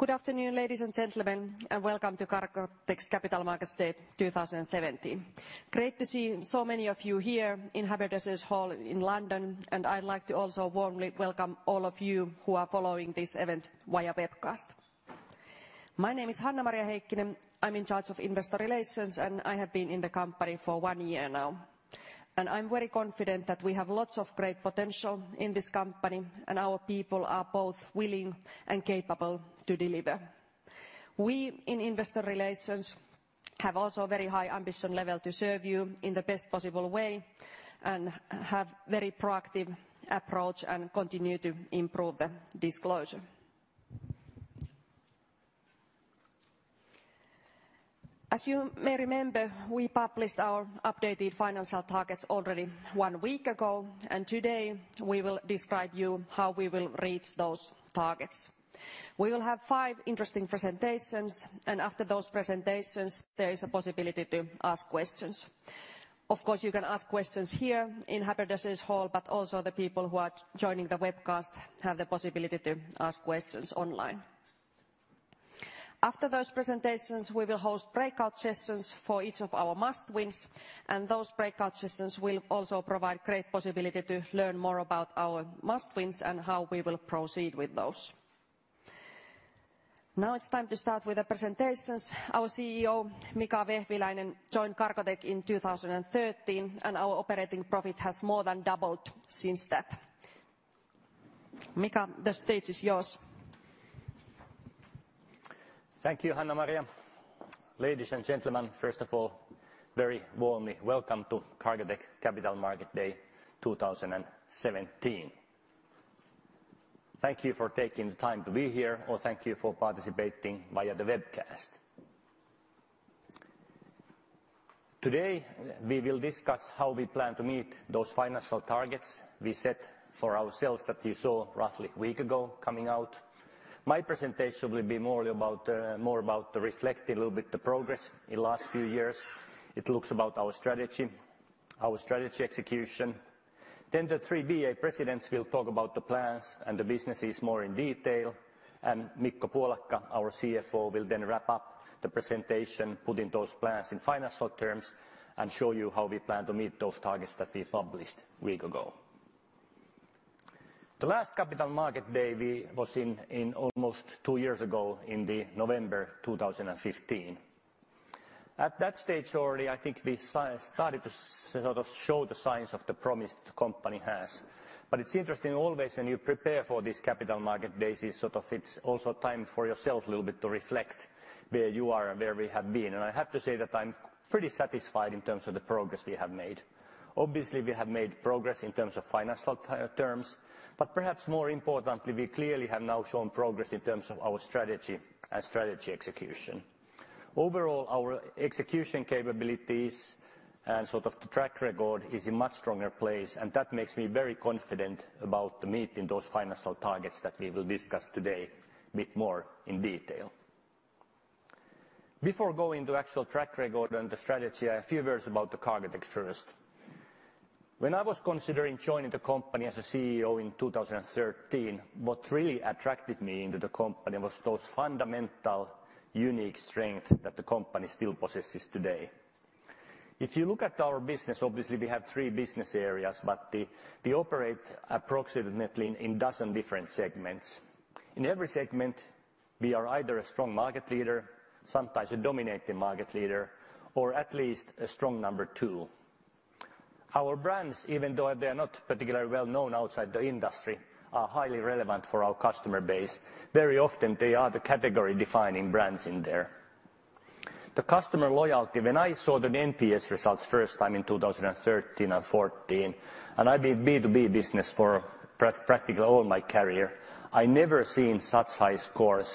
Good aftenoon, ladies and gentlemen, welcome to Cargotec's Capital Market Day 2017. Great to see so many of you here in Haberdashers' Hall in London, and I'd like to also warmly welcome all of you who are following this event via webcast. My name is Hanna-Maria Heikkinen, I'm in charge of investor relations, and I have been in the company for one year now. I'm very confident that we have lots of great potential in this company and our people are both willing and capable to deliver. We in investor relations have also very high ambition level to serve you in the best possible way and have very proactive approach and continue to improve the disclosure. As you may remember, we published our updated financial targets already one week ago, and today we will describe you how we will reach those targets. We will have five interesting presentations, and after those presentations there is a possibility to ask questions. Of course, you can ask questions here in Haberdashers' Hall, but also the people who are joining the webcast have the possibility to ask questions online. After those presentations, we will host breakout sessions for each of our must-wins, and those breakout sessions will also provide great possibility to learn more about our must-wins and how we will proceed with those. Now it's time to start with the presentations. Our CEO, MikaelVehviläinen, joined Cargotec in 2013, and our operating profit has more than doubled since that. Mikael, the stage is yours. Thank you, Hanna-Maria. Ladies and gentlemen, first of all, very warmly welcome to Cargotec Capital Market Day 2017. Thank you for taking the time to be here or thank you for participating via the webcast. Today, we will discuss how we plan to meet those financial targets we set for ourselves that you saw roughly a week ago coming out. My presentation will be more about the reflect a little bit the progress in last few years. It looks about our strategy, our strategy execution. The three BA presidents will talk about the plans and the businesses more in detail. Mikko Puolakka, our CFO, will then wrap up the presentation, put in those plans in financial terms, and show you how we plan to meet those targets that we published a week ago. The last Capital Market Day we was in, almost two years ago in November 2015. At that stage already, I think we started to sort of show the signs of the promise the company has. It's interesting always when you prepare for this Capital Market Days is sort of it's also time for yourself a little bit to reflect where you are and where we have been. I have to say that I'm pretty satisfied in terms of the progress we have made. Obviously, we have made progress in terms of financial terms, but perhaps more importantly, we clearly have now shown progress in terms of our strategy and strategy execution. Overall, our execution capabilities and sort of the track record is in much stronger place, that makes me very confident about meeting those financial targets that we will discuss today a bit more in detail. Before going to actual track record and the strategy, a few words about Cargotec first. When I was considering joining the company as a CEO in 2013, what really attracted me into the company was those fundamental, unique strength that the company still possesses today. If you look at our business, obviously we have three business areas, we operate approximately in 12 different segments. In every segment, we are either a strong market leader, sometimes a dominating market leader, or at least a strong number two. Our brands, even though they are not particularly well-known outside the industry, are highly relevant for our customer base. Very often, they are the category-defining brands in there. The customer loyalty, when I saw the NPS results first time in 2013 and 2014, and I've been B2B business for practically all my career, I never seen such high scores.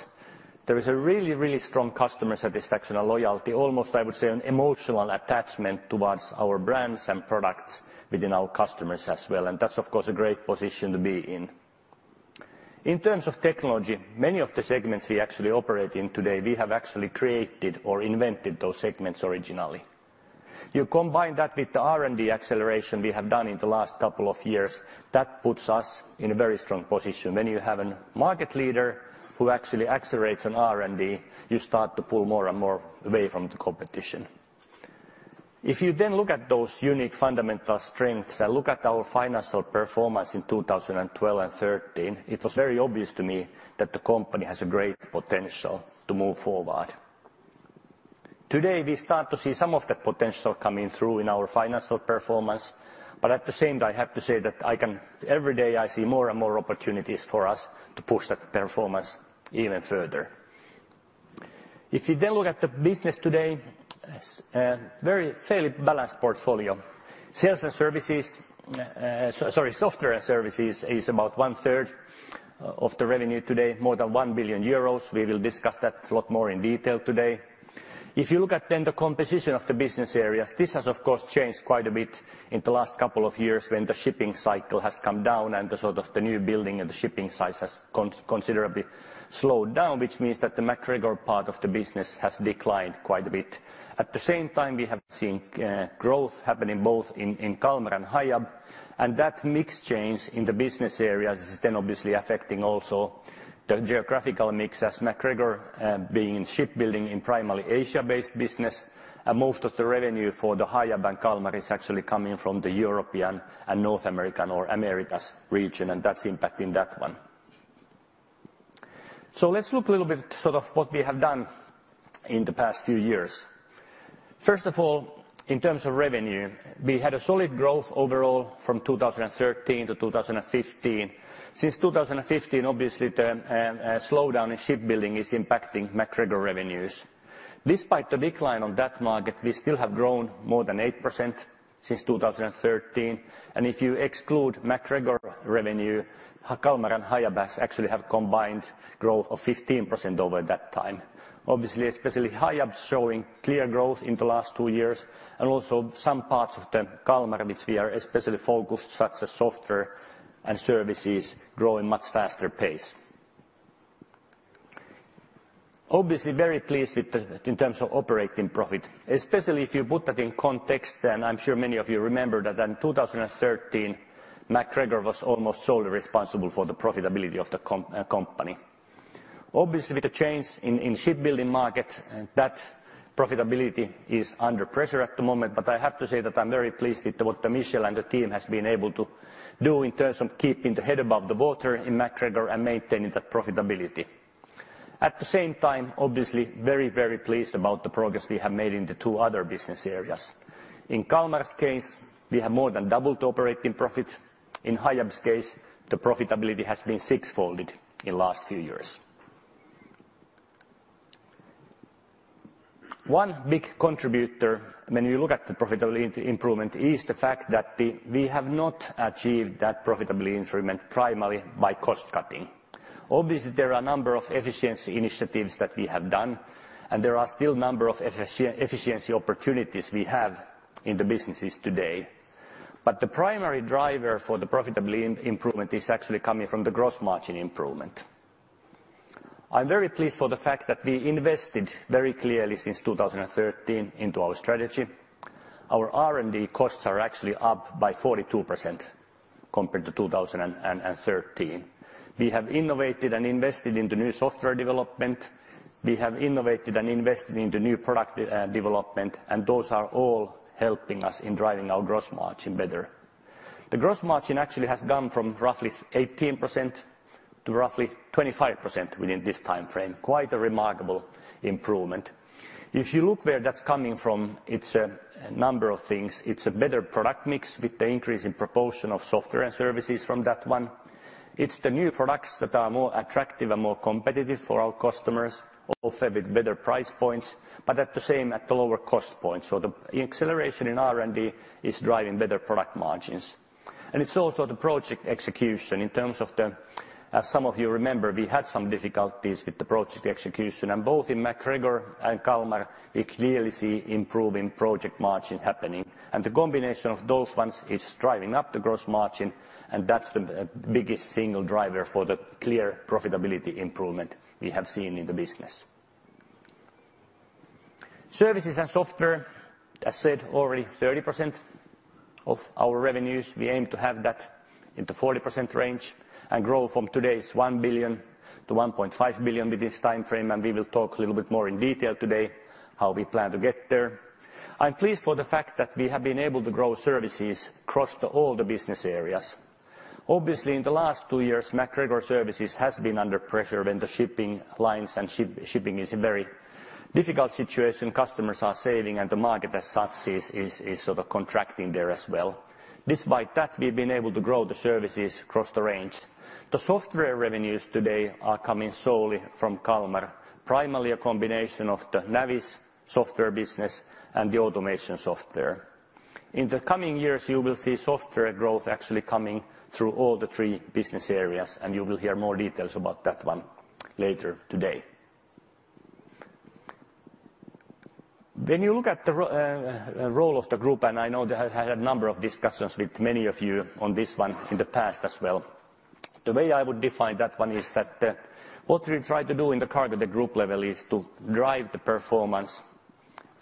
There is a really strong customer satisfaction and loyalty, almost, I would say, an emotional attachment towards our brands and products within our customers as well. That's of course a great position to be in. In terms of technology, many of the segments we actually operate in today, we have actually created or invented those segments originally. You combine that with the R&D acceleration we have done in the last couple of years, that puts us in a very strong position. When you have a market leader who actually accelerates on R&D, you start to pull more and more away from the competition. If you look at those unique fundamental strengths and look at our financial performance in 2012 and 2013, it was very obvious to me that the company has a great potential to move forward. Today, we start to see some of the potential coming through in our financial performance. At the same time, I have to say that every day I see more and more opportunities for us to push that performance even further. If you look at the business today, very fairly balanced portfolio. Sales and services, sorry, software and services is about 1/3 of the revenue today, more than 1 billion euros. We will discuss that a lot more in detail today. If you look at then the composition of the business areas, this has of course changed quite a bit in the last couple of years when the shipping cycle has come down and the sort of the new building and the shipping size has considerably slowed down, which means that the MacGregor part of the business has declined quite a bit. At the same time, we have seen growth happening both in Kalmar and Hiab, and that mix change in the business areas is then obviously affecting also the geographical mix as MacGregor, being in shipbuilding in primarily Asia-based business. Most of the revenue for the Hiab and Kalmar is actually coming from the European and North American or Americas region, and that's impacting that one. Let's look a little bit sort of what we have done in the past few years. First of all, in terms of revenue, we had a solid growth overall from 2013 to 2015. Since 2015, obviously, the slowdown in shipbuilding is impacting MacGregor revenues. Despite the decline on that market, we still have grown more than 8% since 2013 and if you exclude MacGregor revenue, Kalmar and Hiab actually have combined growth of 15% over that time. Obviously, especially Hiab showing clear growth in the last two years, and also some parts of the Kalmar which we are especially focused, such as software and services grow in much faster pace. Obviously, very pleased with the... In terms of operating profit, especially if you put that in context, I'm sure many of you remember that in 2013, MacGregor was almost solely responsible for the profitability of the company. Obviously, with the change in shipbuilding market, that profitability is under pressure at the moment, I have to say that I'm very pleased with what Michel and the team has been able to do in terms of keeping the head above the water in MacGregor and maintaining that profitability. At the same time, obviously very, very pleased about the progress we have made in the two other business areas. In Kalmar's case, we have more than doubled operating profit. In Hiab's case, the profitability has been 6-folded in last few years. One big contributor when you look at the profitability improvement is the fact that we have not achieved that profitability improvement primarily by cost-cutting. Obviously, there are a number of efficiency initiatives that we have done, and there are still number of efficiency opportunities we have in the businesses today. The primary driver for the profitability improvement is actually coming from the gross margin improvement. I'm very pleased for the fact that we invested very clearly since 2013 into our strategy. Our R&D costs are actually up by 42% compared to 2013. We have innovated and invested into new software development. We have innovated and invested into new product development, and those are all helping us in driving our gross margin better. The gross margin actually has gone from roughly 18% to roughly 25% within this timeframe. Quite a remarkable improvement. If you look where that's coming from, it's a number of things. It's a better product mix with the increase in proportion of software and services from that one. It's the new products that are more attractive and more competitive for our customers, also with better price points, but at the same lower cost points. The acceleration in R&D is driving better product margins. It's also the project execution in terms of the. As some of you remember, we had some difficulties with the project execution. Both in MacGregor and Kalmar, we clearly see improving project margin happening. The combination of those ones is driving up the gross margin, and that's the biggest single driver for the clear profitability improvement we have seen in the business. Services and software, as said, already 30% of our revenues. We aim to have that in the 40% range and grow from today's 1 billion-1.5 billion within this timeframe. We will talk a little bit more in detail today how we plan to get there. I'm pleased for the fact that we have been able to grow services across all the business areas. Obviously, in the last two years, MacGregor Services has been under pressure when the shipping lines and ship-shipping is in very difficult situation. Customers are saving, the market as such is sort of contracting there as well. Despite that, we've been able to grow the services across the range. The software revenues today are coming solely from Kalmar, primarily a combination of the Navis software business and the automation software. In the coming years, you will see software growth actually coming through all the three business areas, and you will hear more details about that one later today. When you look at the role of the group, and I know I had a number of discussions with many of you on this one in the past as well, the way I would define that one is that, what we try to do in the Cargotec Group level is to drive the performance,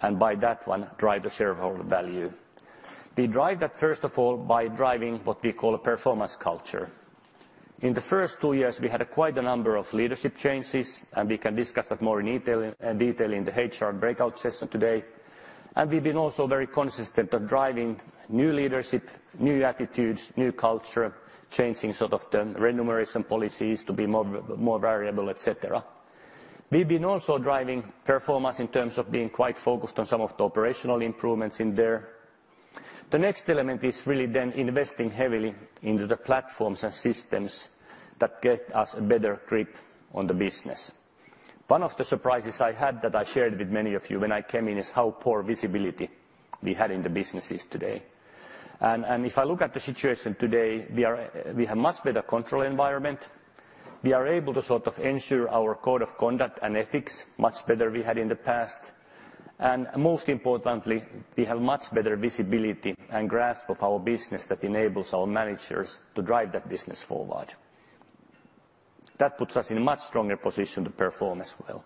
and by that one, drive the shareholder value. We drive that, first of all, by driving what we call a performance culture. In the first two years, we had quite a number of leadership changes, and we can discuss that more in detail in the HR breakout session today. We've been also very consistent of driving new leadership, new attitudes, new culture, changing sort of the remuneration policies to be more, more variable, et cetera. We've been also driving performance in terms of being quite focused on some of the operational improvements in there. The next element is really then investing heavily into the platforms and systems that get us a better grip on the business. One of the surprises I had, that I shared with many of you when I came in, is how poor visibility we had in the businesses today. If I look at the situation today, we have much better control environment. We are able to sort of ensure our code of conduct and ethics much better we had in the past. Most importantly, we have much better visibility and grasp of our business that enables our managers to drive that business forward. That puts us in a much stronger position to perform as well.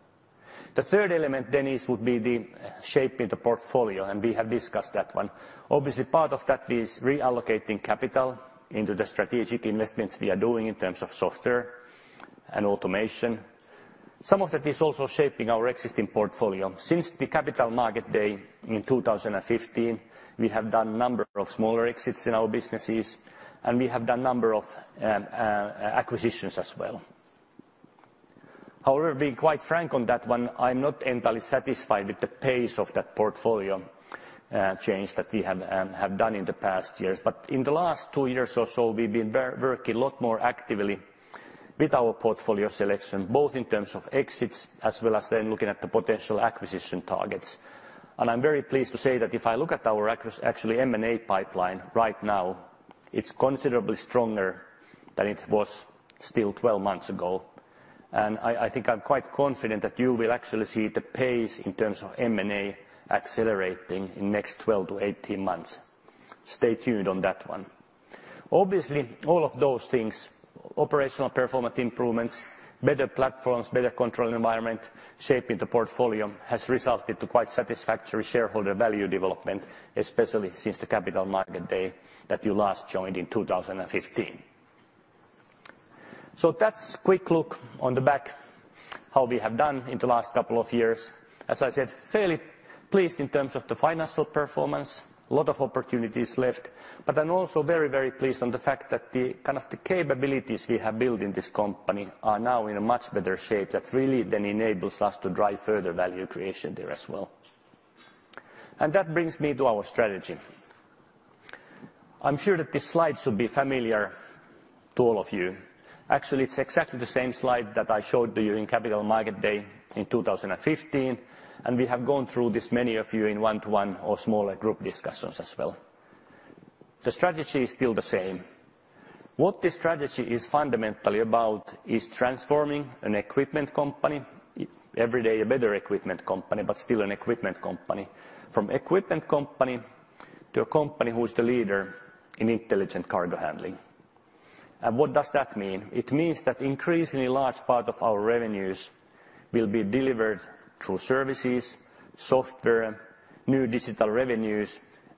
The third element then is, would be the shaping the portfolio, and we have discussed that one. Obviously, part of that is reallocating capital into the strategic investments we are doing in terms of software and automation. Some of that is also shaping our existing portfolio. Since the capital market day in 2015, we have done a number of smaller exits in our businesses, and we have done a number of acquisitions as well. However, being quite frank on that one, I'm not entirely satisfied with the pace of that portfolio change that we have done in the past years. In the last 2 years or so, we've been working a lot more actively with our portfolio selection, both in terms of exits as well as then looking at the potential acquisition targets. I'm very pleased to say that if I look at our actually M&A pipeline right now, it's considerably stronger than it was still 12 months ago. I think I'm quite confident that you will actually see the pace in terms of M&A accelerating in next 12-18 months. Stay tuned on that one. Obviously, all of those things, operational performance improvements, better platforms, better control environment, shaping the portfolio, has resulted to quite satisfactory shareholder value development, especially since the capital market day that you last joined in 2015. That's quick look on the back how we have done in the last couple of years. As I said, fairly pleased in terms of the financial performance. Lot of opportunities left, but I'm also very, very pleased on the fact that the, kind of the capabilities we have built in this company are now in a much better shape that really then enables us to drive further value creation there as well. That brings me to our strategy. I'm sure that this slide should be familiar to all of you. Actually, it's exactly the same slide that I showed to you in Capital Markets Day in 2015. We have gone through this many of you in one-to-one or smaller group discussions as well. The strategy is still the same. What the strategy is fundamentally about is transforming an equipment company. Every day a better equipment company. Still an equipment company. From equipment company to a company who's the leader in intelligent cargo handling. What does that mean? It means that increasingly large part of our revenues will be delivered through services, software, new digital revenues,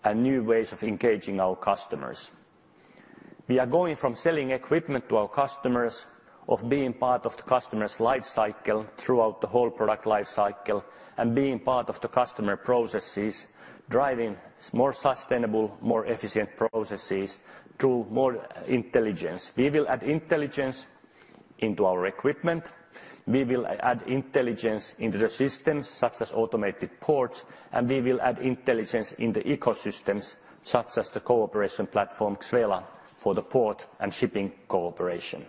and new ways of engaging our customers. We are going from selling equipment to our customers of being part of the customer's life cycle throughout the whole product life cycle and being part of the customer processes, driving more sustainable, more efficient processes through more intelligence. We will add intelligence into our equipment. We will add intelligence into the systems, such as automated ports, and we will add intelligence in the ecosystems, such as the cooperation platform, XVELA, for the port and shipping cooperation.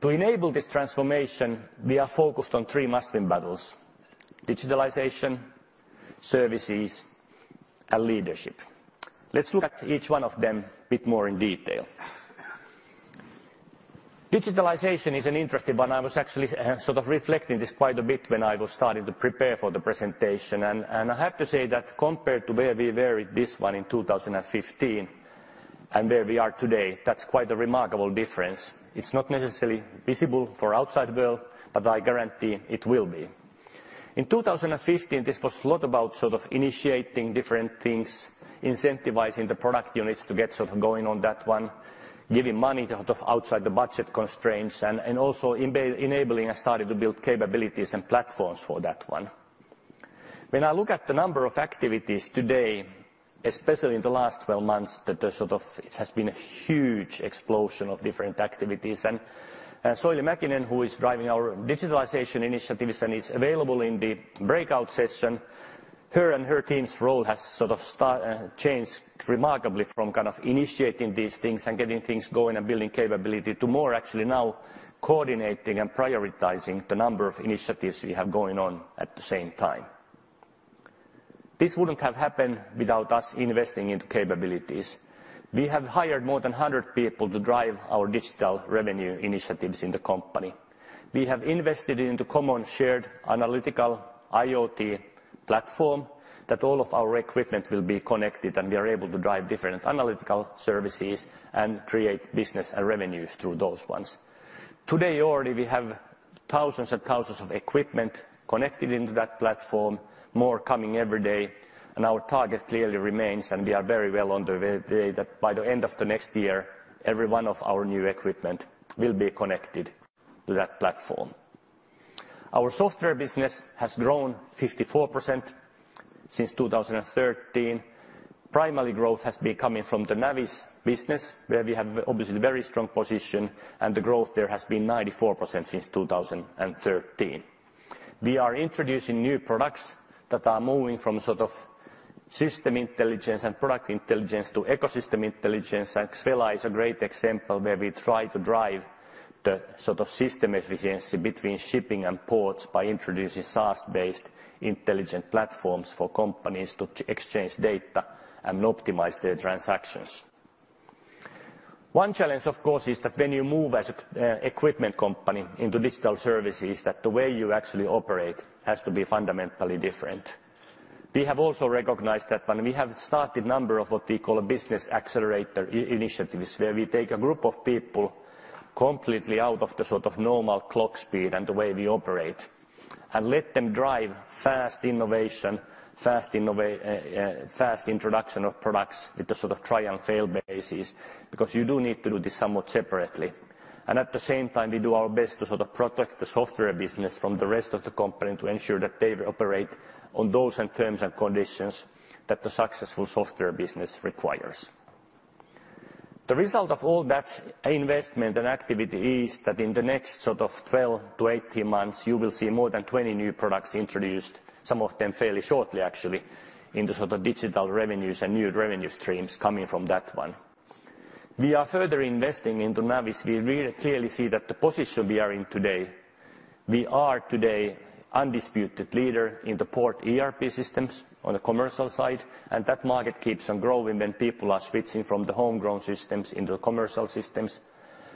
To enable this transformation, we are focused on three must-win battles. Digitalization, services, and leadership. Let's look at each one of them a bit more in detail. Digitalization is an interesting one. I was actually sort of reflecting this quite a bit when I was starting to prepare for the presentation. I have to say that compared to where we were with this one in 2015 and where we are today, that's quite a remarkable difference. It's not necessarily visible for outside world, but I guarantee it will be. In 2015, this was a lot about sort of initiating different things, incentivizing the product units to get sort of going on that one, giving money out of outside the budget constraints and also enabling and starting to build capabilities and platforms for that one. When I look at the number of activities today, especially in the last 12 months, that are sort of. It has been a huge explosion of different activities. Soili Mäkinen, who is driving our digitalization initiatives and is available in the breakout session, her and her team's role has sort of changed remarkably from kind of initiating these things and getting things going and building capability to more actually now coordinating and prioritizing the number of initiatives we have going on at the same time. This wouldn't have happened without us investing into capabilities. We have hired more than 100 people to drive our digital revenue initiatives in the company. We have invested into common shared analytical IoT platform that all of our equipment will be connected, and we are able to drive different analytical services and create business and revenues through those ones. Today, already we have thousands and thousands of equipment connected into that platform, more coming every day, and our target clearly remains, and we are very well on the way, that by the end of the next year, every one of our new equipment will be connected to that platform. Our software business has grown 54% since 2013. Primary growth has been coming from the Navis business, where we have obviously a very strong position, and the growth there has been 94% since 2013. We are introducing new products that are moving from sort of system intelligence and product intelligence to ecosystem intelligence, and XVELA is a great example where we try to drive the sort of system efficiency between shipping and ports by introducing SaaS-based intelligent platforms for companies to exchange data and optimize their transactions. One challenge, of course, is that when you move as a equipment company into digital services, that the way you actually operate has to be fundamentally different. We have also recognized that one. We have started a number of what we call business accelerator initiatives, where we take a group of people completely out of the sort of normal clock speed and the way we operate. Let them drive fast innovation, fast introduction of products with the sort of try and fail basis, because you do need to do this somewhat separately. At the same time, we do our best to sort of protect the software business from the rest of the company to ensure that they operate on those and terms and conditions that the successful software business requires. The result of all that investment and activity is that in the next sort of 12-18 months you will see more than 20 new products introduced, some of them fairly shortly, actually, into sort of digital revenues and new revenue streams coming from that one. We are further investing into Navis. We really clearly see that the position we are in today, we are today undisputed leader in the port ERP systems on the commercial side. That market keeps on growing when people are switching from the homegrown systems into the commercial systems.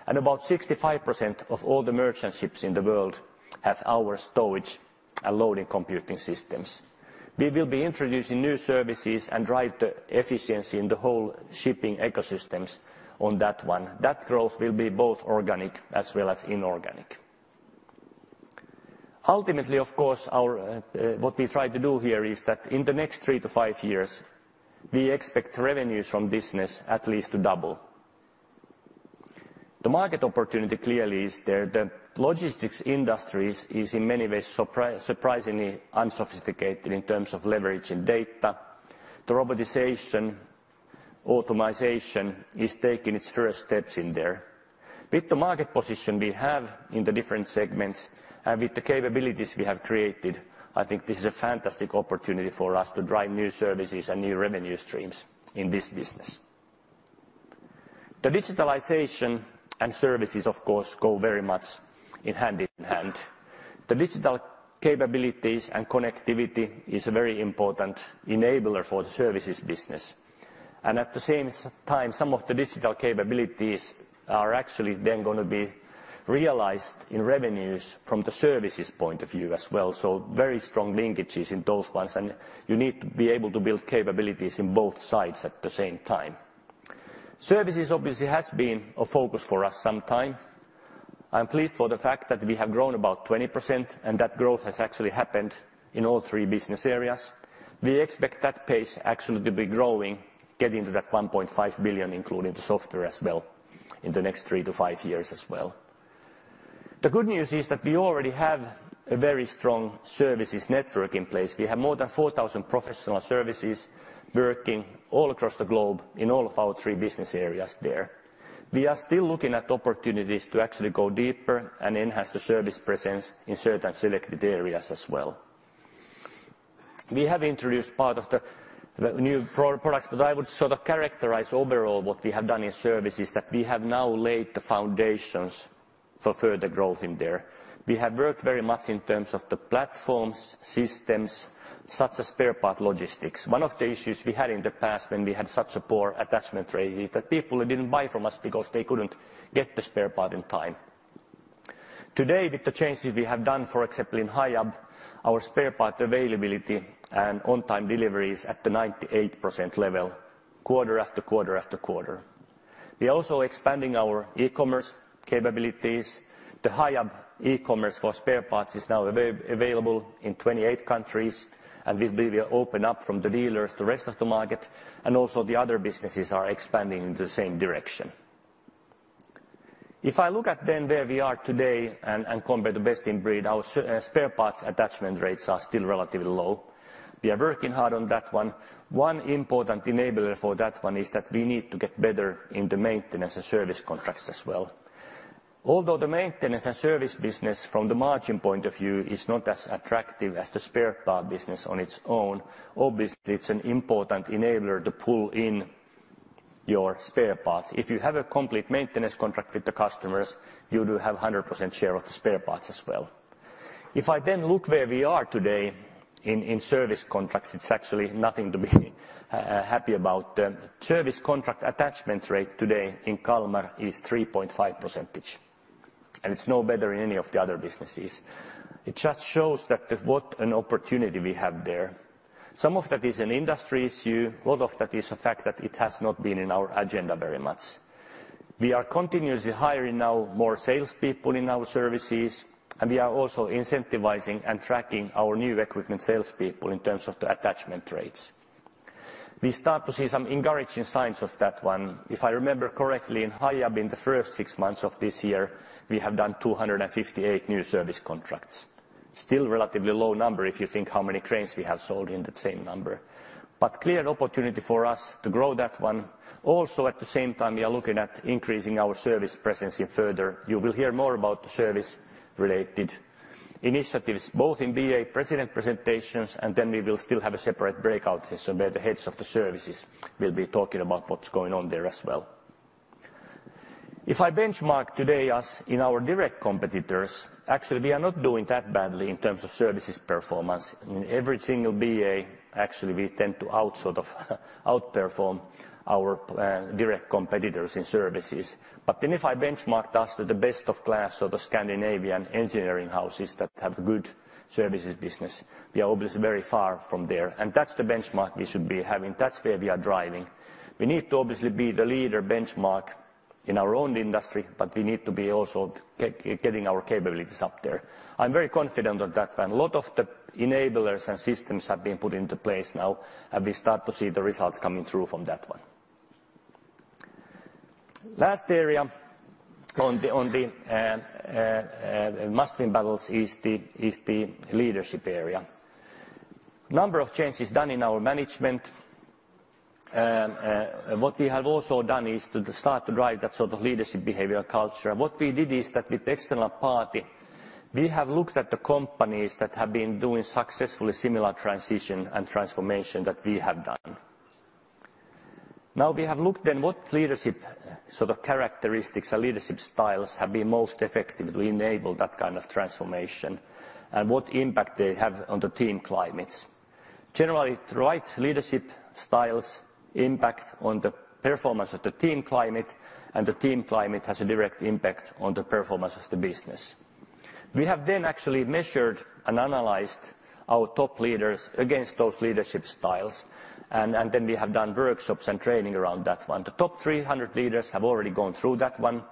About 65% of all the merchant ships in the world have our stowage and loading computing systems. We will be introducing new services and drive the efficiency in the whole shipping ecosystems on that one. That growth will be both organic as well as inorganic. Ultimately, of course, our what we try to do here is that in the next 3-5 years, we expect revenues from business at least to double. The market opportunity clearly is there. The logistics industries is in many ways surprisingly unsophisticated in terms of leveraging data. The robotization, automation is taking its first steps in there. With the market position we have in the different segments and with the capabilities we have created, I think this is a fantastic opportunity for us to drive new services and new revenue streams in this business. The digitalization and services, of course, go very much in hand-in-hand. The digital capabilities and connectivity is a very important enabler for the services business. At the same time, some of the digital capabilities are actually then gonna be realized in revenues from the services point of view as well. Very strong linkages in those ones, and you need to be able to build capabilities in both sides at the same time. Services obviously has been a focus for us some time. I'm pleased for the fact that we have grown about 20%. That growth has actually happened in all three business areas. We expect that pace actually to be growing, getting to that 1.5 billion, including the software as well, in the next 3-5 years as well. The good news is that we already have a very strong services network in place. We have more than 4,000 professional services working all across the globe in all of our three business areas there. We are still looking at opportunities to actually go deeper and enhance the service presence in certain selected areas as well. We have introduced part of the new pro-products, I would sort of characterize overall what we have done in services that we have now laid the foundations for further growth in there. We have worked very much in terms of the platforms, systems, such as spare part logistics. One of the issues we had in the past when we had such a poor attachment rate is that people didn't buy from us because they couldn't get the spare part in time. Today, with the changes we have done, for example, in Hiab, our spare part availability and on-time delivery is at the 98% level quarter after quarter after quarter. We are also expanding our e-commerce capabilities. The Hiab e-commerce for spare parts is now available in 28 countries, and this will be open up from the dealers to the rest of the market, and also the other businesses are expanding in the same direction. If I look at then where we are today and compare the best in breed, our spare parts attachment rates are still relatively low. We are working hard on that one. One important enabler for that one is that we need to get better in the maintenance and service contracts as well. Although the maintenance and service business from the margin point of view is not as attractive as the spare part business on its own, obviously it's an important enabler to pull in your spare parts. If you have a complete maintenance contract with the customers, you do have 100% share of the spare parts as well. If I look where we are today in service contracts, it's actually nothing to be happy about. Service contract attachment rate today in Kalmar is 3.5%, it's no better in any of the other businesses. It just shows what an opportunity we have there. Some of that is an industry issue, a lot of that is the fact that it has not been in our agenda very much. We are continuously hiring now more salespeople in our services, we are also incentivizing and tracking our new recruitment salespeople in terms of the attachment rates. We start to see some encouraging signs of that one. If I remember correctly, in Hiab in the first six months of this year, we have done 258 new service contracts. Still relatively low number if you think how many cranes we have sold in the same number. Clear opportunity for us to grow that one. Also, at the same time, we are looking at increasing our service presence even further. You will hear more about the service-related initiatives, both in BA president presentations, and then we will still have a separate breakout session where the heads of the services will be talking about what's going on there as well. If I benchmark today us in our direct competitors, actually we are not doing that badly in terms of services performance. In every single BA, actually, we tend to outperform our direct competitors in services. If I benchmarked us with the best of class or the Scandinavian engineering houses that have good services business, we are obviously very far from there. That's the benchmark we should be having. That's where we are driving. We need to obviously be the leader benchmark in our own industry, but we need to be also getting our capabilities up there. I'm very confident of that, and a lot of the enablers and systems have been put into place now, and we start to see the results coming through from that one. Last area on the must-win battles is the leadership area. Number of changes done in our management. What we have also done is to start to drive that sort of leadership behavior culture. What we did is that with external party, we have looked at the companies that have been doing successfully similar transition and transformation that we have done. We have looked at what leadership sort of characteristics or leadership styles have been most effective to enable that kind of transformation and what impact they have on the team climates. Generally, the right leadership styles impact on the performance of the team climate and the team climate has a direct impact on the performance of the business. We have then actually measured and analyzed our top leaders against those leadership styles and then we have done workshops and training around that one. The top 300 leaders have already gone through that one.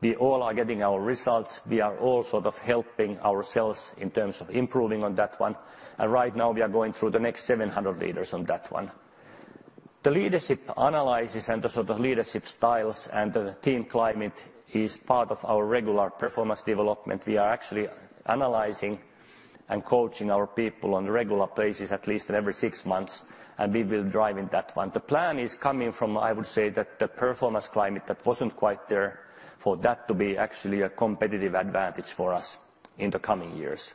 We all are getting our results. We are all sort of helping ourselves in terms of improving on that one. Right now we are going through the next 700 leaders on that one. The leadership analysis and the sort of leadership styles and the team climate is part of our regular performance development. We are actually analyzing and coaching our people on a regular basis, at least every six months. We will drive in that one. The plan is coming from, I would say, that the performance climate that wasn't quite there for that to be actually a competitive advantage for us in the coming years.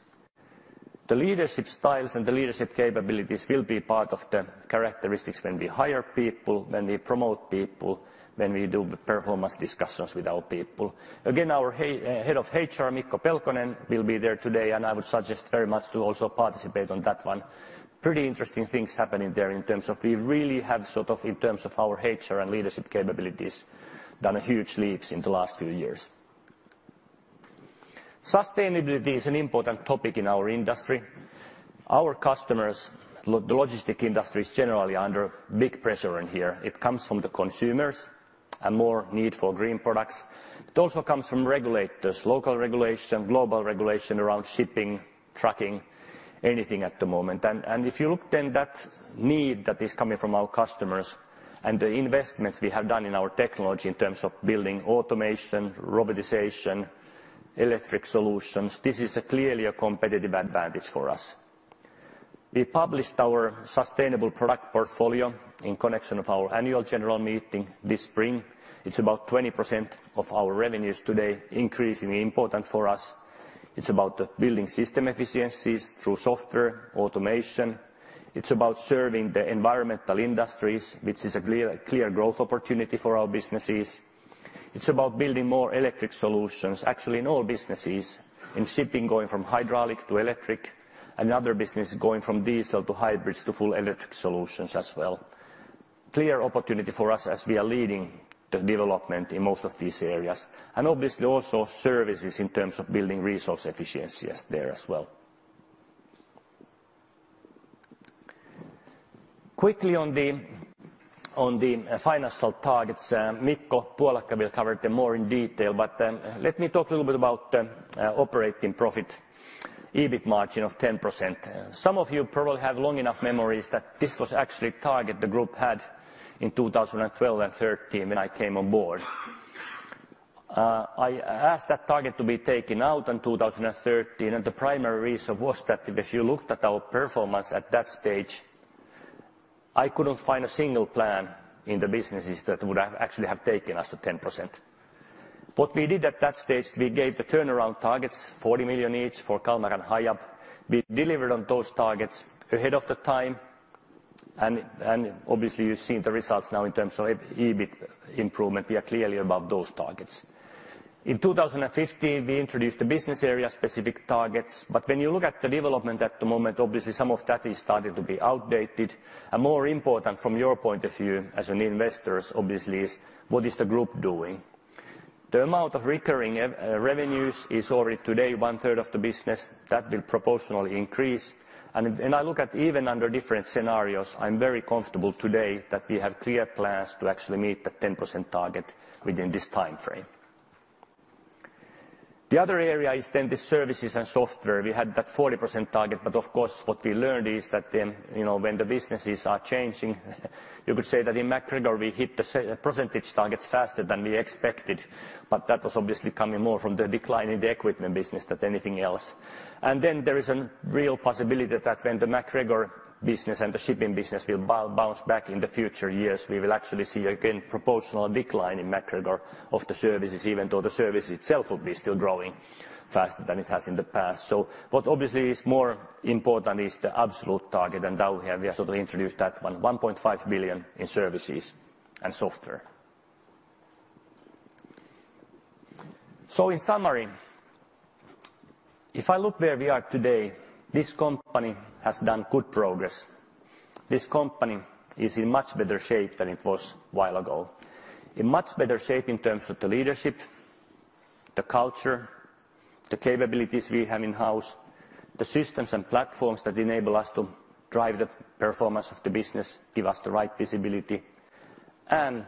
The leadership styles and the leadership capabilities will be part of the characteristics when we hire people, when we promote people, when we do performance discussions with our people. Again, our head of HR, Mikko Pelkonen, will be there today. I would suggest very much to also participate on that one. Pretty interesting things happening there in terms of we really have sort of, in terms of our HR and leadership capabilities, done huge leaps in the last few years. Sustainability is an important topic in our industry. Our customers, the logistics industry is generally under big pressure in here. It comes from the consumers and more need for green products. It also comes from regulators, local regulation, global regulation around shipping, trucking, anything at the moment. If you looked in that need that is coming from our customers and the investments we have done in our technology in terms of building automation, robotization, electric solutions, this is clearly a competitive advantage for us. We published our sustainable product portfolio in connection of our annual general meeting this spring. It's about 20% of our revenues today, increasingly important for us. It's about building system efficiencies through software, automation. It's about serving the environmental industries, which is a clear growth opportunity for our businesses. It's about building more electric solutions, actually in all businesses, in shipping going from hydraulic to electric and other businesses going from diesel to hybrids to full electric solutions as well. Clear opportunity for us as we are leading the development in most of these areas, obviously also services in terms of building resource efficiencies there as well. Quickly on the financial targets, Mikko Puolakka will cover the more in detail, but let me talk a little bit about operating profit, EBIT margin of 10%. Some of you probably have long enough memories that this was actually a target the group had in 2012 and 13 when I came on board. I asked that target to be taken out in 2013, and the primary reason was that if you looked at our performance at that stage, I couldn't find a single plan in the businesses that would have actually have taken us to 10%. What we did at that stage, we gave the turnaround targets, 40 million each for Kalmar and Hiab. We delivered on those targets ahead of the time, and obviously you've seen the results now in terms of EBIT improvement. We are clearly above those targets. In 2015, we introduced the business area-specific targets. When you look at the development at the moment, obviously some of that is starting to be outdated. More important from your point of view, as an investors obviously, is what is the group doing? The amount of recurring revenues is already today one-third of the business. That will proportionally increase. If I look at even under different scenarios, I'm very comfortable today that we have clear plans to actually meet the 10% target within this timeframe. The other area is the services and software. We had that 40% target. Of course, what we learned is that, you know, when the businesses are changing, you could say that in MacGregor, we hit the percentage target faster than we expected, but that was obviously coming more from the decline in the equipment business than anything else. There is a real possibility that when the MacGregor business and the shipping business will bounce back in the future years, we will actually see again, proportional decline in MacGregor of the services, even though the service itself will be still growing faster than it has in the past. What obviously is more important is the absolute target. Now we have sort of introduced that 1.5 billion in services and software. In summary, if I look where we are today, this company has done good progress. This company is in much better shape than it was a while ago. In much better shape in terms of the leadership. The culture, the capabilities we have in-house, the systems and platforms that enable us to drive the performance of the business, give us the right visibility, and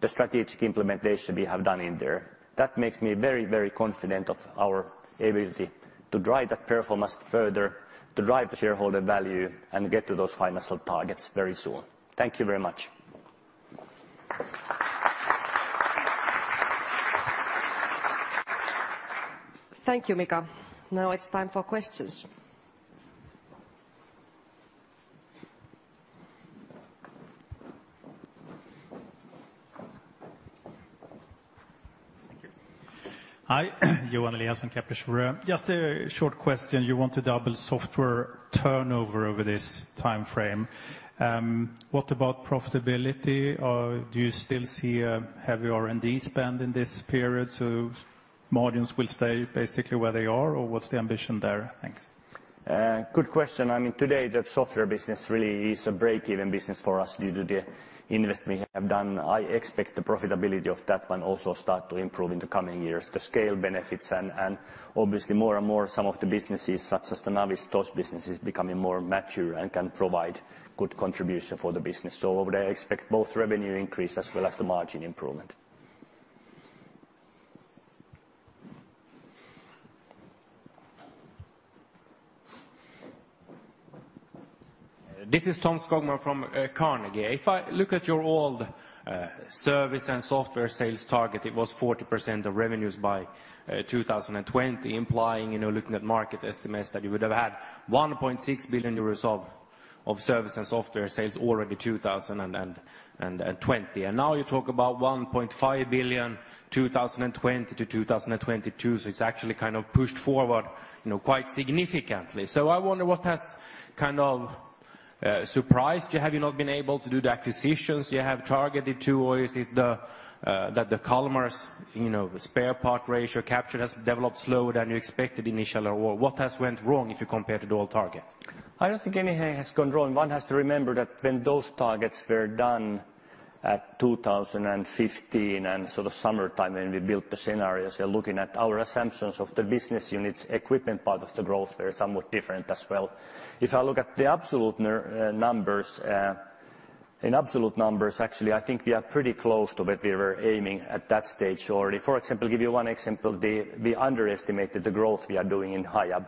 the strategic implementation we have done in there. That makes me very, very confident of our ability to drive that performance further, to drive the shareholder value, and get to those financial targets very soon. Thank you very much. Thank you, Mikael. Now it's time for questions. Thank you. Hi. Johan Eliasson, Kepler Cheuvreux. Just a short question. You want to double software turnover over this timeframe. What about profitability? Do you still see a heavy R&D spend in this period, so margins will stay basically where they are, or what's the ambition there? Thanks. Good question. I mean, today, the software business really is a break-even business for us due to the investment we have done. I expect the profitability of that one also start to improve in the coming years. The scale benefits and obviously more and more some of the businesses, such as the Navis, those businesses becoming more mature and can provide good contribution for the business. Over there, I expect both revenue increase as well as the margin improvement. This is Tom Skogman from Carnegie. If I look at your old service and software sales target, it was 40% of revenues by 2020, implying, you know, looking at market estimates that you would have had 1.6 billion euros of service and software sales already 2020. Now you talk about 1.5 billion 2020-2022, so it's actually kind of pushed forward, you know, quite significantly. I wonder what has kind of surprised you. Have you not been able to do the acquisitions you have targeted to, or is it that the Kalmar's, you know, spare part ratio capture has developed slower than you expected initially, or what has went wrong if you compare to the old targets? I don't think anything has gone wrong. One has to remember that when those targets were done at 2015, and so the summertime when we built the scenarios, looking at our assumptions of the business units, equipment part of the growth were somewhat different as well. If I look at the absolute numbers, in absolute numbers, actually, I think we are pretty close to what we were aiming at that stage already. For example, give you one example, we underestimated the growth we are doing in Hiab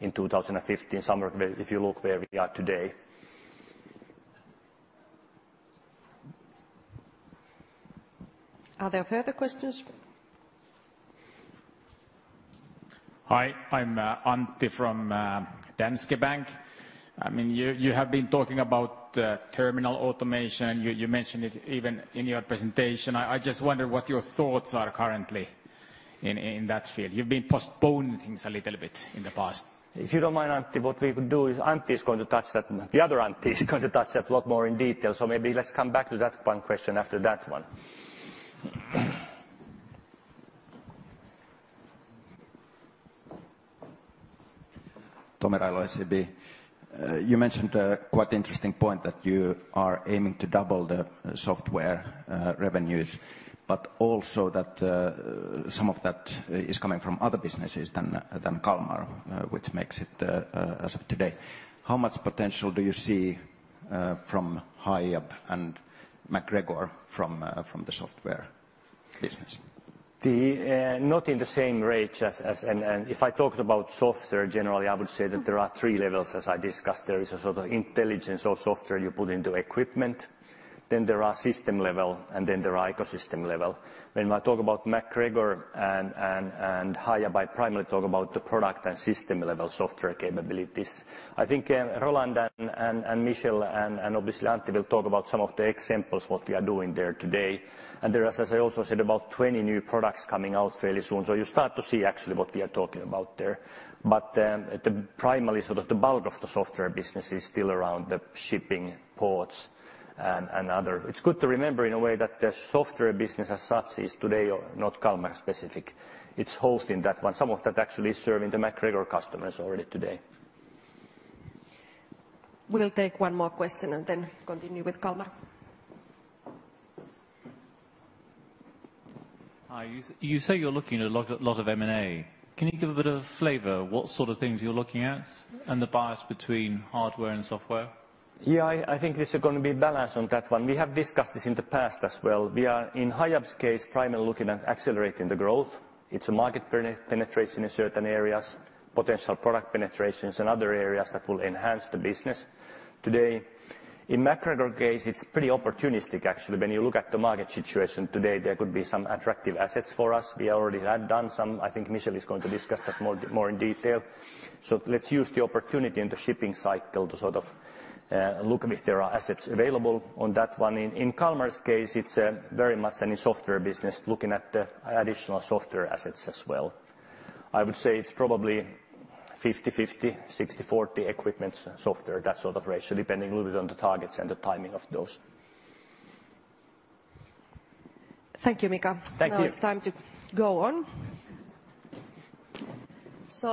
in 2015, summer, where if you look where we are today. Are there further questions? Hi, I'm Antti from Danske Bank. I mean, you have been talking about terminal automation. You mentioned it even in your presentation. I just wonder what your thoughts are currently in that field. You've been postponing things a little bit in the past. If you don't mind, Antti, what we could do is Antti is going to touch that. The other Antti is going to touch that a lot more in detail. Maybe let's come back to that one question after that one. You mentioned a quite interesting point that you are aiming to double the software revenues, but also that some of that is coming from other businesses than Kalmar, which makes it as of today. How much potential do you see from Hiab and MacGregor from the software business? The not in the same rate as. If I talked about software generally, I would say that there are three levels, as I discussed. There is a sort of intelligence or software you put into equipment, then there are system level, and then there are ecosystem level. When I talk about MacGregor and Hiab, I primarily talk about the product and system-level software capabilities. I think Roland and Michel and obviously Antti will talk about some of the examples what we are doing there today. There is, as I also said, about 20 new products coming out fairly soon. You start to see actually what we are talking about there. Primarily sort of the bulk of the software business is still around the shipping ports and other. It's good to remember in a way that the software business as such is today not Kalmar specific. It's hosting that one. Some of that actually is serving the MacGregor customers already today. We'll take one more question and then continue with Kalmar. Hi. You say you're looking at a lot of M&A. Can you give a bit of flavor what sort of things you're looking at and the bias between hardware and software? Yeah, I think this is gonna be balanced on that one. We have discussed this in the past as well. We are, in Hiab's case, primarily looking at accelerating the growth. It's a market penetration in certain areas, potential product penetrations in other areas that will enhance the business. Today, in MacGregor case, it's pretty opportunistic actually. When you look at the market situation today, there could be some attractive assets for us. We already had done some. I think Michel is going to discuss that more in detail. Let's use the opportunity in the shipping cycle to sort of look if there are assets available on that one. In Kalmar's case, it's very much in the software business, looking at the additional software assets as well. I would say it's probably 50/50, 60/40 equipment, software, that sort of ratio, depending a little bit on the targets and the timing of those. Thank you, Mikael. Thank you. Now it's time to go on.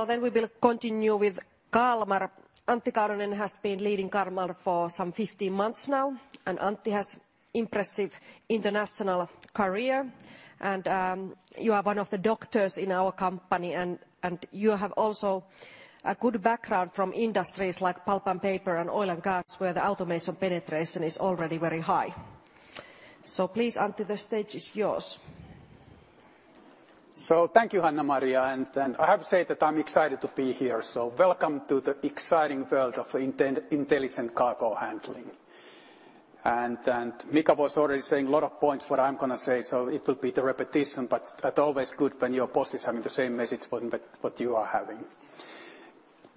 We will continue with Kalmar. Antti Kaunonen has been leading Kalmar for some 15 months now, and Antti has impressive international career. You are one of the doctors in our company and you have also a good background from industries like pulp and paper and oil and gas, where the automation penetration is already very high. Please, Antti, the stage is yours. Thank you, Hanna-Maria, I have to say that I'm excited to be here. Welcome to the exciting world of intelligent cargo handling. Mikael was already saying a lot of points what I'm gonna say, so it will be the repetition, but that always good when your boss is having the same message what you are having.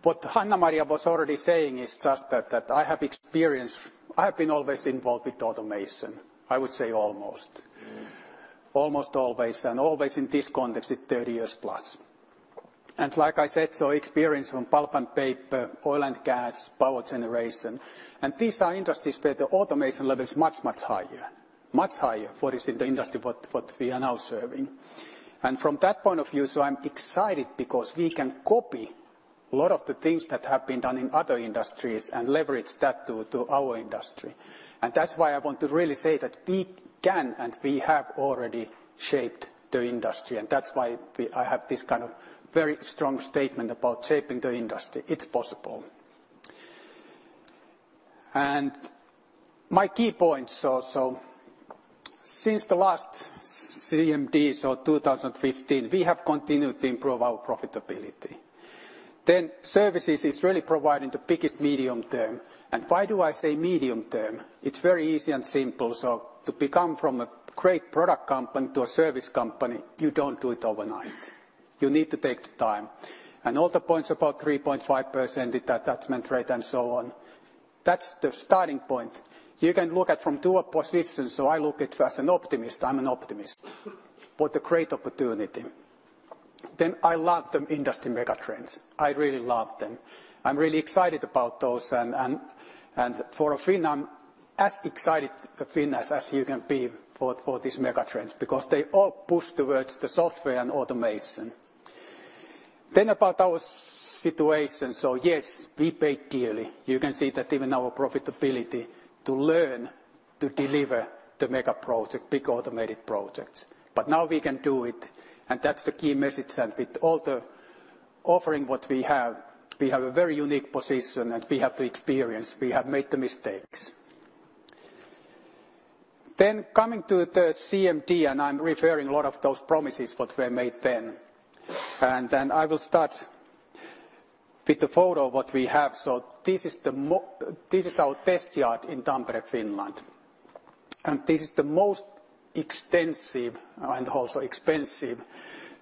What Hanna-Maria was already saying is just that I have experience. I have been always involved with automation, I would say almost. Almost always, and always in this context is 30 years plus. Like I said, experience from pulp and paper, oil and gas, power generation, and these are industries where the automation level is much higher. Much higher what is in the industry, what we are now serving. From that point of view, I'm excited because we can copy a lot of the things that have been done in other industries and leverage that to our industry. That's why I want to really say that we can, and we have already shaped the industry. That's why I have this kind of very strong statement about shaping the industry. It's possible. My key points. Since the last CMD, 2015, we have continued to improve our profitability. Services is really providing the biggest medium term. Why do I say medium term? It's very easy and simple. To become from a great product company to a service company, you don't do it overnight. You need to take the time and all the points about 3.5% attachment rate and so on, that's the starting point. You can look at from two positions. I look it as an optimist, I'm an optimist for the great opportunity. I love the industry megatrends. I really love them. I'm really excited about those and for uncertain, as excited Finn as you can be for these megatrends because they all push towards the software and automation. About our situation. Yes, we paid dearly. You can see that even our profitability to learn to deliver the mega project, big automated projects. Now we can do it, and that's the key message. With all the offering what we have, we have a very unique position, and we have the experience, we have made the mistakes. Coming to the CMD, I'm referring a lot of those promises what were made then. I will start with the photo what we have. This is our test yard in Tampere, Finland. This is the most extensive and also expensive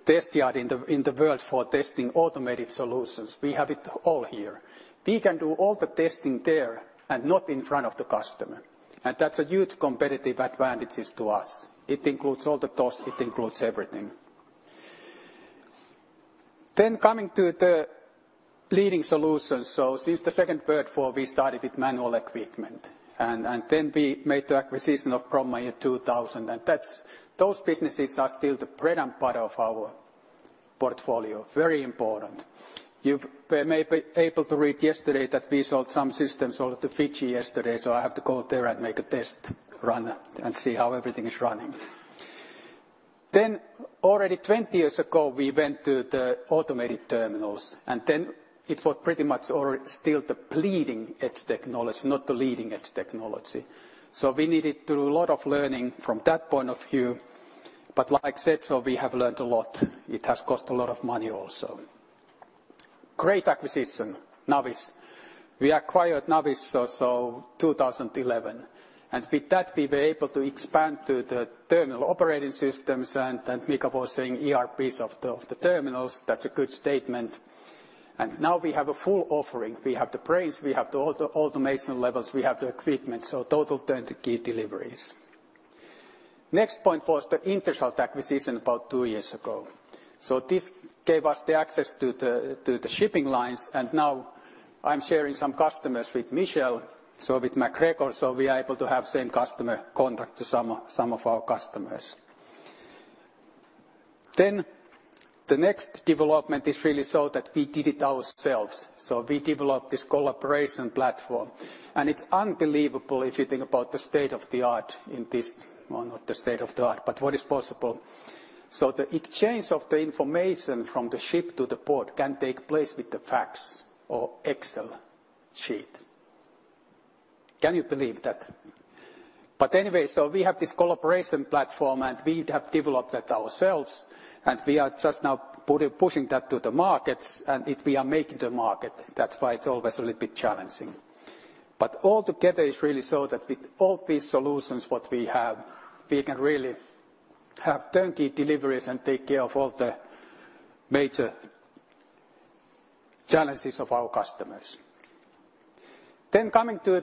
test yard in the world for testing automated solutions. We have it all here. We can do all the testing there and not in front of the customer. That's a huge competitive advantages to us. It includes all the tests, it includes everything. Coming to the leading solutions. Since the second, third quarter, we started with manual equipment, then we made the acquisition of Bromma in 2000, those businesses are still the predominant part of our portfolio. Very important. You've able to read yesterday that we sold some systems over to Fiji yesterday, so I have to go there and make a test run and see how everything is running. Already 20 years ago, we went to the automated terminals, and then it was pretty much still the bleeding-edge technology, not the leading-edge technology. We needed to do a lot of learning from that point of view. Like I said, so we have learned a lot. It has cost a lot of money also. Great acquisition, Navis. We acquired Navis, so 2011. With that we were able to expand to the terminal operating systems, and Mikaelwas saying ERPs of the terminals. That's a good statement. Now we have a full offering. We have the brains, we have the automation levels, we have the equipment. Total turn-key deliveries. Next point was the Interschalt acquisition about two years ago. This gave us the access to the shipping lines, and now I'm sharing some customers with Michel, so with MacGregor. We are able to have same customer contact to some of our customers. The next development is really so that we did it ourselves. We developed this collaboration platform, and it's unbelievable if you think about the state of the art in this one or the state of the art, but what is possible. The exchange of the information from the ship to the port can take place with the fax or Excel sheet. Can you believe that? Anyway, we have this collaboration platform, and we have developed that ourselves, and we are just now pushing that to the markets and we are making the market. That's why it's always a little bit challenging. All together is really so that with all these solutions, what we have, we can really have turn-key deliveries and take care of all the major challenges of our customers. Coming to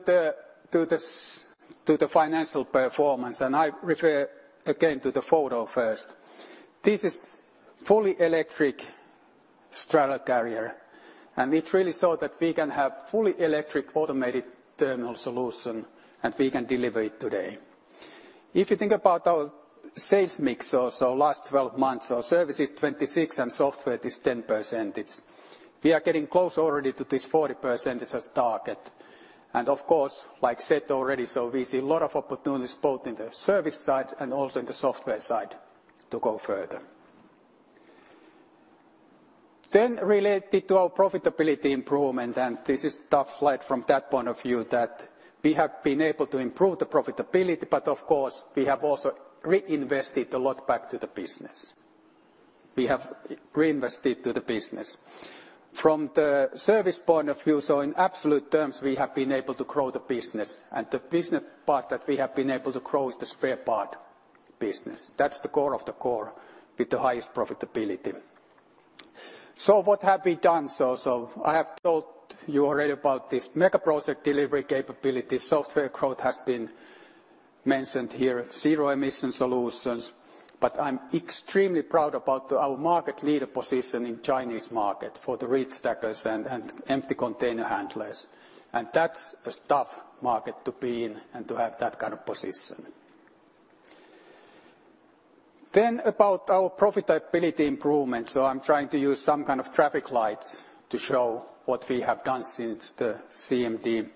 the financial performance, I refer again to the photo first. This is fully electric straddle carrier, and it's really so that we can have fully electric automated terminal solution, and we can deliver it today. If you think about our sales mix also last 12 months, our service is 26% and software is 10%. We are getting close already to this 40% as target. Of course, like said already, we see a lot of opportunities both in the service side and also in the software side to go further. Related to our profitability improvement, this is top slide from that point of view, that we have been able to improve the profitability, but of course, we have also reinvested a lot back to the business. We have reinvested to the business. From the service point of view, in absolute terms, we have been able to grow the business, and the business part that we have been able to grow is the spare part business. That's the core of the core with the highest profitability. What have we done? I have told you already about this mega project delivery capability. Software growth has been mentioned here, zero emission solutions. I'm extremely proud about our market leader position in Chinese market for the reach stackers and empty container handlers. That's a tough market to be in and to have that kind of position. About our profitability improvement. I'm trying to use some kind of traffic light to show what we have done since the CMD.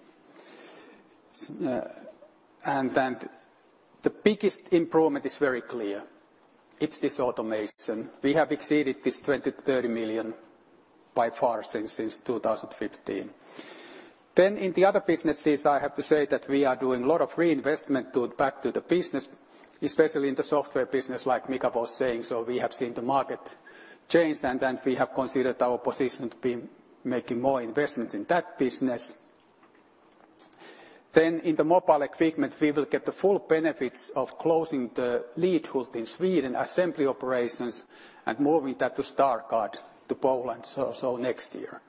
The biggest improvement is very clear. It's this automation. We have exceeded this 20 million-30 million by far since 2015. In the other businesses, I have to say that we are doing a lot of reinvestment to back to the business, especially in the software business, like Mikael was saying. We have seen the market change, and then we have considered our position to be making more investments in that business. In the mobile equipment, we will get the full benefits of closing the Lidköping Sweden assembly operations and moving that to Stargard, Poland so next year.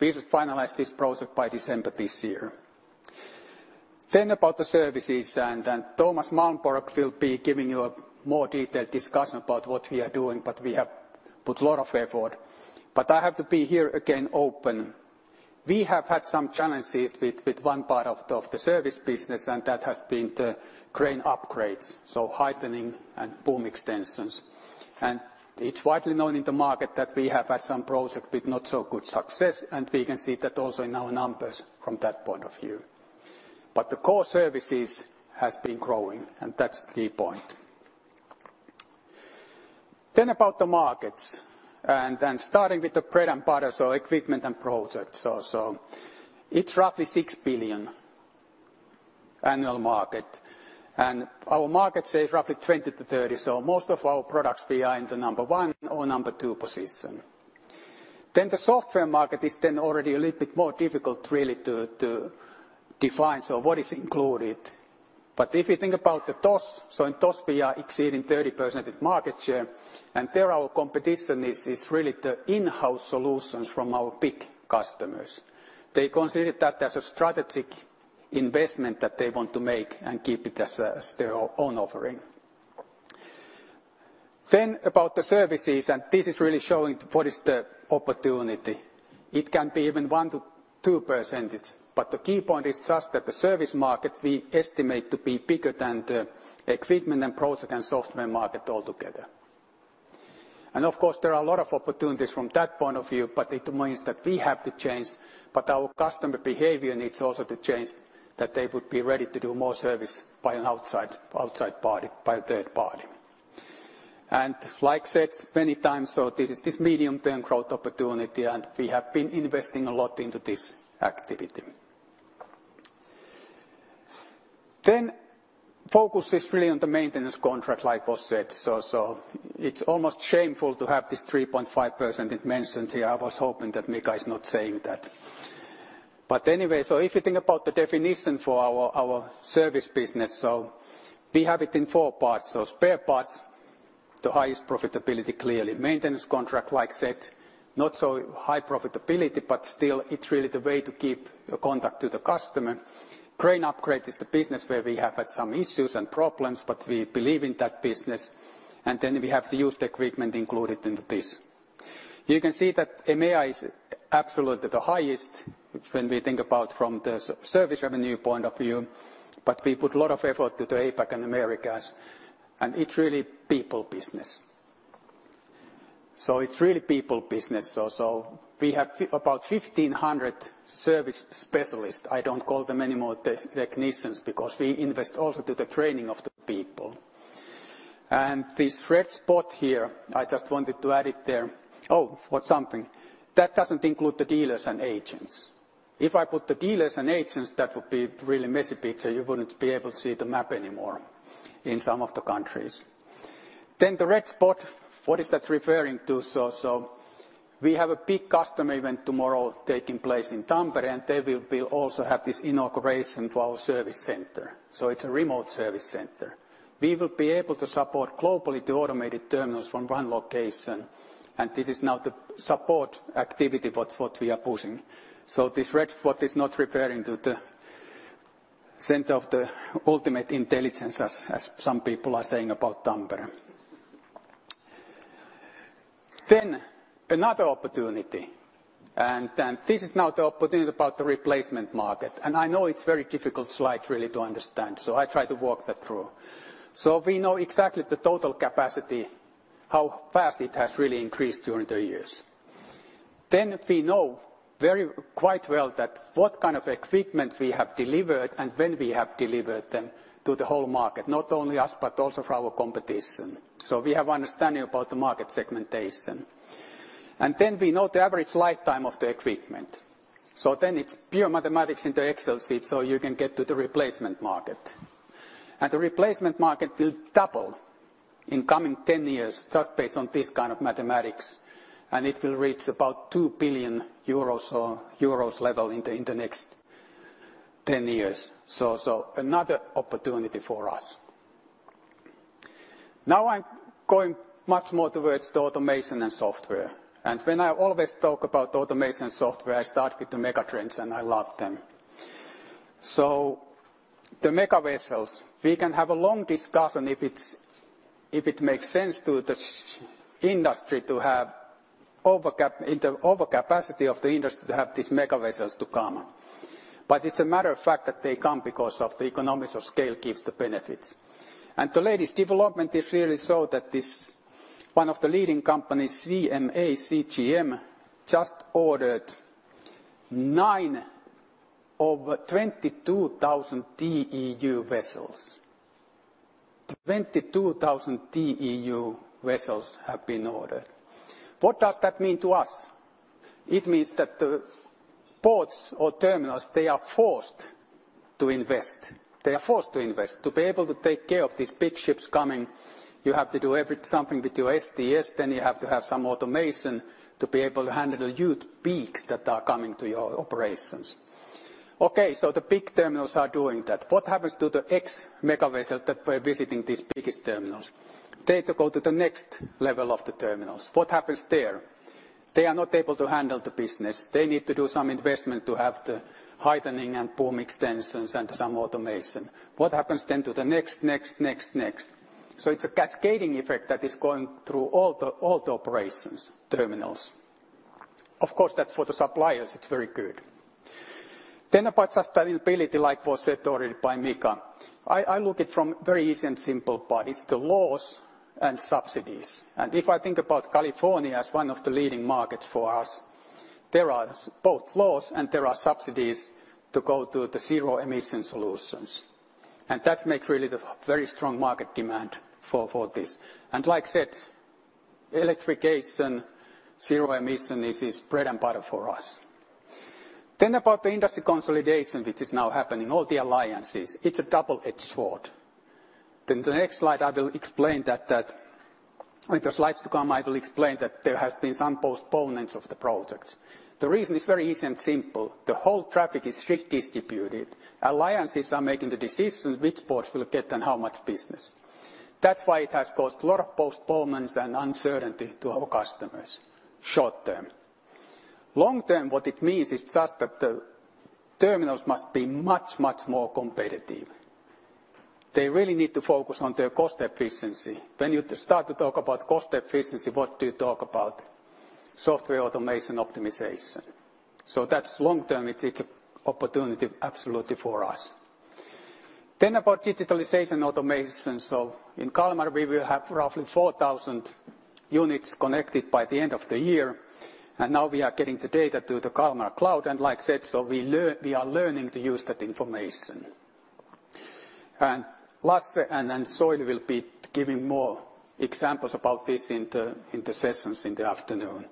We should finalize this project by December this year. About the services, and Thomas Malmborg will be giving you a more detailed discussion about what we are doing, but we have put a lot of effort. I have to be here again open. We have had some challenges with one part of the service business, and that has been the crane upgrades, so heightening and boom extensions. It's widely known in the market that we have had some projects with not so good success, and we can see that also in our numbers from that point of view. The core services has been growing, and that's the point. About the markets, and starting with the bread and butter, equipment and projects. It's roughly 6 billion annual market. Our market say it's roughly 20%-30%. Most of our products, we are in the number 1 or number two position. The software market is then already a little bit more difficult really to define. What is included? If you think about the TOS, in TOS, we are exceeding 30% of market share. There our competition is really the in-house solutions from our big customers. They consider that as a strategic investment that they want to make and keep it as their own offering. About the services, and this is really showing what is the opportunity. It can be even 1%-2%. The key point is just that the service market we estimate to be bigger than the equipment and project and software market altogether. Of course, there are a lot of opportunities from that point of view, but it means that we have to change, but our customer behavior needs also to change that they would be ready to do more service by an outside party, by a third party. Like said many times, this is this medium-term growth opportunity, and we have been investing a lot into this activity. Focus is really on the maintenance contract, like was said. It's almost shameful to have this 3.5% it mentions here. I was hoping that Mikael is not saying that. Anyway, if you think about the definition for our service business. We have it in four parts. Spare parts, the highest profitability, clearly. Maintenance contract, like said, not so high profitability, but still it's really the way to keep a contact to the customer. Crane upgrade is the business where we have had some issues and problems, but we believe in that business. We have the used equipment included in this. You can see that EMEA is absolutely the highest when we think about from the service revenue point of view, but we put a lot of effort to the APAC and Americas, and it's really people business. It's really people business. We have about 1,500 service specialists. I don't call them any more technicians because we invest also to the training of the people. This red spot here, I just wanted to add it there. For something. That doesn't include the dealers and agents. If I put the dealers and agents, that would be really messy picture. You wouldn't be able to see the map anymore in some of the countries. The red spot, what is that referring to? We have a big customer event tomorrow taking place in Tampere. There we'll also have this inauguration for our service center. It's a remote service center. We will be able to support globally the automated terminals from one location. This is now the support activity what we are pushing. This red spot is not referring to the center of the ultimate intelligence as some people are saying about Tampere. Another opportunity, this is now the opportunity about the replacement market. I know it's very difficult slide really to understand. I try to walk that through. We know exactly the total capacity, how fast it has really increased during the years. We know quite well that what kind of equipment we have delivered and when we have delivered them to the whole market. Not only us, but also for our competition. We have understanding about the market segmentation. We know the average lifetime of the equipment. It's pure mathematics in the Excel sheet, so you can get to the replacement market. The replacement market will double in coming 10 years just based on this kind of mathematics, and it will reach about 2 billion euros or EUR level in the next 10 years. Another opportunity for us. I'm going much more towards the automation and software. When I always talk about automation software, I start with the megatrends. I love them. The mega vessels, we can have a long discussion if it makes sense to the sh-industry to have in the overcapacity of the industry to have these mega vessels to come. It's a matter of fact that they come because of the economies of scale gives the benefits. The latest development is really so that this, one of the leading companies, CMA CGM, just ordered 9 over 22,000 TEU vessels. 22,000 TEU vessels have been ordered. What does that mean to us? It means that the ports or terminals, they are forced to invest. They are forced to invest. To be able to take care of these big ships coming, you have to do something with your STS. You have to have some automation to be able to handle the huge peaks that are coming to your operations. The big terminals are doing that. What happens to the ex-mega vessels that were visiting these biggest terminals? They go to the next level of the terminals. What happens there? They are not able to handle the business. They need to do some investment to have the heightening and boom extensions and some automation. What happens to the next, next? It's a cascading effect that is going through all the operations terminals. Of course that for the suppliers, it's very good. About sustainability, like was said already by Mikael. I look it from very easy and simple part. It's the laws and subsidies. If I think about California as one of the leading markets for us, there are both laws and there are subsidies to go to the zero emission solutions. That makes really very strong market demand for this. Like said, electrification, zero emission, this is bread and butter for us. About the industry consolidation, which is now happening, all the alliances, it's a double-edged sword. The next slide I will explain that. In the slides to come, I will explain that there has been some postponements of the projects. The reason is very easy and simple. The whole traffic is redistributed. Alliances are making the decisions which ports will get and how much business. That's why it has caused a lot of postponements and uncertainty to our customers short term. Long term, what it means is just that the terminals must be much, much more competitive. They really need to focus on their cost efficiency. When you start to talk about cost efficiency, what do you talk about? Software automation optimization. That's long term, it is a opportunity absolutely for us. About digitalization automation. In Kalmar, we will have roughly 4,000 units connected by the end of the year, and now we are getting the data to the Kalmar Cloud. Like said, so we are learning to use that information. Lasse and Soili will be giving more examples about this in the sessions in the afternoon.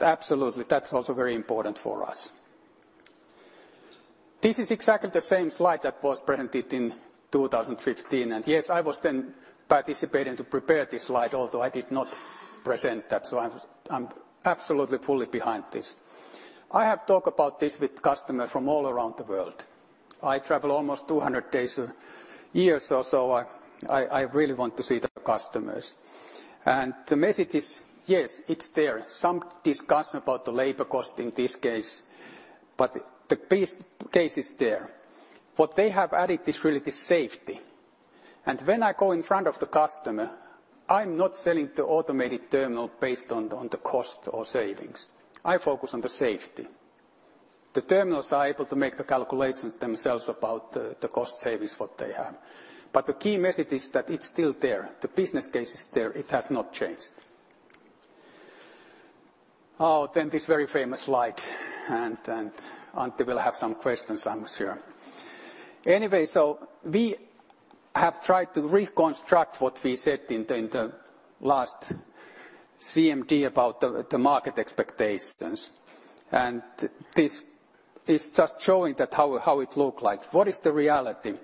Absolutely, that's also very important for us. This is exactly the same slide that was presented in 2015. Yes, I was then participating to prepare this slide, although I did not present that. I'm absolutely fully behind this. I have talked about this with customers from all around the world. I travel almost 200 days a year, so I really want to see the customers. The message is, yes, it's there. Some discussion about the labor cost in this case, but the business case is there. What they have added is really the safety. When I go in front of the customer, I'm not selling the automated terminal based on the cost or savings. I focus on the safety. The terminals are able to make the calculations themselves about the cost savings what they have. The key message is that it's still there. The business case is there. It has not changed. This very famous slide, Antti will have some questions, I'm sure. We have tried to reconstruct what we said in the last CMD about the market expectations. This is just showing that how it look like. What is the reality?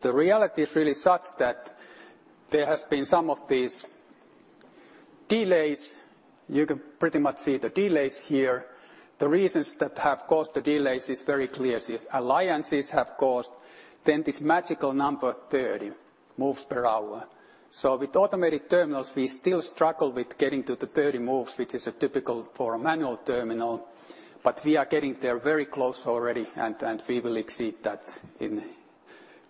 The reality is really such that there has been some of these delays. You can pretty much see the delays here. The reasons that have caused the delays is very clear. Alliances have caused this magical number, 30 moves per hour. With automated terminals, we still struggle with getting to the 30 moves, which is a typical for a manual terminal, but we are getting there very close already, we will exceed that in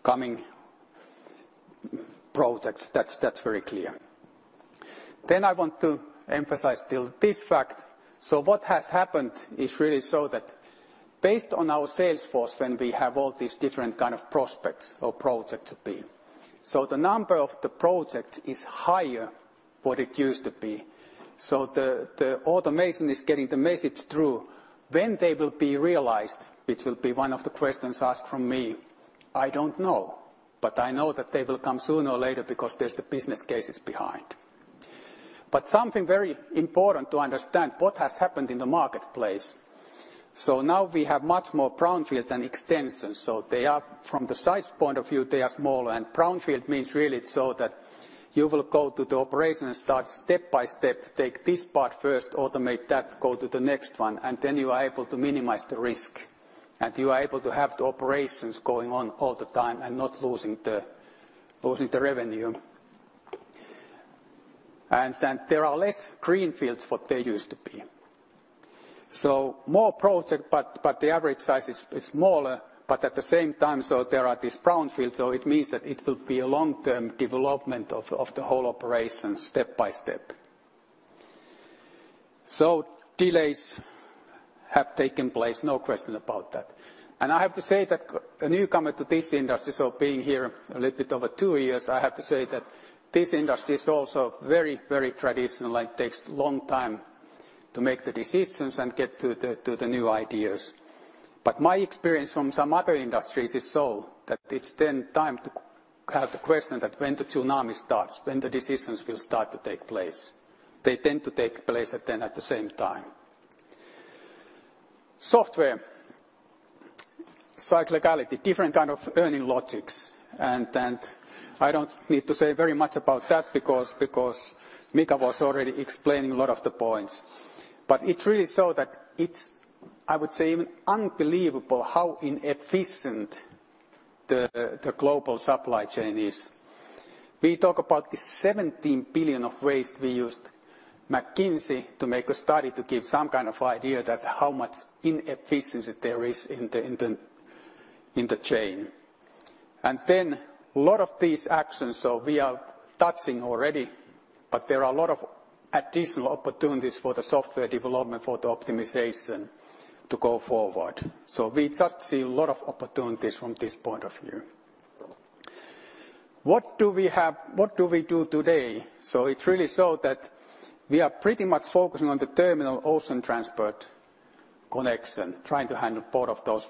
coming-Projects, that's very clear. I want to emphasize still this fact. What has happened is really so that based on our sales force, when we have all these different kind of prospects or project to be. The number of the project is higher what it used to be. The automation is getting the message through. When they will be realized, which will be one of the questions asked from me, I don't know. I know that they will come sooner or later because there's the business cases behind. Something very important to understand what has happened in the marketplace, now we have much more brownfields than extensions. They are from the size point of view, they are smaller. Brownfield means really so that you will go to the operation and start step by step, take this part first, automate that, go to the next one, and then you are able to minimize the risk. You are able to have the operations going on all the time and not losing the revenue. Then there are less greenfields what there used to be. More project, but the average size is smaller. At the same time, there are these brownfields. It means that it will be a long-term development of the whole operation step by step. Delays have taken place, no question about that. I have to say that a newcomer to this industry, so being here a little bit over two years, I have to say that this industry is also very, very traditional and takes long time to make the decisions and get to the new ideas. My experience from some other industries is so that it's then time to have the question that when the tsunami starts, when the decisions will start to take place. They tend to take place at the same time. Software. Cyclicality. Different kind of earning logics. I don't need to say very much about that because Mikael was already explaining a lot of the points. It really show that it's, I would say, even unbelievable how inefficient the global supply chain is. We talk about the 17 billion of waste. We used McKinsey to make a study to give some kind of idea that how much inefficiency there is in the, in the, in the chain. A lot of these actions, so we are touching already, but there are a lot of additional opportunities for the software development, for the optimization to go forward. We just see a lot of opportunities from this point of view. What do we have? What do we do today? It really show that we are pretty much focusing on the terminal ocean transport connection, trying to handle both of those.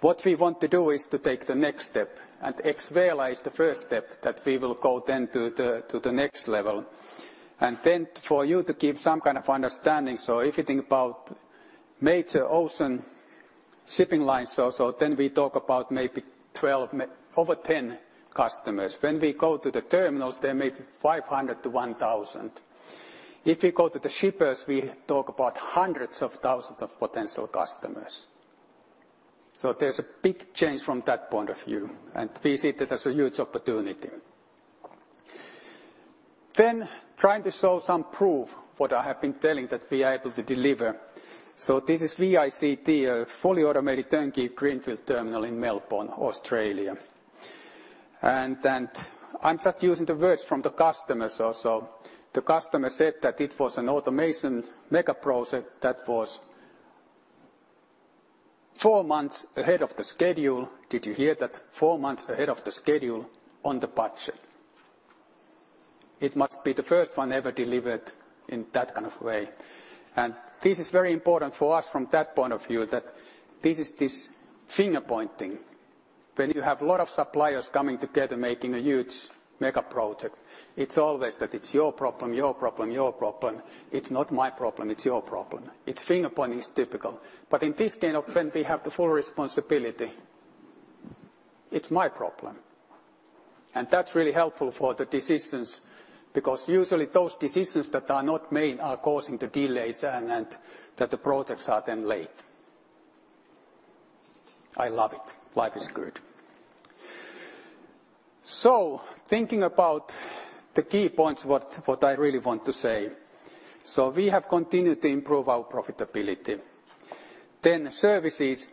What we want to do is to take the next step. X-Veila is the first step that we will go then to the, to the next level. For you to give some kind of understanding, if you think about major ocean shipping lines, then we talk about maybe 12 over 10 customers. When we go to the terminals, they're maybe 500-1,000. If you go to the shippers, we talk about hundreds of thousands of potential customers. There's a big change from that point of view, and we see that as a huge opportunity. Trying to show some proof what I have been telling that we are able to deliver. This is VICT, a fully automated turnkey greenfield terminal in Melbourne, Australia. I'm just using the words from the customers also. The customer said that it was an automation mega-process that was four months ahead of the schedule. Did you hear that? 4 months ahead of the schedule on the budget. It must be the first one ever delivered in that kind of way. This is very important for us from that point of view that this is finger-pointing. When you have a lot of suppliers coming together making a huge mega-project, it's always that it's your problem, your problem, your problem. It's not my problem, it's your problem. It's finger-pointing is typical. In this kind of when we have the full responsibility, it's my problem. That's really helpful for the decisions because usually those decisions that are not made are causing the delays and that the projects are then late. I love it. Life is good. Thinking about the key points, what I really want to say. We have continued to improve our profitability. Services,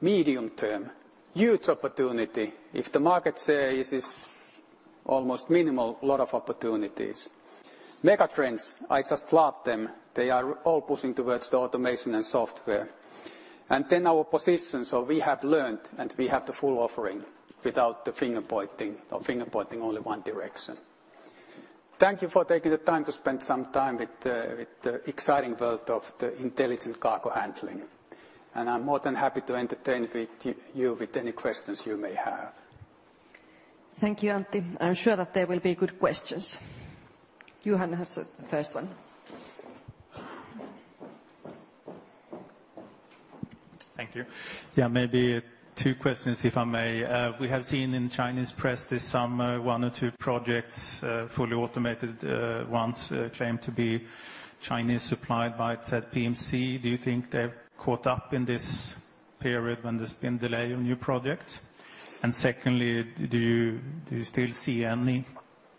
medium term, huge opportunity. If the market share is almost minimal, lot of opportunities. Megatrends, I just love them. They are all pushing towards the automation and software. Our position, so we have learned and we have the full offering without the finger-pointing or finger-pointing only one direction. Thank you for taking the time to spend some time with the exciting world of the intelligent cargo handling. I'm more than happy to entertain with you with any questions you may have. Thank you, Antti. I'm sure that there will be good questions. Johan has the first one. Thank you. Yeah, maybe two questions if I may. We have seen in Chinese press this summer one or two projects, fully automated, ones, claimed to be Chinese supplied by ZPMC. Do you think they've caught up in this period when there's been delay on your project? Secondly, do you still see any......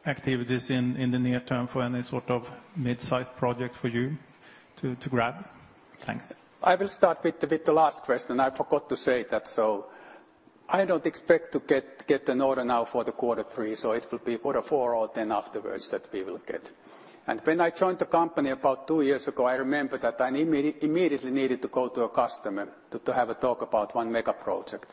activities in the near term for any sort of mid-sized project for you to grab? Thanks. I will start with the last question. I forgot to say that. I don't expect to get an order now for the quarter three. It will be quarter four or then afterwards that we will get. When I joined the company about 2 years ago, I remember that I immediately needed to go to a customer to have a talk about 1 mega project.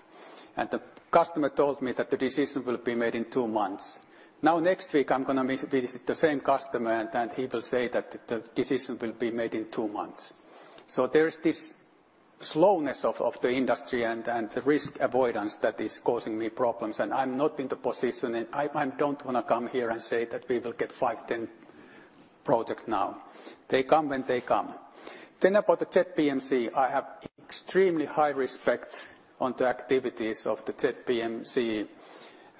The customer told me that the decision will be made in two months. Now, next week I'm gonna visit the same customer and he will say that the decision will be made in two months. There is this slowness of the industry and the risk avoidance that is causing me problems, and I'm not in the position and I don't wanna come here and say that we will get five, 10 projects now. They come when they come. About the ZPMC, I have extremely high respect on the activities of the ZPMC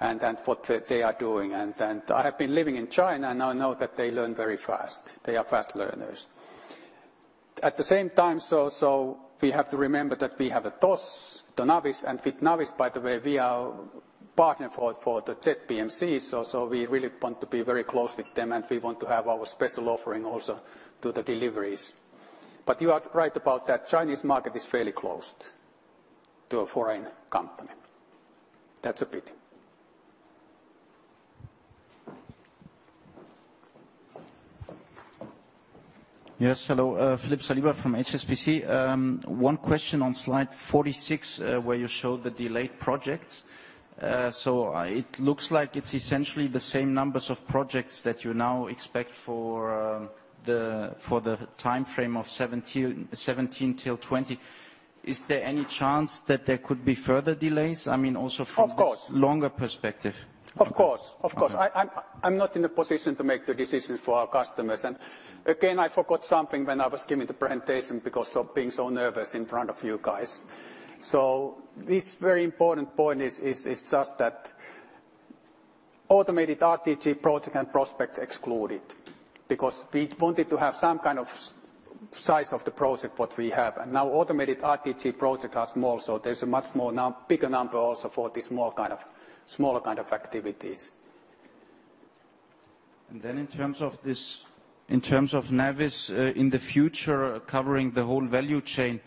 and what they are doing. I have been living in China and I know that they learn very fast. They are fast learners. At the same time, we have to remember that we have a TOS, the Navis, and with Navis by the way, we are partner for the ZPMC, so we really want to be very close with them and we want to have our special offering also to the deliveries. You are right about that Chinese market is fairly closed to a foreign company. That's a pity. Yes. Hello. Philippe Saliba from HSBC. One question on slide 46, where you showed the delayed projects. It looks like it's essentially the same numbers of projects that you now expect for the timeframe of 2017-2020. Is there any chance that there could be further delays? I mean, also from this. Of course. longer perspective? Of course. Of course. I'm not in a position to make the decisions for our customers. Again, I forgot something when I was giving the presentation because of being so nervous in front of you guys. This very important point is just that automated RTG project and prospects excluded because we wanted to have some kind of size of the project what we have. Now automated RTG projects are small. There's a much more bigger number also for this more kind of, smaller kind of activities. in terms of this, in terms of Navis, in the future covering the whole value chain,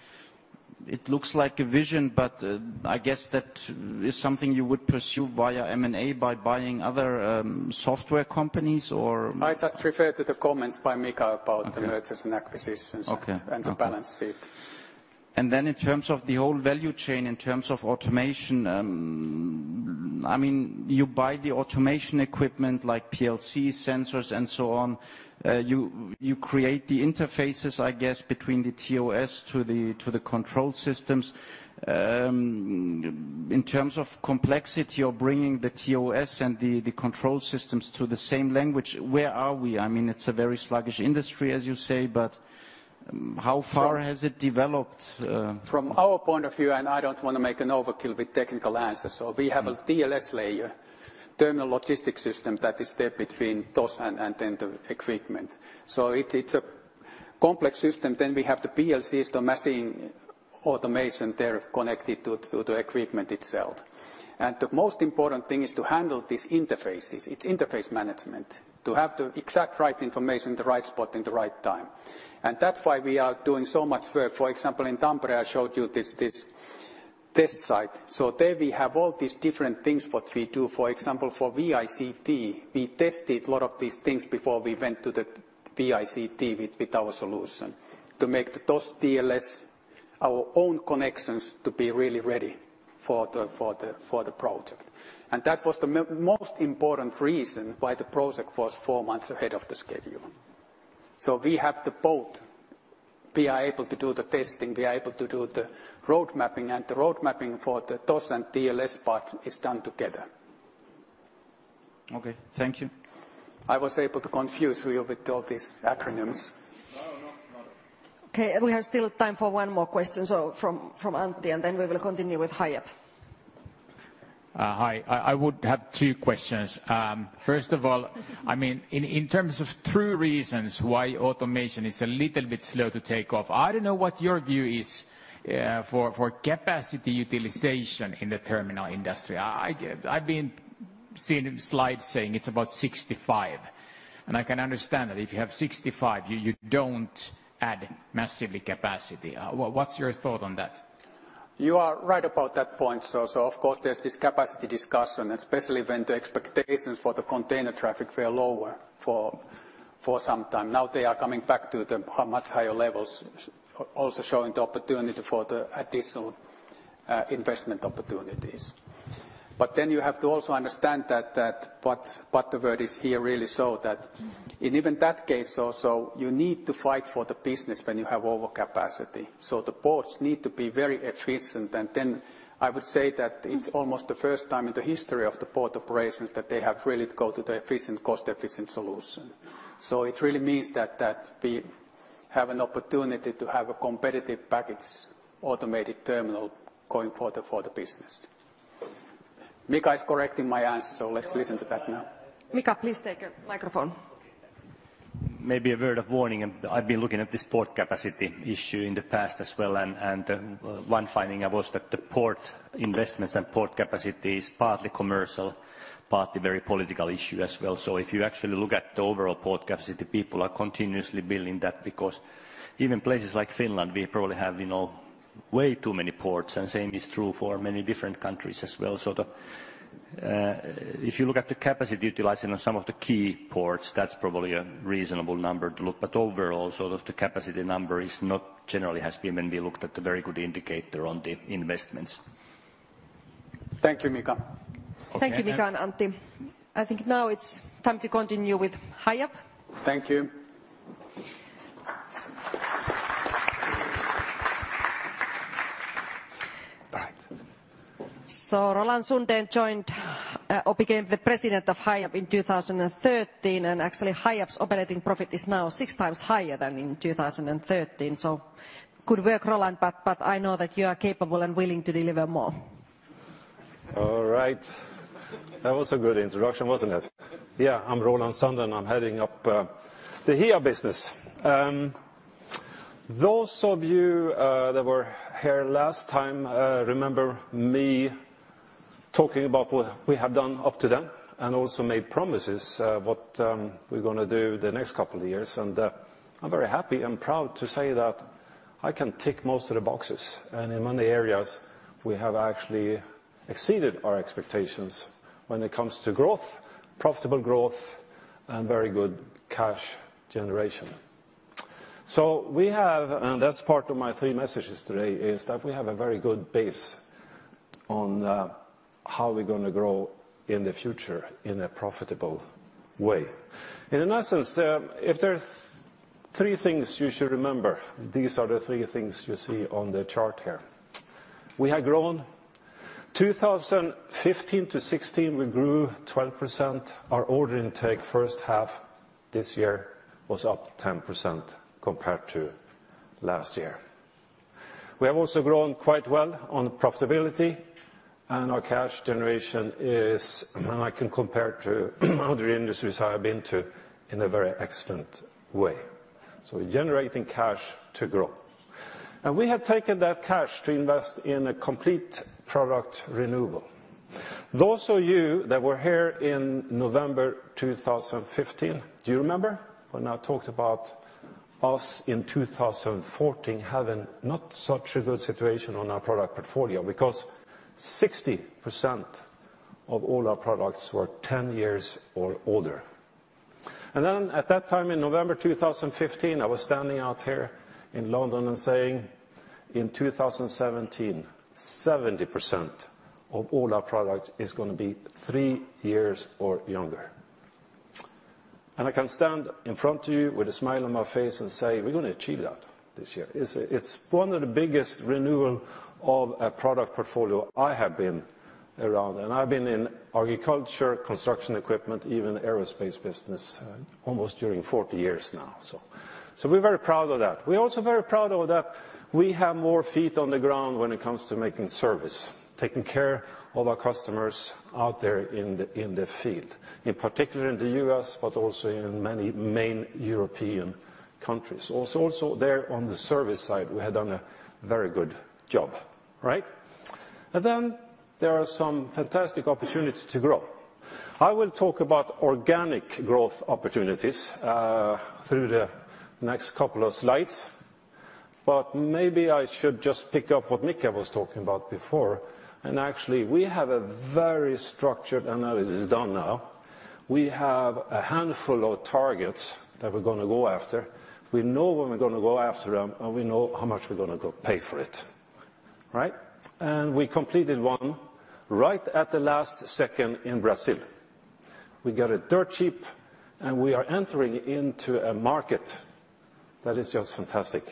it looks like a vision, but I guess that is something you would pursue via M&A by buying other software companies. I just refer to the comments by Mikael. Okay... the mergers and acquisitions... Okay. Okay.... and the balance sheet. Then in terms of the whole value chain, in terms of automation, I mean, you buy the automation equipment like PLC sensors and so on. You create the interfaces, I guess, between the TOS to the control systems. In terms of complexity of bringing the TOS and the control systems to the same language, where are we? I mean, it's a very sluggish industry, as you say, but. From-... has it developed, From our point of view, I don't wanna make an overkill with technical answers, we have a TLS layer, terminal logistics system, that is there between TOS and then the equipment. It's a complex system. We have the PLCs, the machine automation there connected to the equipment itself. The most important thing is to handle these interfaces. It's interface management. To have the exact right information in the right spot in the right time. That's why we are doing so much work. For example, in Tampere I showed you this test site. There we have all these different things what we do. For example, for VICT, we tested a lot of these things before we went to the VICT with our solution to make the TOS TLS our own connections to be really ready for the project. That was the most important reason why the project was four months ahead of the schedule. We have the both. We are able to do the testing, we are able to do the road mapping, and the road mapping for the TOS and TLS part is done together. Okay. Thank you. I was able to confuse you with all these acronyms. No, no. No, no. Okay, we have still time for one more question, from Antti, then we will continue with Hiab. Hi. I would have 2 questions. First of all, I mean, in terms of true reasons why automation is a little bit slow to take off, I don't know what your view is for capacity utilization in the terminal industry. I've been seeing slides saying it's about 65, and I can understand that if you have 65 you don't add massively capacity. What's your thought on that? You are right about that point. Of course there's this capacity discussion, especially when the expectations for the container traffic were lower for some time. They are coming back to the much higher levels, also showing the opportunity for the additional investment opportunities. You have to also understand that what the word is here really so that in even that case also, you need to fight for the business when you have overcapacity. The ports need to be very efficient. I would say that it's almost the first time in the history of the port operations that they have really to go to the efficient, cost-efficient solution. It really means that we have an opportunity to have a competitive package, automated terminal going for the business. Mikael is correcting my answer, so let's listen to that now. Mikael, please take a microphone. Maybe a word of warning. I've been looking at this port capacity issue in the past as well. One finding I was that the port investment and port capacity is partly commercial, partly very political issue as well. If you actually look at the overall port capacity, people are continuously building that because even places like Finland, we probably have, you know, way too many ports, and same is true for many different countries as well. If you look at the capacity utilization of some of the key ports, that's probably a reasonable number to look. Overall, sort of the capacity number is not generally has been when we looked at a very good indicator on the investments. Thank you, Mikael. Thank you, Mikael and Antti. I think now it's time to continue with Hiab. Thank you. Roland Sundén joined, or became the President of Hiab in 2013, and actually, Hiab's operating profit is now six times higher than in 2013. Good work, Roland, but I know that you are capable and willing to deliver more. All right. That was a good introduction, wasn't it? Yeah, I'm Roland Sundén, I'm heading up the Hiab business. Those of you that were here last time, remember me talking about what we have done up to then, and also made promises, what we're gonna do the next couple of years. I'm very happy and proud to say that I can tick most of the boxes. In many areas, we have actually exceeded our expectations when it comes to growth, profitable growth, and very good cash generation. That's part of my three messages today, is that we have a very good base on how we're gonna grow in the future in a profitable way. In a nutshell, if there are three things you should remember, these are the three things you see on the chart here. We have grown. 2015 -2016, we grew 12%. Our order intake first half this year was up 10% compared to last year. We have also grown quite well on profitability, our cash generation is, when I can compare to other industries I have been to, in a very excellent way. We're generating cash to grow. We have taken that cash to invest in a complete product renewal. Those of you that were here in November 2015, do you remember when I talked about us in 2014 having not such a good situation on our product portfolio because 60% of all our products were 10 years or older? At that time in November 2015, I was standing out here in London and saying, "In 2017, 70% of all our product is gonna be three years or younger." I can stand in front of you with a smile on my face and say, we're gonna achieve that this year. It's one of the biggest renewal of a product portfolio I have been around, and I've been in agriculture, construction equipment, even aerospace business, almost during 40 years now. We're very proud of that. We're also very proud of that we have more feet on the ground when it comes to making service, taking care of our customers out there in the field, in particular in the US, but also in many main European countries. Also, there on the service side, we have done a very good job, right? There are some fantastic opportunities to grow. I will talk about organic growth opportunities through the next couple of slides, maybe I should just pick up what Mikael was talking about before. Actually, we have a very structured analysis done now. We have a handful of targets that we're gonna go after. We know when we're gonna go after them, we know how much we're gonna go pay for it, right? We completed one right at the last second in Brazil. We got it dirt cheap, we are entering into a market that is just fantastic.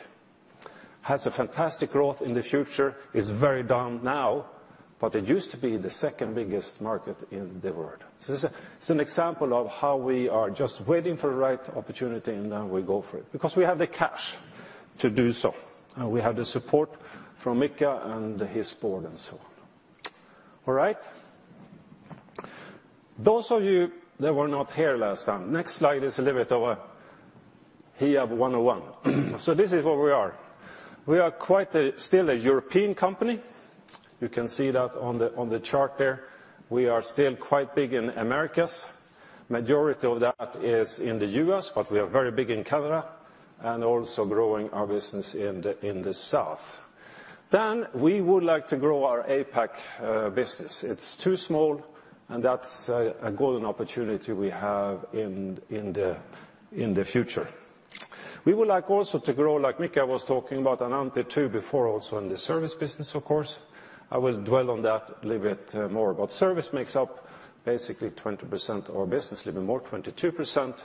Has a fantastic growth in the future. It's very down now, it used to be the second-biggest market in the world. This is, it's an example of how we are just waiting for the right opportunity, and then we go for it because we have the cash to do so. We have the support from Mikael and his board and so on. All right. Those of you that were not here last time, next slide is a little bit of a Hiab 101. This is where we are. We are quite a, still a European company. You can see that on the chart there. We are still quite big in Americas. Majority of that is in the U.S., but we are very big in Canada and also growing our business in the south. We would like to grow our APAC business. It's too small, and that's a golden opportunity we have in the future. We would like also to grow, like Mikael was talking about, and Antti too before also, in the service business, of course. I will dwell on that a little bit more. Service makes up basically 20% of our business, a little more, 22%.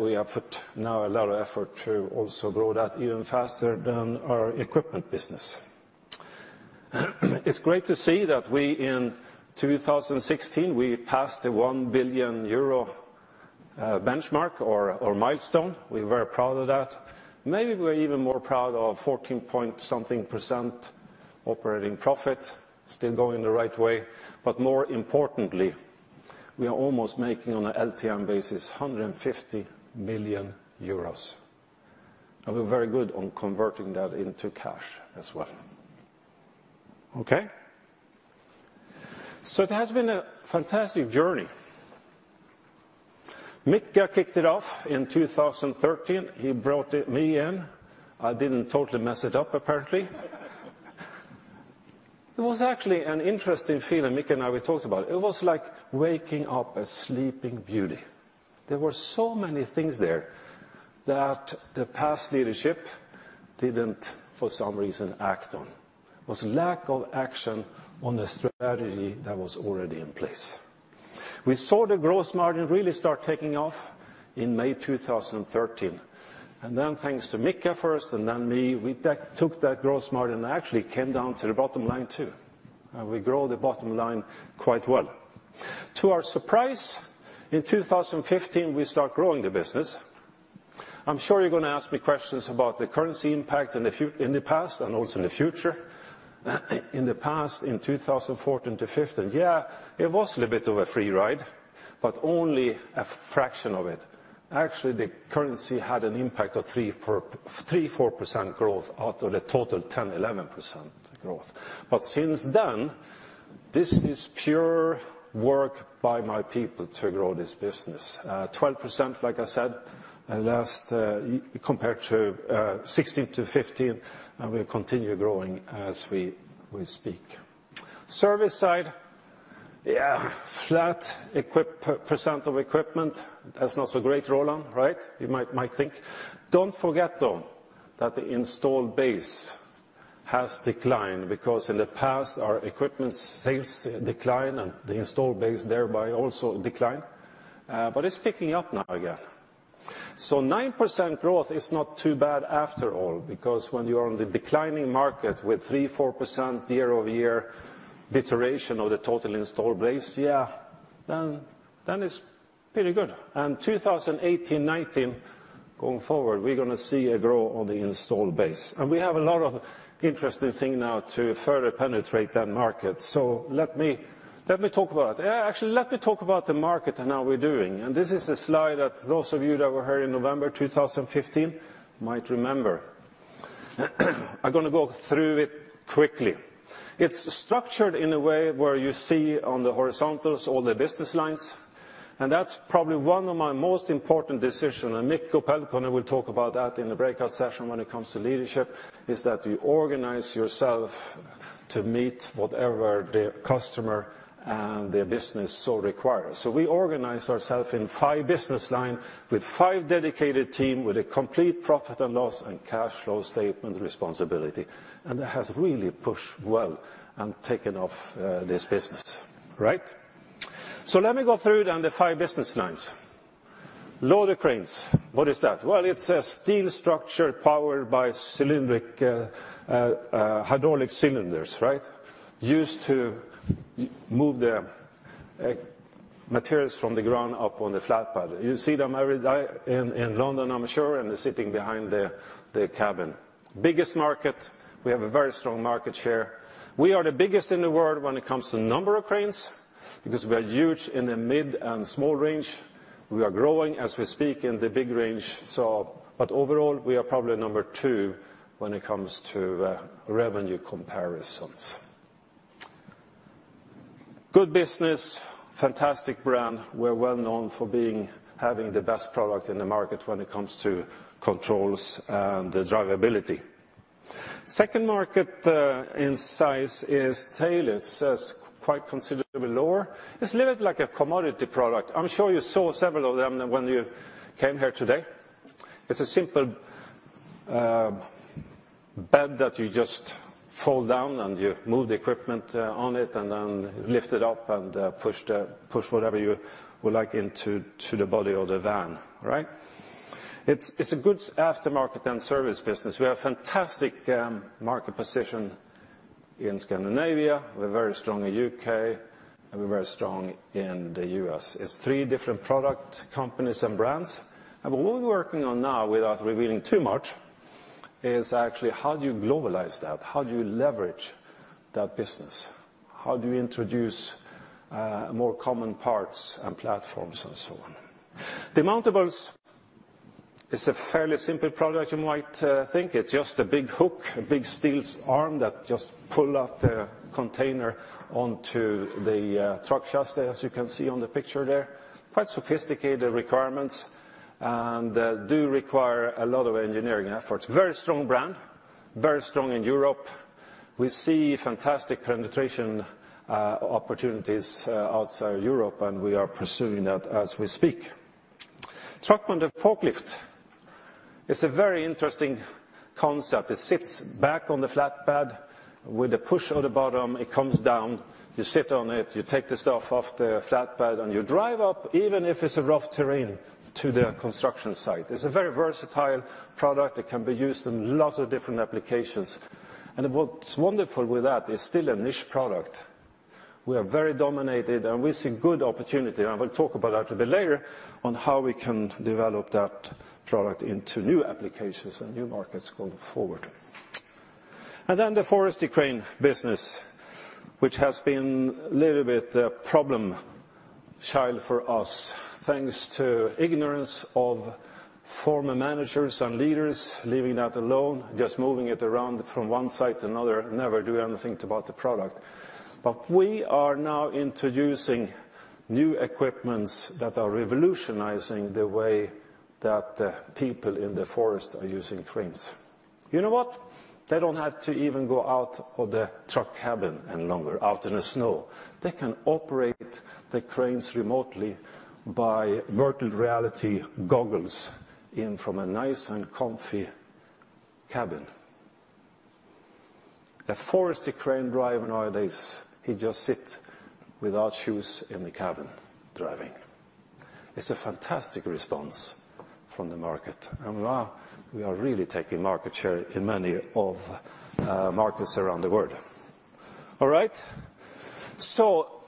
We have put now a lot of effort to also grow that even faster than our equipment business. It's great to see that we, in 2016, we passed the 1 billion euro benchmark or milestone. We're very proud of that. Maybe we're even more proud of 14-point something % Operating profit still going the right way, but more importantly, we are almost making on a LTM basis 150 million euros. We're very good on converting that into cash as well. Okay? It has been a fantastic journey. Micke kicked it off in 2013. He brought me in, I didn't totally mess it up, apparently. It was actually an interesting feeling. Micke and I, we talked about it. It was like waking up a sleeping beauty. There were so many things there that the past leadership didn't, for some reason, act on. Was lack of action on the strategy that was already in place. We saw the growth margin really start taking off in May 2013. Thanks to Micke first and then me, we took that growth margin and actually came down to the bottom line, too. We grow the bottom line quite well. To our surprise, in 2015, we start growing the business. I'm sure you're gonna ask me questions about the currency impact in the past and also in the future. In the past, in 2014 to 2015, yeah, it was a little bit of a free ride, but only a fraction of it. Actually, the currency had an impact of 3-4% growth out of the total 10-11% growth. Since then, this is pure work by my people to grow this business. 12%, like I said, at last, compared to 2016-2015, and we continue growing as we speak. Service side, yeah, flat percent of equipment. That's not so great, Roland Sundén, right? You might think. Don't forget, though, that the installed base has declined because in the past, our equipment sales declined and the installed base thereby also declined. It's picking up now again. 9% growth is not too bad after all, because when you're on the declining market with 3%-4% year-over-year deterioration of the total installed base, yeah, then it's pretty good. 2018, 2019, going forward, we're gonna see a grow on the installed base. We have a lot of interesting thing now to further penetrate that market. Let me talk about it. Actually, let me talk about the market and how we're doing. This is a slide that those of you that were here in November 2015 might remember. I'm gonna go through it quickly. It's structured in a way where you see on the horizontals all the business lines, and that's probably one of my most important decision. Mikko Pelkonen will talk about that in the breakout session when it comes to leadership, is that you organize yourself to meet whatever the customer and their business so requires. We organize ourselves in five business line with five dedicated team with a complete profit and loss and cash flow statement responsibility. That has really pushed well and taken off this business, right? Let me go through the five business lines. Loader cranes. What is that? Well, it's a steel structure powered by cylindric hydraulic cylinders, right? Used to move the materials from the ground up on the flat pad. You see them every day in London, I'm sure, and they're sitting behind the cabin. Biggest market, we have a very strong market share. We are the biggest in the world when it comes to number of cranes, because we are huge in the mid and small range. We are growing as we speak in the big range. Overall, we are probably number two when it comes to revenue comparisons. Good business, fantastic brand. We're well known for being, having the best product in the market when it comes to controls and drivability. Second market, in size is tail. It's quite considerably lower. It's a little like a commodity product. I'm sure you saw several of them when you came here today. It's a simple bed that you just fold down and you move the equipment on it and then lift it up and push whatever you would like into to the body of the van, right? It's a good aftermarket and service business. We have fantastic market position in Scandinavia. We're very strong in U.K., we're very strong in the U.S. It's three different product companies and brands. What we're working on now, without revealing too much, is actually how do you globalize that? How do you leverage that business? How do you introduce more common parts and platforms and so on? Demountables is a fairly simple product you might think. It's just a big hook, a big steel arm that just pull out the container onto the truck chassis, as you can see on the picture there. Quite sophisticated requirements and do require a lot of engineering efforts. Very strong brand, very strong in Europe. We see fantastic penetration opportunities outside Europe, and we are pursuing that as we speak. Truckmount fork lift is a very interesting concept. It sits back on the flatbed. With the push of the button, it comes down, you sit on it, you take the stuff off the flatbed, and you drive up, even if it's a rough terrain, to the construction site. It's a very versatile product. It can be used in lots of different applications. What's wonderful with that, it's still a niche product. We are very dominated and we see good opportunity, and I will talk about that a bit later, on how we can develop that product into new applications and new markets going forward. The forestry crane business, which has been a little bit a problem child for us, thanks to ignorance of former managers and leaders leaving that alone, just moving it around from one site to another, never doing anything about the product. We are now introducing new equipment that are revolutionizing the way that people in the forest are using cranes. You know what? They don't have to even go out of the truck cabin any longer, out in the snow. They can operate the cranes remotely by virtual reality goggles in from a nice and comfy cabin. A forestry crane driver nowadays, he just sit without shoes in the cabin, driving. It's a fantastic response from the market. Now we are really taking market share in many of markets around the world. All right?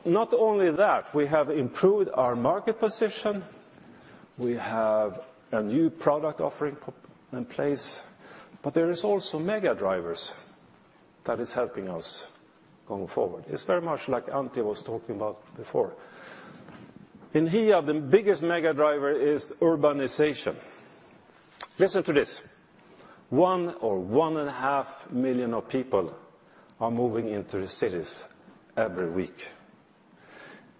Not only that, we have improved our market position, we have a new product offering in place, but there is also mega drivers that is helping us going forward. It's very much like Antti was talking about before. In here, the biggest mega driver is urbanization. Listen to this. One or one and a half million of people are moving into the cities every week.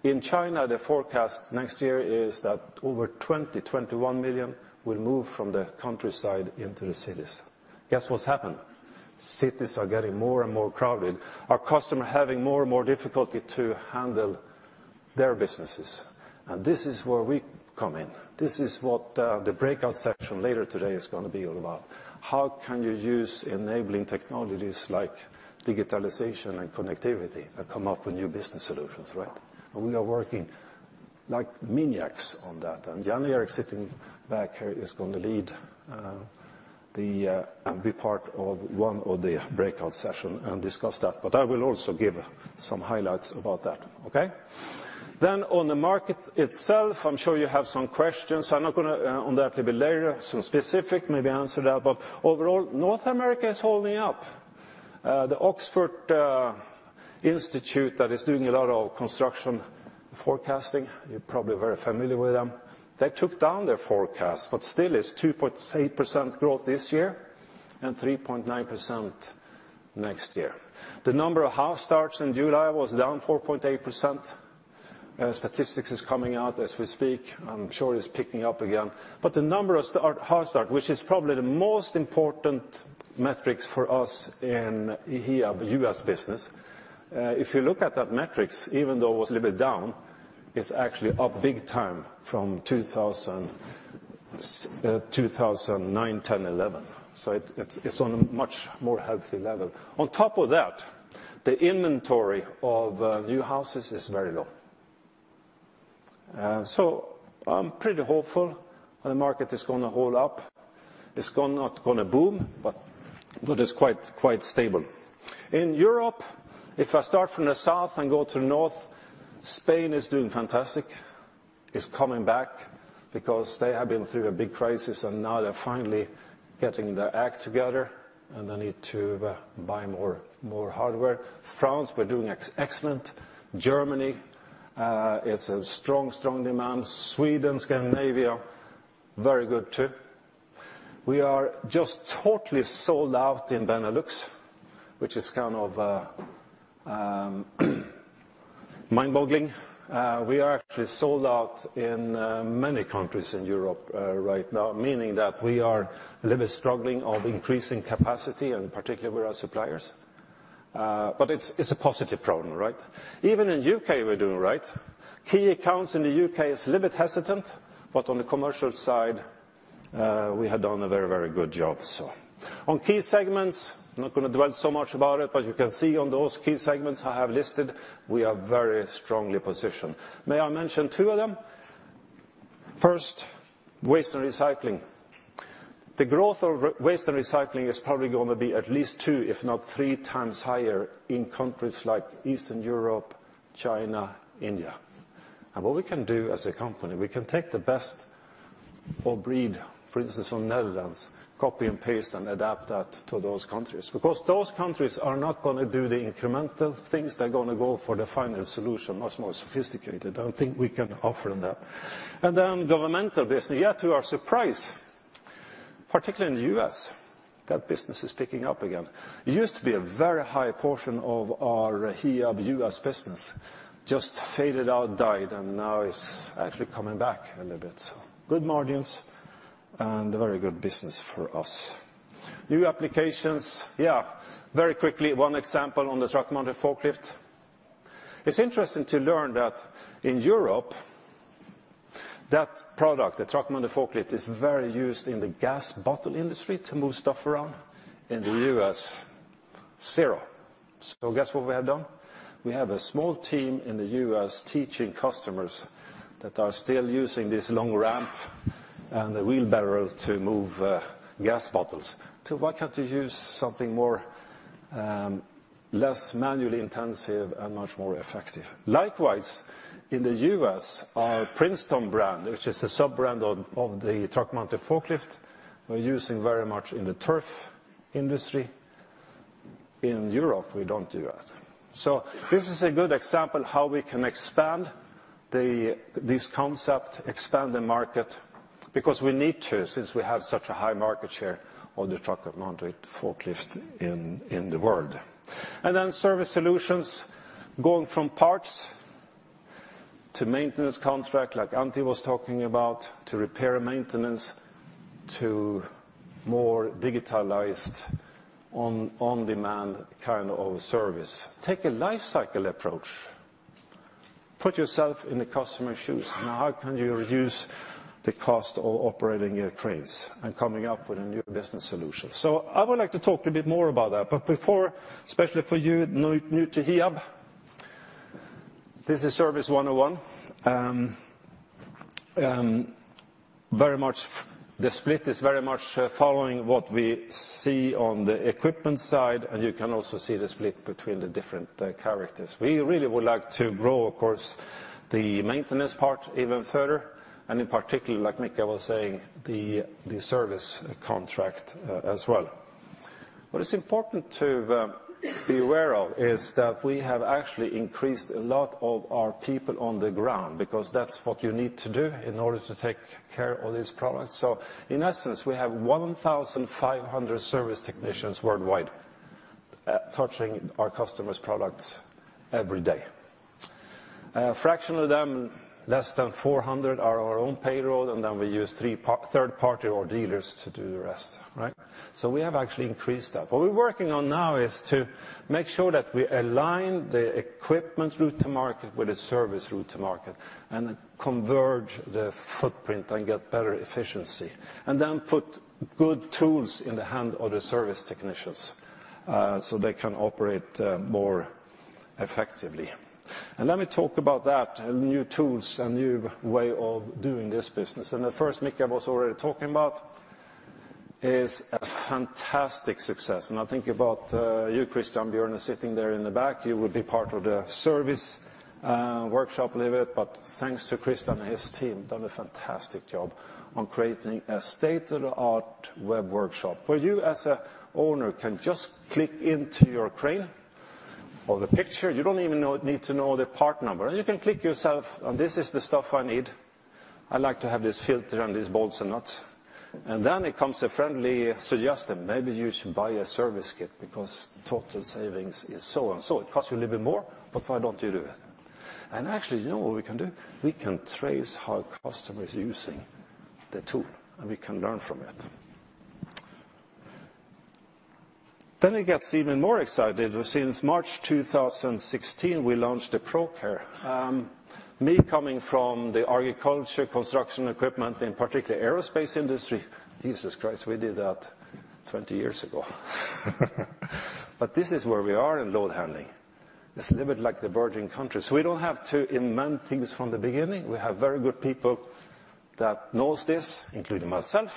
In China, the forecast next year is that over 21 million will move from the countryside into the cities. Guess what's happened? Cities are getting more and more crowded. Our customer are having more and more difficulty to handle their businesses, and this is where we come in. This is what the breakout session later today is gonna be all about. How can you use enabling technologies like digitalization and connectivity and come up with new business solutions, right? We are working like maniacs on that. Jan-Erik sitting back here is going to be part of one of the breakout session and discuss that. I will also give some highlights about that, okay? On the market itself, I'm sure you have some questions. I'm not gonna, on that a little bit later, some specific, maybe answer that. Overall, North America is holding up. The Oxford Economics that is doing a lot of construction forecasting, you're probably very familiar with them, they took down their forecast, but still it's 2.8% growth this year and 3.9% next year. The number of house starts in July was down 4.8%. Statistics is coming out as we speak. I'm sure it's picking up again. The number of house start, which is probably the most important metrics for us in Hiab U.S. business, if you look at that metrics, even though it was a little bit down, it's actually up big time from 2000, 2009, 2010, 2011. It's on a much more healthy level. On top of that, the inventory of new houses is very low. I'm pretty hopeful the market is gonna hold up. It's not gonna boom, but it's quite stable. In Europe, if I start from the south and go to north, Spain is doing fantastic. It's coming back because they have been through a big crisis and now they're finally getting their act together and they need to buy more hardware. France, we're doing excellent. Germany, it's a strong demand. Sweden, Scandinavia, very good too. We are just totally sold out in Benelux, which is kind of mind-boggling. We are actually sold out in many countries in Europe right now, meaning that we are a little bit struggling of increasing capacity and particularly with our suppliers. It's a positive problem, right? Even in U.K. we're doing all right. Key accounts in the U.K. is a little bit hesitant, but on the commercial side, we have done a very, very good job, so. On key segments, I'm not gonna dwell so much about it, but you can see on those key segments I have listed, we are very strongly positioned. May I mention two of them? First, waste and recycling. The growth of waste and recycling is probably gonna be at least two if not three times higher in countries like Eastern Europe, China, India. What we can do as a company, we can take the best of breed, for instance, from Netherlands, copy and paste, and adapt that to those countries. Those countries are not gonna do the incremental things. They're gonna go for the final solution, much more sophisticated. I think we can offer them that. Governmental business, yet to our surprise, particularly in the U.S., that business is picking up again. It used to be a very high portion of our Hiab U.S. business, just faded out, died, and now it's actually coming back a little bit, so good margins and a very good business for us. New applications, yeah, very quickly, one example on the truck-mounted forklift. It's interesting to learn that in Europe, that product, the truck-mounted forklift, is very used in the gas bottle industry to move stuff around. In the U.S., zero. Guess what we have done? We have a small team in the U.S. teaching customers that are still using this long ramp and the wheelbarrow to move gas bottles. Why can't you use something more less manually intensive and much more effective? Likewise, in the U.S., our Princeton brand, which is a sub-brand of the truck-mounted forklift, we're using very much in the turf industry. In Europe, we don't do that. This is a good example how we can expand this concept, expand the market, because we need to, since we have such a high market share on the truck-mounted forklift in the world. Then service solutions, going from parts to maintenance contract, like Antti was talking about, to repair and maintenance, to more digitalized on-demand kind of service. Take a life cycle approach. Put yourself in the customer's shoes. Now, how can you reduce the cost of operating your cranes and coming up with a new business solution? I would like to talk a bit more about that. Before, esp ecially for you new to Hiab, this is service 101. The split is very much following what we see on the equipment side, and you can also see the split between the different characters. We really would like to grow, of course, the maintenance part even further, and in particular, like Micke was saying, the service contract as well. What is important to be aware of is that we have actually increased a lot of our people on the ground, because that's what you need to do in order to take care of these products. So in essence, we have 1,500 service technicians worldwide, touching our customers' products every day. Fraction of them, less than 400, are our own payroll, and then we use third party or dealers to do the rest, right? We have actually increased that. What we're working on now is to make sure that we align the equipment route to market with the service route to market and converge the footprint and get better efficiency. Put good tools in the hand of the service technicians, so they can operate more effectively. Let me talk about that, new tools and new way of doing this business. The first Micke was already talking about is a fantastic success. I think about you, Christian Björn, sitting there in the back. You will be part of the service workshop a little bit. Thanks to Christian and his team, done a fantastic job on creating a state-of-the-art web workshop. Where you as a owner can just click into your crane or the picture, you don't even need to know the part number, and you can click yourself, and this is the stuff I need. I like to have this filter and these bolts and nuts. Then it comes a friendly suggestion, maybe you should buy a service kit because total savings is so and so. It costs you a little bit more, but why don't you do it? Actually, you know what we can do? We can trace how customer is using the tool, and we can learn from it. It gets even more exciting. Since March 2016, we launched the ProCare. Me coming from the agriculture, construction equipment, in particular aerospace industry, Jesus Christ, we did that 20 years ago. This is where we are in load handling. It's a little bit like the virgin countries. We don't have to invent things from the beginning. We have very good people that knows this, including myself,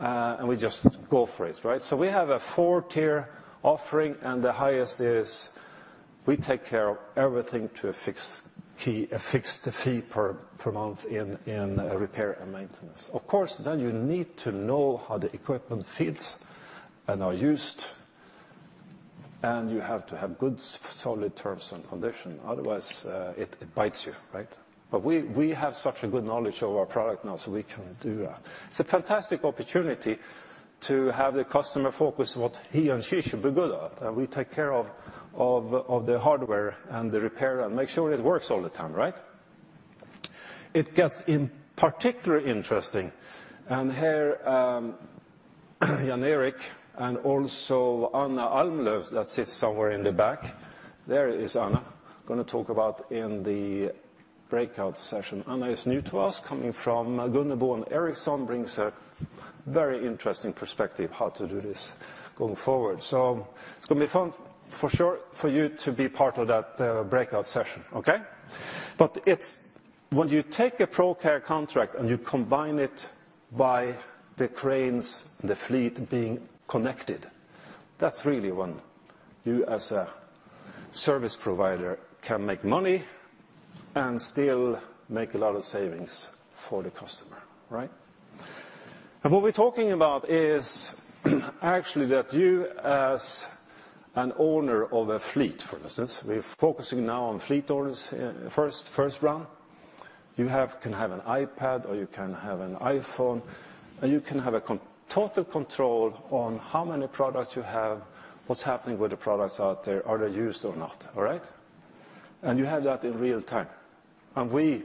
and we just go for it, right? We have a 4-tier offering, and the highest is we take care of everything to a fix fee, a fixed fee per month in repair and maintenance. Of course, you need to know how the equipment fits and are used, and you have to have good, solid terms and conditions. Otherwise, it bites you, right? We have such a good knowledge of our product now, so we can do that. It's a fantastic opportunity to have the customer focus what he and she should be good at. We take care of the hardware and the repair and make sure it works all the time, right? It gets in particular interesting. Here, Jan-Eric, and also Anna Almlöf, that sits somewhere in the back. There is Anna, gonna talk about in the breakout session. Anna is new to us, coming from Gunnebo, Ericsson brings a very interesting perspective how to do this going forward. It's gonna be fun for sure for you to be part of that breakout session. Okay? When you take a ProCare contract and you combine it by the cranes, the fleet being connected, that's really when you as a service provider can make money and still make a lot of savings for the customer, right? What we're talking about is actually that you as an owner of a fleet, for instance, we're focusing now on fleet owners in first round. You can have an iPad or you can have an iPhone, and you can have total control on how many products you have, what's happening with the products out there, are they used or not? All right? You have that in real-time. We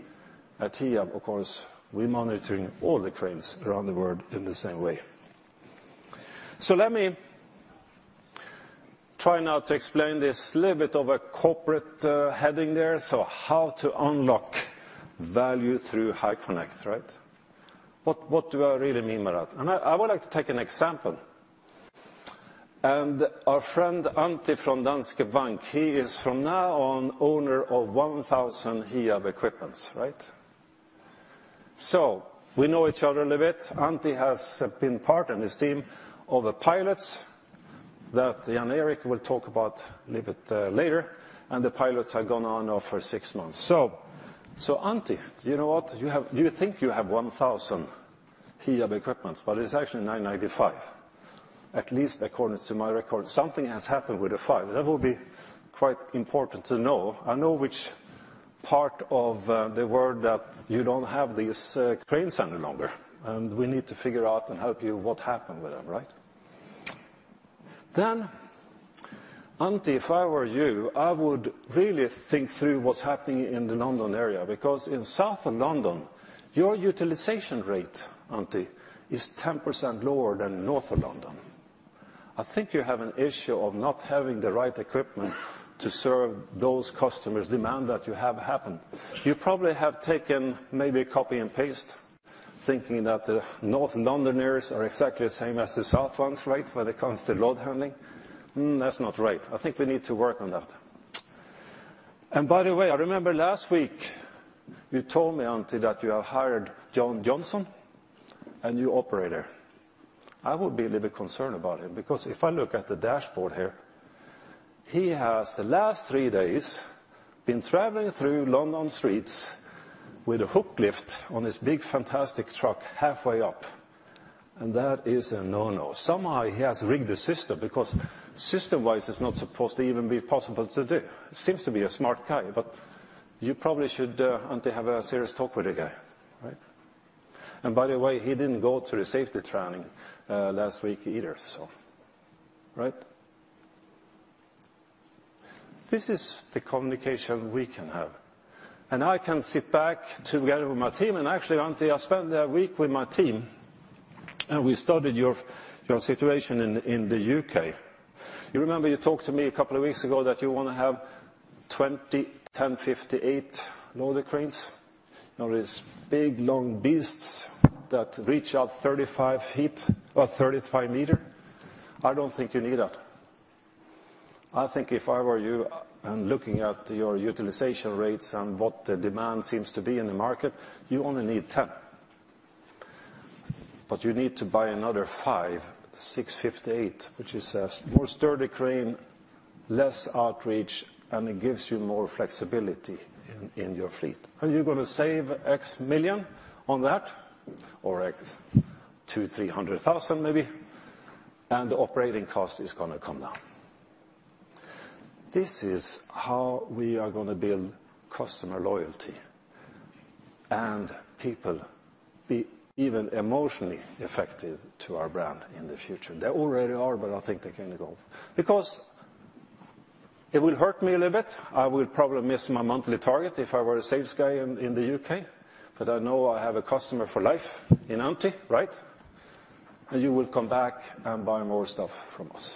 at Hiab, of course, we're monitoring all the cranes around the world in the same way. Let me try now to explain this little bit of a corporate heading there. How to unlock value through HiConnect, right? What do I really mean by that? I would like to take an example. Our friend, Antti, from Danske Bank, he is from now on owner of 1,000 Hiab equipments, right? We know each other a little bit. Antti has been part, and his team, of the pilots that Jan-Erik will talk about a little bit later. The pilots have gone on now for six months. Antti, you know what? You think you have 1,000 Hiab equipments, but it's actually 995, at least according to my records. Something has happened with the 5. That will be quite important to know. I know which part of the world that you don't have these cranes any longer, and we need to figure out and help you what happened with them, right? Antti, if I were you, I would really think through what's happening in the London area. In southern London, your utilization rate, Antti, is 10% lower than north of London. I think you have an issue of not having the right equipment to serve those customers' demand that you have happened. You probably have taken maybe copy and paste thinking that the north Londoners are exactly the same as the south ones, right, when it comes to load handling. That's not right. I think we need to work on that. By the way, I remember last week you told me, Antti, that you have hired John Johnson, a new operator. I would be a little bit concerned about him. If I look at the dashboard here, he has the last three days been traveling through London streets with a hook lift on his big, fantastic truck halfway up, and that is a no-no. Somehow he has rigged the system because system-wise it's not supposed to even be possible to do. Seems to be a smart guy. You probably should, Antti, have a serious talk with the guy, right? By the way, he didn't go to the safety training last week either. Right? This is the communication we can have. I can sit back together with my team and actually, Antti, I spent a week with my team and we studied your situation in the U.K. You remember you talked to me a couple of weeks ago that you wanna have twenty ten fifty-eight loader cranes. You know, these big, long beasts that reach out 35 feet or 35 meters. I don't think you need that. I think if I were you, and looking at your utilization rates and what the demand seems to be in the market, you only need 10. You need to buy another 5658, which is a more sturdy crane, less outreach, and it gives you more flexibility in your fleet. You're gonna save X million on that or X 200,000-300,000 maybe, and operating cost is gonna come down. This is how we are gonna build customer loyalty and people be even emotionally affected to our brand in the future. They already are, but I think they can go. It would hurt me a little bit, I would probably miss my monthly target if I were a sales guy in the UK, but I know I have a customer for life in Antti, right? You will come back and buy more stuff from us.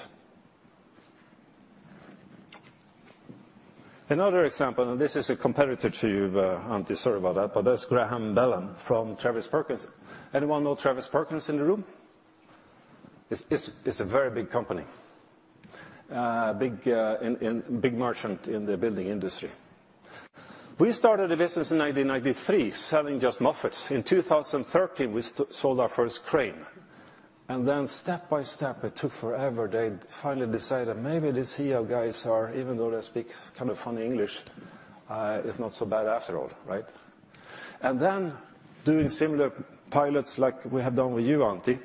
Another example, and this is a competitor to you, Antti, sorry about that, but that's Graham Bell from Travis Perkins. Anyone know Travis Perkins in the room? It's a very big company. Big merchant in the building industry. We started the business in 1993 selling just Moffett. In 2013, we sold our first crane. Step by step, it took forever, they finally decided maybe these Hiab guys are, even though they speak kind of funny English, is not so bad after all, right? Doing similar pilots like we have done with you, Antti,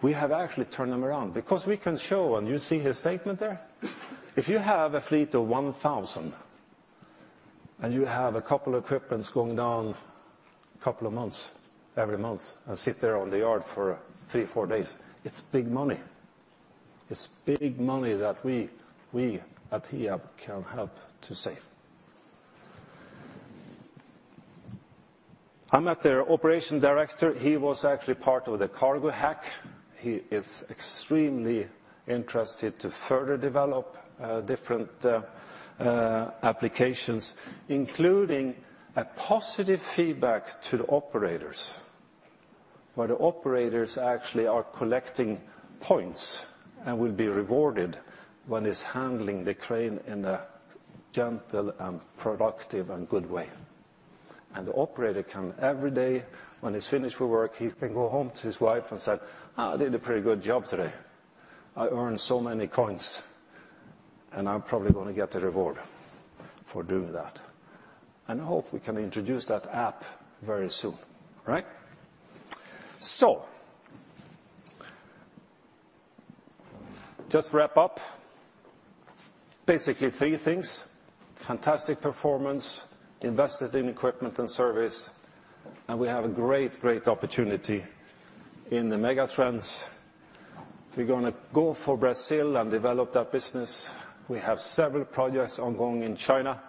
we have actually turned them around. Because we can show, and you see his statement there. If you have a fleet of 1,000, and you have a couple equipments going down a couple of months every month and sit there on the yard for three, four days, it's big money. It's big money that we at Hiab can help to save. I met their operation director. He was actually part of the CargoHack. He is extremely interested to further develop different applications, including a positive feedback to the operators, where the operators actually are collecting points and will be rewarded when it's handling the crane in a gentle and productive and good way. The operator can, every day when he's finished with work, he can go home to his wife and say, "I did a pretty good job today. I earned so many coins, and I'm probably gonna get a reward for doing that." Hope we can introduce that app very soon. All right? Just wrap up. Basically three things: fantastic performance, invested in equipment and service, and we have a great opportunity in the mega trends. We're gonna go for Brazil and develop that business. We have several projects ongoing in China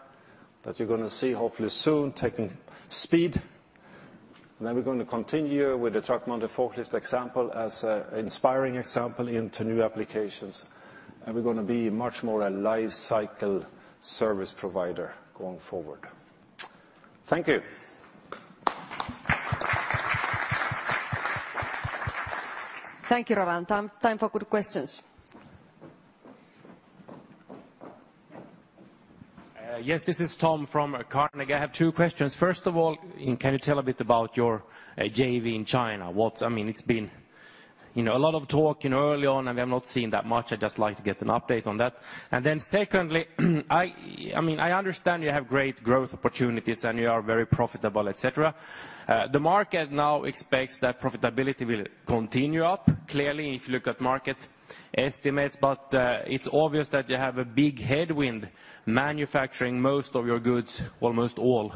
that you're gonna see hopefully soon taking speed. We're gonna continue with the truck mounted forklift example as a inspiring example into new applications, and we're gonna be much more a life cycle service provider going forward. Thank you. Thank you, Roland. Time for questions. Yes, this is Tom from Carnegie. I have two questions. First of all, can you tell a bit about your JV in China? I mean, it's been, you know, a lot of talk, you know, early on, we have not seen that much. I'd just like to get an update on that. Secondly, I mean, I understand you have great growth opportunities and you are very profitable, et cetera. The market now expects that profitability will continue up, clearly if you look at market estimates. It's obvious that you have a big headwind manufacturing most of your goods, almost all,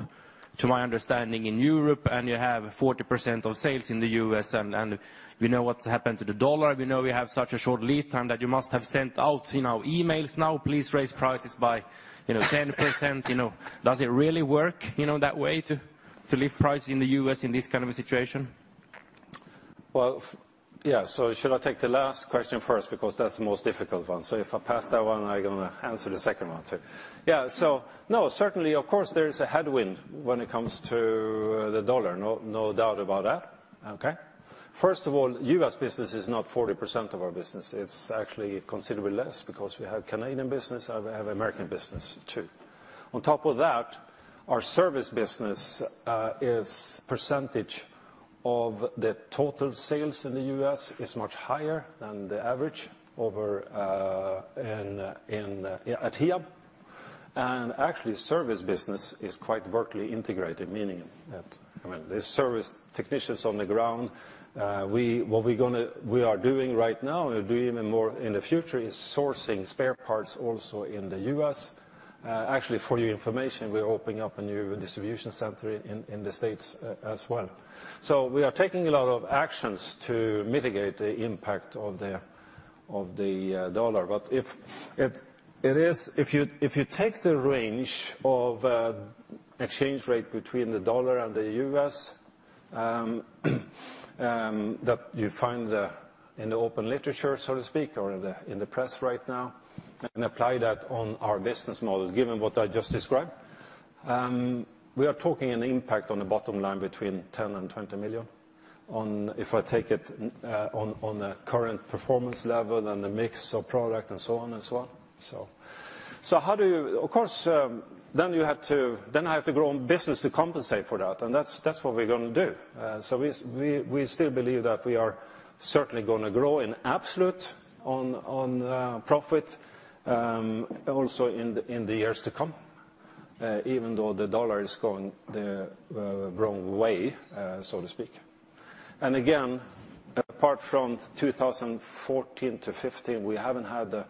to my understanding, in Europe, and you have 40% of sales in the U.S. and we know what's happened to the dollar. We know we have such a short lead time that you must have sent out, you know, emails now, "Please raise prices by, you know, 10%," you know. Does it really work, you know, that way to lift price in the U.S. in this kind of a situation? Well, yeah, should I take the last question first? Because that's the most difficult one, so if I pass that one, I'm gonna answer the second one too. Yeah. No, certainly, of course, there is a headwind when it comes to the dollar, no doubt about that. Okay? First of all, U.S. business is not 40% of our business. It's actually considerably less because we have Canadian business and we have American business too. On top of that, our service business is percentage of the total sales in the U.S. is much higher than the average over in at Hiab. Actually, service business is quite vertically integrated, meaning that, I mean, there's service technicians on the ground. What we're gonna... We are doing right now, and doing even more in the future, is sourcing spare parts also in the U.S. Actually, for your information, we're opening up a new distribution center in the States as well. We are taking a lot of actions to mitigate the impact of the dollar. If you take the range of exchange rate between the dollar and the U.S. that you find in the open literature, so to speak, or in the press right now, and apply that on our business model, given what I just described, we are talking an impact on the bottom line between 10 million-20 million if I take it, on the current performance level and the mix of product and so on as well. How do you... Of course, then I have to grow business to compensate for that, and that's what we're gonna do. We still believe that we are certainly gonna grow in absolute on profit, also in the years to come, even though the US dollar is going the wrong way, so to speak. Again, apart from 2014 to 2015, we haven't had a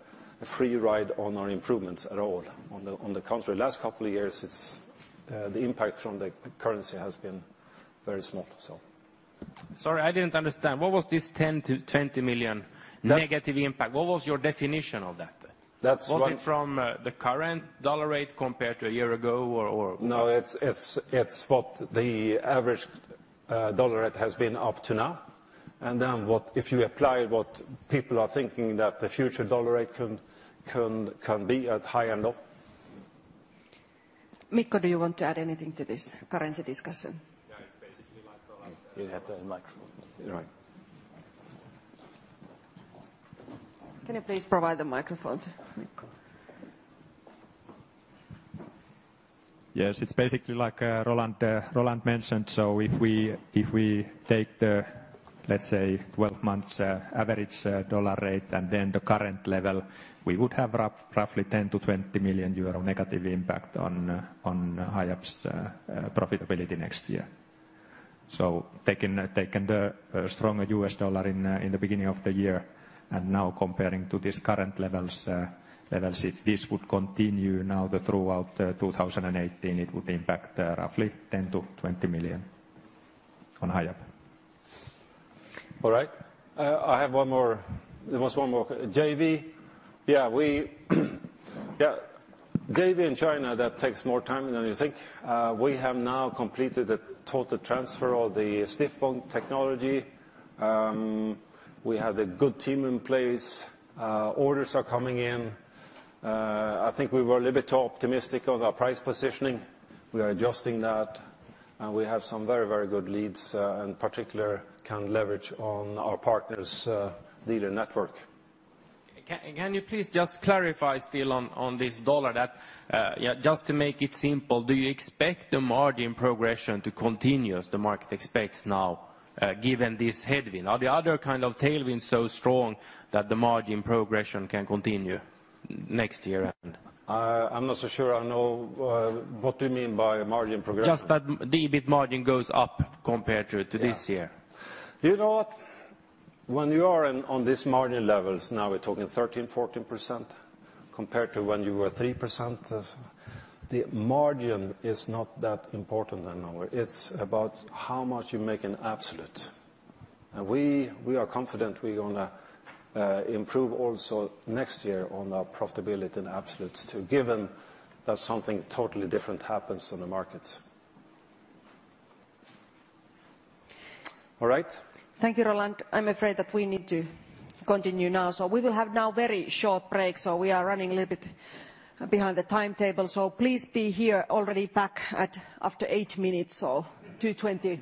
free ride on our improvements at all. On the contrary, last couple of years it's the impact from the currency has been very small, so. Sorry, I didn't understand. What was this 10 million-20 million negative impact? What was your definition of that? That's. Was it from, the current dollar rate compared to a year ago or what? No, it's what the average dollar rate has been up to now, and then what if you apply what people are thinking that the future dollar rate can be at high and low. Mikko, do you want to add anything to this currency discussion? Yeah, it's basically like Roland. You have the microphone. Right. Can you please provide the microphone to Mikko? Yes. It's basically like Roland mentioned. If we take the, let's say, 12 months average dollar rate and then the current level, we would have roughly 10 million-20 million euro negative impact on Hiab's profitability next year. Taking the stronger US dollar in the beginning of the year and now comparing to these current levels, if this would continue now throughout 2018, it would impact roughly 10 million-20 million on Hiab. All right. I have one more. There was one more. JV in China, that takes more time than you think. We have now completed the total transfer of the stiff boom technology. We have a good team in place. Orders are coming in. I think we were a little bit too optimistic on our price positioning. We are adjusting that, and we have some very, very good leads, in particular can leverage on our partner's, dealer network. Can you please just clarify still on this dollar that, yeah, just to make it simple, do you expect the margin progression to continue as the market expects now, given this headwind? Are the other kind of tailwinds so strong that the margin progression can continue next year and? I'm not so sure I know, what do you mean by margin progression? Just that the EBIT margin goes up compared to this year. Yeah. You know what? When you are in, on these margin levels, now we're talking 13%-14% compared to when you were 3%, the margin is not that important anymore. It's about how much you make in absolute. We are confident we're gonna improve also next year on our profitability in absolutes too, given that something totally different happens on the market. All right? Thank you, Roland. I'm afraid that we need to- Continue now. We will have now very short break. We are running a little bit behind the timetable. Please be here already back at after eight minutes, so 2:20 P.M.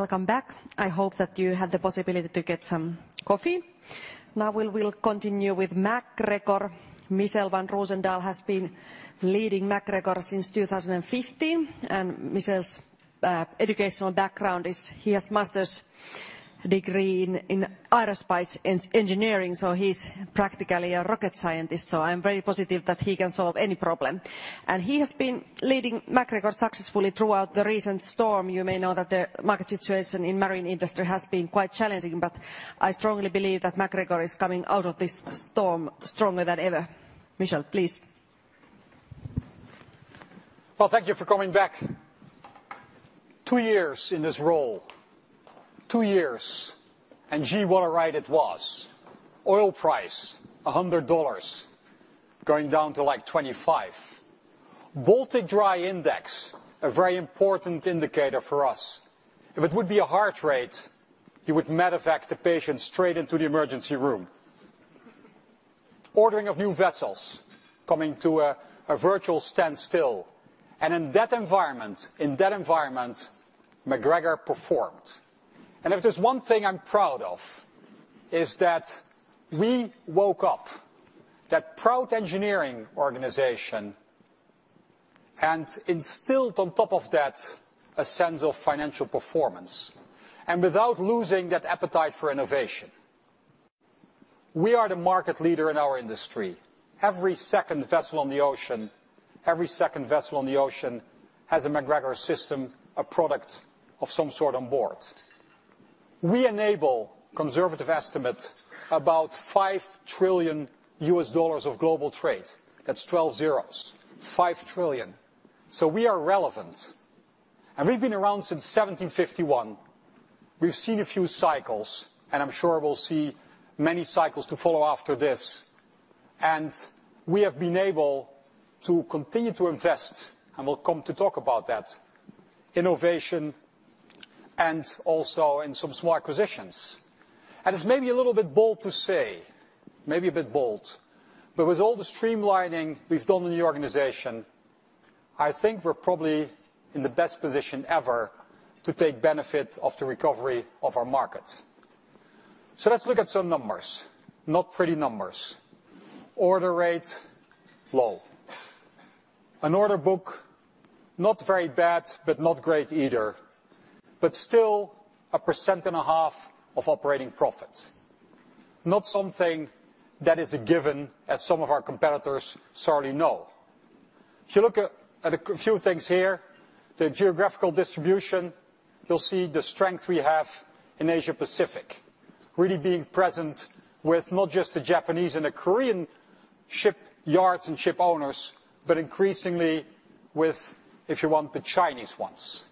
Welcome back. I hope that you had the possibility to get some coffee. We will continue with MacGregor. Michel van Roosendaal has been leading MacGregor since 2015. Michel's educational background is he has master's degree in aerospace engineering, so he's practically a rocket scientist. I'm very positive that he can solve any problem. He has been leading MacGregor successfully throughout the recent storm. You may know that the market situation in marine industry has been quite challenging, but I strongly believe that MacGregor is coming out of this storm stronger than ever. Michel, please. Well, thank you for coming back. Two Years in this role. Two years, and gee, what a ride it was. Oil price, $100, going down to, like, 25. Baltic Dry Index, a very important indicator for us. If it would be a heart rate, you would medevac the patient straight into the emergency room. Ordering of new vessels, coming to a virtual standstill. In that environment, MacGregor performed. If there's one thing I'm proud of, is that we woke up that proud engineering organization and instilled on top of that a sense of financial performance, and without losing that appetite for innovation. We are the market leader in our industry. Every second vessel on the ocean has a MacGregor system, a product of some sort on board. We enable conservative estimates about $5 trillion US dollars of global trade. That's 12 zeros. $5 trillion. We are relevant. We've been around since 1751. We've seen a few cycles, I'm sure we'll see many cycles to follow after this. We have been able to continue to invest, and we'll come to talk about that, innovation and also in some small acquisitions. It's maybe a little bit bold to say, maybe a bit bold, but with all the streamlining we've done in the organization, I think we're probably in the best position ever to take benefit of the recovery of our markets. Let's look at some numbers, not pretty numbers. Order rate, low. Order book, not very bad, but not great either. Still, a percent and a half of operating profit. Not something that is a given, as some of our competitors sadly know. You look at a few things here, the geographical distribution, you'll see the strength we have in Asia Pacific. Really being present with not just the Japanese and the Korean shipyards and ship owners, but increasingly with, if you want, the Chinese ones.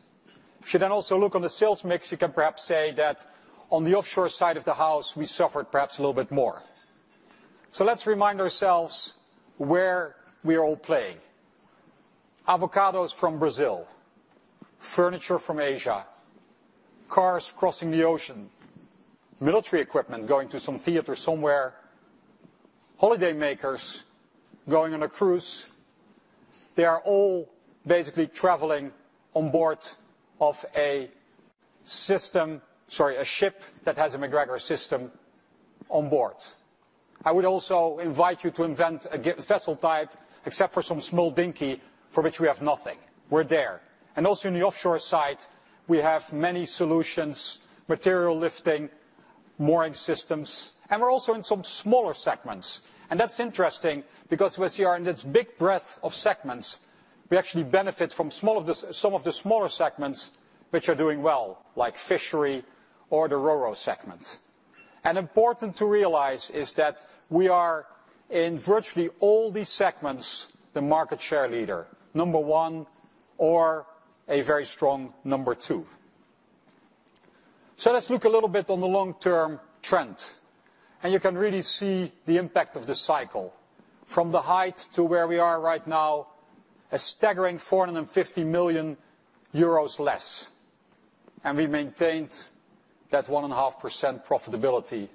You then also look on the sales mix, you can perhaps say that on the offshore side of the house, we suffered perhaps a little bit more. Let's remind ourselves where we all play. Avocados from Brazil, furniture from Asia, cars crossing the ocean, military equipment going to some theater somewhere, holidaymakers going on a cruise. They are all basically traveling on board of a ship that has a MacGregor system on board. I would also invite you to invent a uncertain type, except for some small dinghy for which we have nothing. We're there. Also in the offshore side, we have many solutions, material lifting, mooring systems, and we're also in some smaller segments. That's interesting because we are in this big breadth of segments, we actually benefit from some of the smaller segments which are doing well, like fishery or the ro-ro segment. Important to realize is that we are, in virtually all these segments, the market share leader, number one or a very strong number two. Let's look a little bit on the long-term trend. You can really see the impact of this cycle. From the height to where we are right now, a staggering 450 million euros less, and we maintained that 1.5% profitability.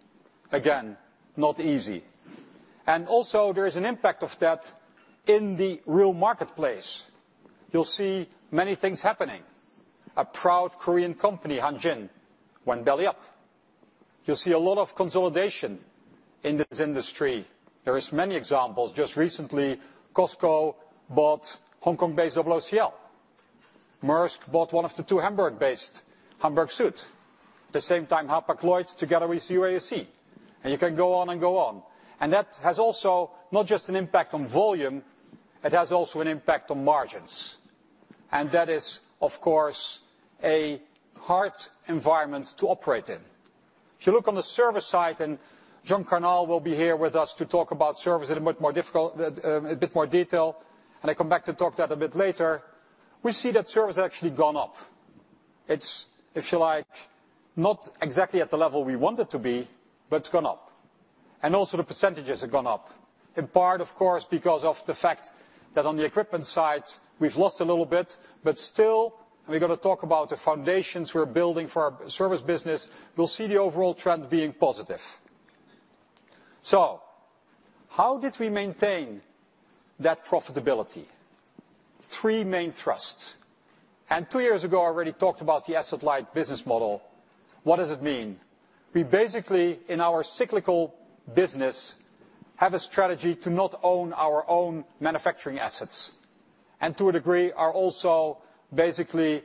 Again, not easy. Also there is an impact of that in the real marketplace. You'll see many things happening. A proud Korean company, Hanjin Shipping, went belly up. You'll see a lot of consolidation in this industry. There is many examples. Just recently, COSCO bought Hong Kong-based OOCL. Maersk bought one of the two Hamburg-based, Hamburg Süd. At the same time, Hapag-Lloyd together with UASC, you can go on and go on. That has also not just an impact on volume, it has also an impact on margins. That is, of course, a hard environment to operate in. If you look on the service side, John Carnall will be here with us to talk about service in a much more detail, I come back to talk that a bit later. We see that service actually gone up. It's, if you like, not exactly at the level we want it to be, but it's gone up. Also the percentages have gone up. In part, of course, because of the fact that on the equipment side, we've lost a little bit, but still, we're gonna talk about the foundations we're building for our service business. We'll see the overall trend being positive. How did we maintain that profitability? 3 main thrusts. 2 years ago, I already talked about the asset-light business model. What does it mean? We basically, in our cyclical business, have a strategy to not own our own manufacturing assets, and to a degree, are also basically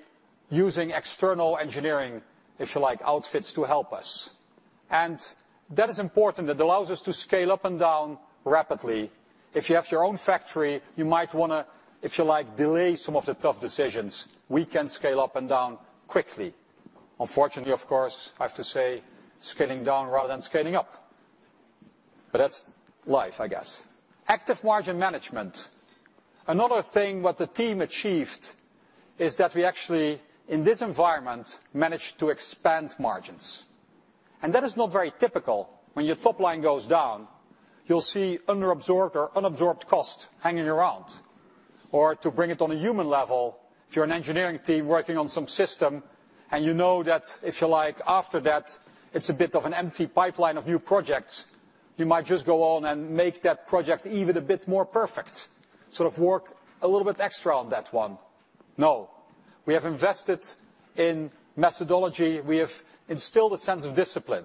using external engineering, if you like, outfits to help us. That is important. It allows us to scale up and down rapidly. If you have your own factory, you might wanna, if you like, delay some of the tough decisions. We can scale up and down quickly. Unfortunately, of course, I have to say scaling down rather than scaling up, but that's life, I guess. Active margin management. Another thing what the team achieved is that we actually, in this environment, managed to expand margins. That is not very typical. When your top line goes down, you'll see underabsorbed or unabsorbed cost hanging around. To bring it on a human level, if you're an engineering team working on some system and you know that, if you like, after that, it's a bit of an empty pipeline of new projects, you might just go on and make that project even a bit more perfect, sort of work a little bit extra on that one. No. We have invested in methodology. We have instilled a sense of discipline.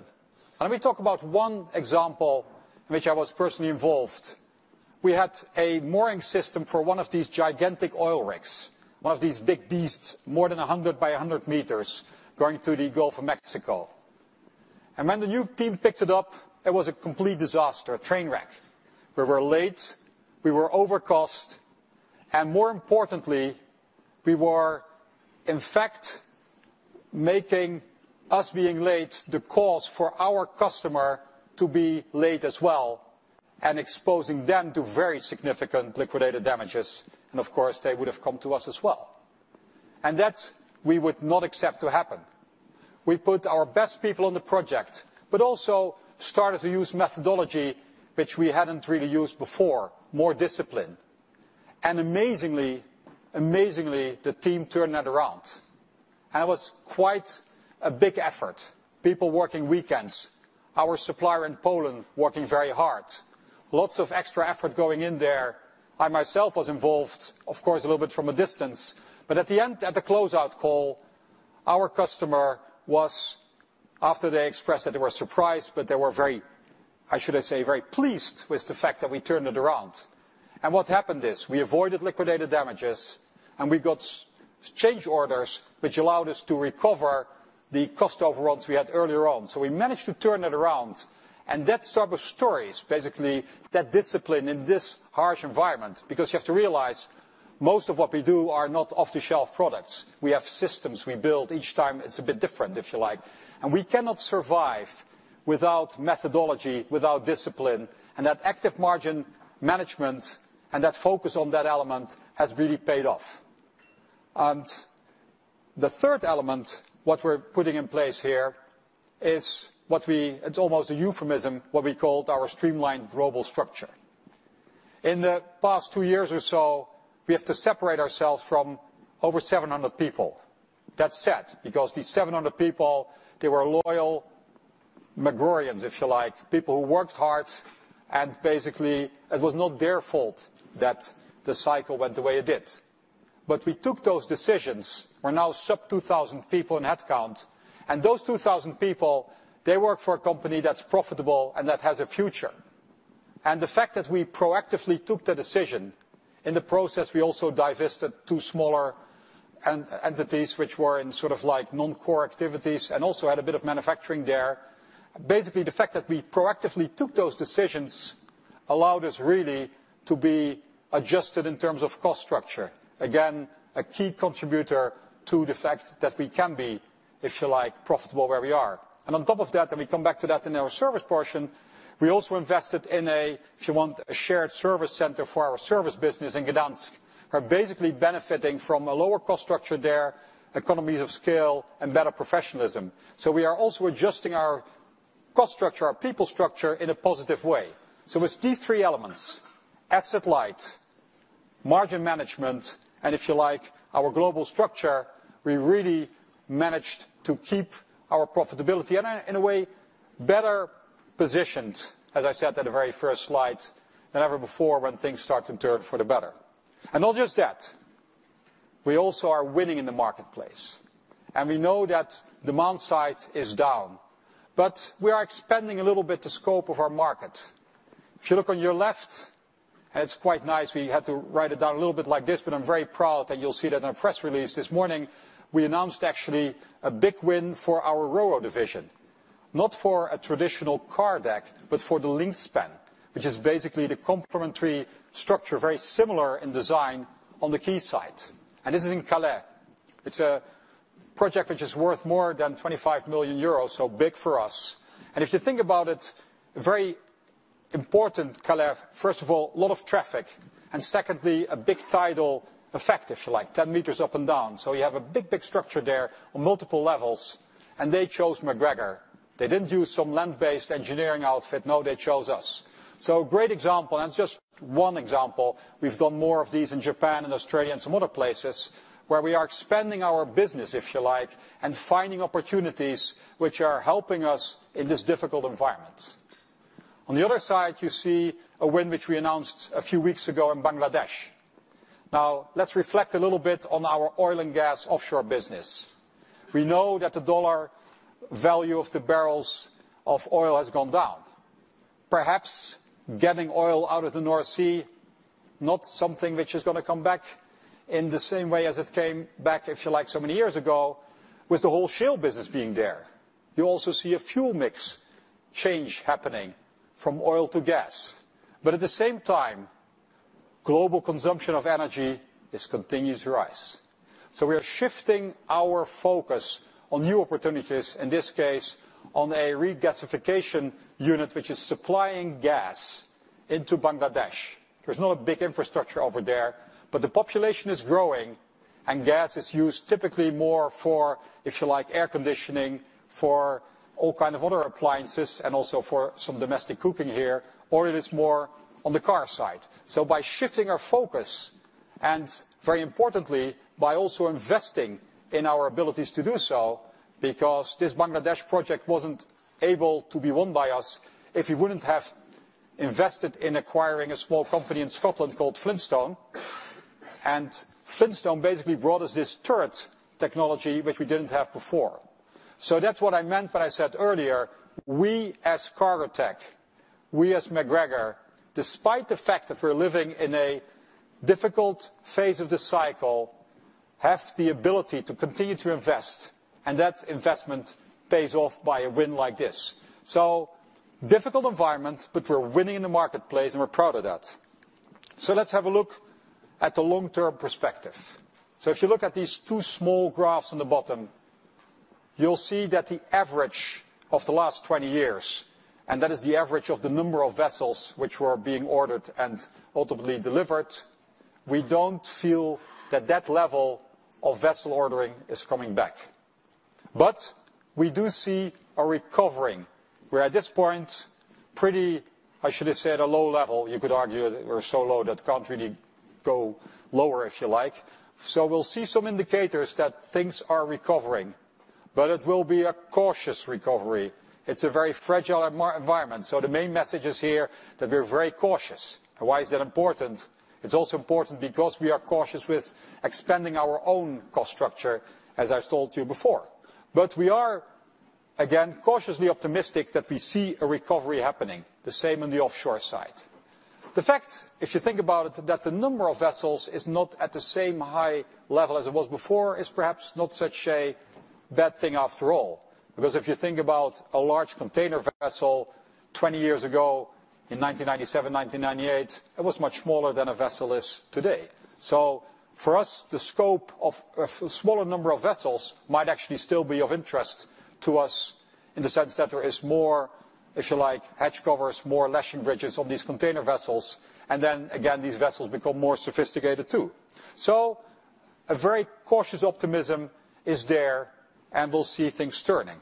Let me talk about one example in which I was personally involved. We had a mooring system for one of these gigantic oil rigs, one of these big beasts, more than 100 by 100 meters, going to the Gulf of Mexico. When the new team picked it up, it was a complete disaster, a train wreck. We were late, we were over cost, and more importantly, we were, in fact, making us being late the cause for our customer to be late as well and exposing them to very significant liquidated damages. Of course, they would have come to us as well. That, we would not accept to happen. We put our best people on the project, but also started to use methodology which we hadn't really used before, more discipline. Amazingly, amazingly, the team turned that around. It was quite a big effort. People working weekends, our supplier in Poland working very hard. Lots of extra effort going in there. I myself was involved, of course, a little bit from a distance. At the end, at the closeout call, our customer was after they expressed that they were surprised, but they were very, how should I say, very pleased with the fact that we turned it around. What happened is we avoided liquidated damages and we got exchange orders which allowed us to recover the cost overruns we had earlier on. We managed to turn it around, and that type of stories, basically, that discipline in this harsh environment. You have to realize, most of what we do are not off-the-shelf products. We have systems we build. Each time it's a bit different, if you like. We cannot survive without methodology, without discipline. That active margin management and that focus on that element has really paid off. The third element, what we're putting in place here, is what we It's almost a euphemism, what we called our streamlined global structure. In the past two years or so, we have to separate ourselves from over 700 people. That's sad, because these 700 people, they were loyal MacGregor employees if you like, people who worked hard and basically it was not their fault that the cycle went the way it did. We took those decisions. We're now sub 2,000 people in head count. Those 2,000 people, they work for a company that's profitable and that has a future. The fact that we proactively took the decision, in the process we also divested two smaller entities which were in sort of like non-core activities and also had a bit of manufacturing there. Basically, the fact that we proactively took those decisions allowed us really to be adjusted in terms of cost structure. Again, a key contributor to the fact that we can be, if you like, profitable where we are. On top of that, and we come back to that in our service portion, we also invested in a, if you want, a shared service center for our service business in Gdansk. Are basically benefiting from a lower cost structure there, economies of scale and better professionalism. We are also adjusting our cost structure, our people structure in a positive way. With these 3 elements, asset light, margin management, and if you like, our global structure, we really managed to keep our profitability. In a way, better positioned, as I said at the very first slide, than ever before when things start to turn for the better. Not just that, we also are winning in the marketplace. We know that demand side is down, but we are expanding a little bit the scope of our market. If you look on your left, it's quite nice, we had to write it down a little bit like this, but I'm very proud that you'll see that in our press release this morning, we announced actually a big win for our RoRo division. Not for a traditional car deck, but for the linkspan, which is basically the complementary structure, very similar in design on the quayside. This is in Calais. It's a project which is worth more than 25 million euros, so big for us. If you think about it, very important, Calais, first of all, a lot of traffic, and secondly, a big tidal effect, if you like, 10 meters up and down. You have a big structure there on multiple levels, and they chose MacGregor. They didn't use some land-based engineering outfit. No, they chose us. Great example, and it's just one example. We've done more of these in Japan and Australia and some other places where we are expanding our business, if you like, and finding opportunities which are helping us in this difficult environment. On the other side, you see a win which we announced a few weeks ago in Bangladesh. Let's reflect a little bit on our oil and gas offshore business. We know that the dollar value of the barrels of oil has gone down. Perhaps getting oil out of the North Sea, not something which is gonna come back in the same way as it came back, if you like, so many years ago, with the whole Shell business being there. You also see a fuel mix change happening from oil to gas. At the same time, global consumption of energy is continues to rise. We are shifting our focus on new opportunities, in this case, on a regasification unit, which is supplying gas into Bangladesh. There's not a big infrastructure over there, but the population is growing, and gas is used typically more for, if you like, air conditioning, for all kind of other appliances and also for some domestic cooking here, or it is more on the car side. By shifting our focus, and very importantly, by also investing in our abilities to do so because this Bangladesh project wasn't able to be won by us if we wouldn't have invested in acquiring a small company in Scotland called Flintstone Technology. Flintstone Technology basically brought us this turret technology which we didn't have before. That's what I meant when I said earlier, we as Cargotec, we as MacGregor, despite the fact that we're living in a difficult phase of the cycle, have the ability to continue to invest, and that investment pays off by a win like this. Difficult environment, but we're winning in the marketplace, and we're proud of that. Let's have a look at the long-term perspective. If you look at these two small graphs on the bottom, you'll see that the average of the last 20 years, and that is the average of the number of vessels which were being ordered and ultimately delivered, we don't feel that that level of vessel ordering is coming back. We do see a recovering. We're at this point, pretty, I should have said, a low level. You could argue that we're so low that can't really go lower, if you like. We'll see some indicators that things are recovering, but it will be a cautious recovery. It's a very fragile mar-environment. The main message is here that we're very cautious. Why is that important? It's also important because we are cautious with expanding our own cost structure, as I've told you before. We are, again, cautiously optimistic that we see a recovery happening, the same on the offshore side. The fact, if you think about it, that the number of vessels is not at the same high level as it was before is perhaps not such a bad thing after all. If you think about a large container vessel 20 years ago in 1997, 1998, it was much smaller than a vessel is today. For us, the scope of a smaller number of vessels might actually still be of interest to us in the sense that there is more, if you like, hatch covers, more latching bridges on these container vessels, and then again, these vessels become more sophisticated too. A very cautious optimism is there, and we'll see things turning.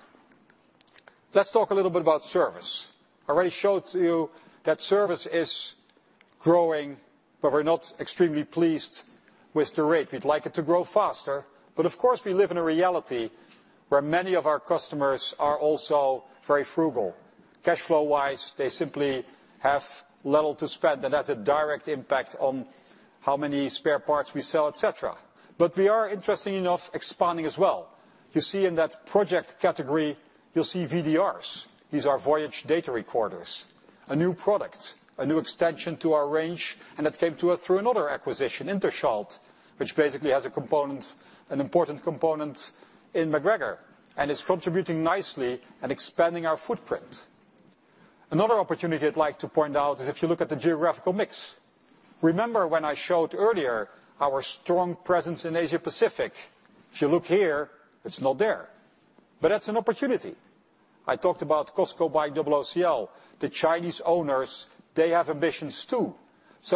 Let's talk a little bit about service. I already showed to you that service is growing. We're not extremely pleased with the rate. We'd like it to grow faster. Of course, we live in a reality where many of our customers are also very frugal. Cash flow-wise, they simply have little to spend. That's a direct impact on how many spare parts we sell, et cetera. We are, interesting enough, expanding as well. You see in that project category, you'll see VDRs. These are voyage data recorders. A new product, a new extension to our range. That came to it through another acquisition, Interschalt, which basically has a component, an important component in MacGregor, and is contributing nicely and expanding our footprint. Another opportunity I'd like to point out is if you look at the geographical mix. Remember when I showed earlier our strong presence in Asia-Pacific. If you look here, it's not there, but that's an opportunity. I talked about COSCO buying OOCL. The Chinese owners, they have ambitions too.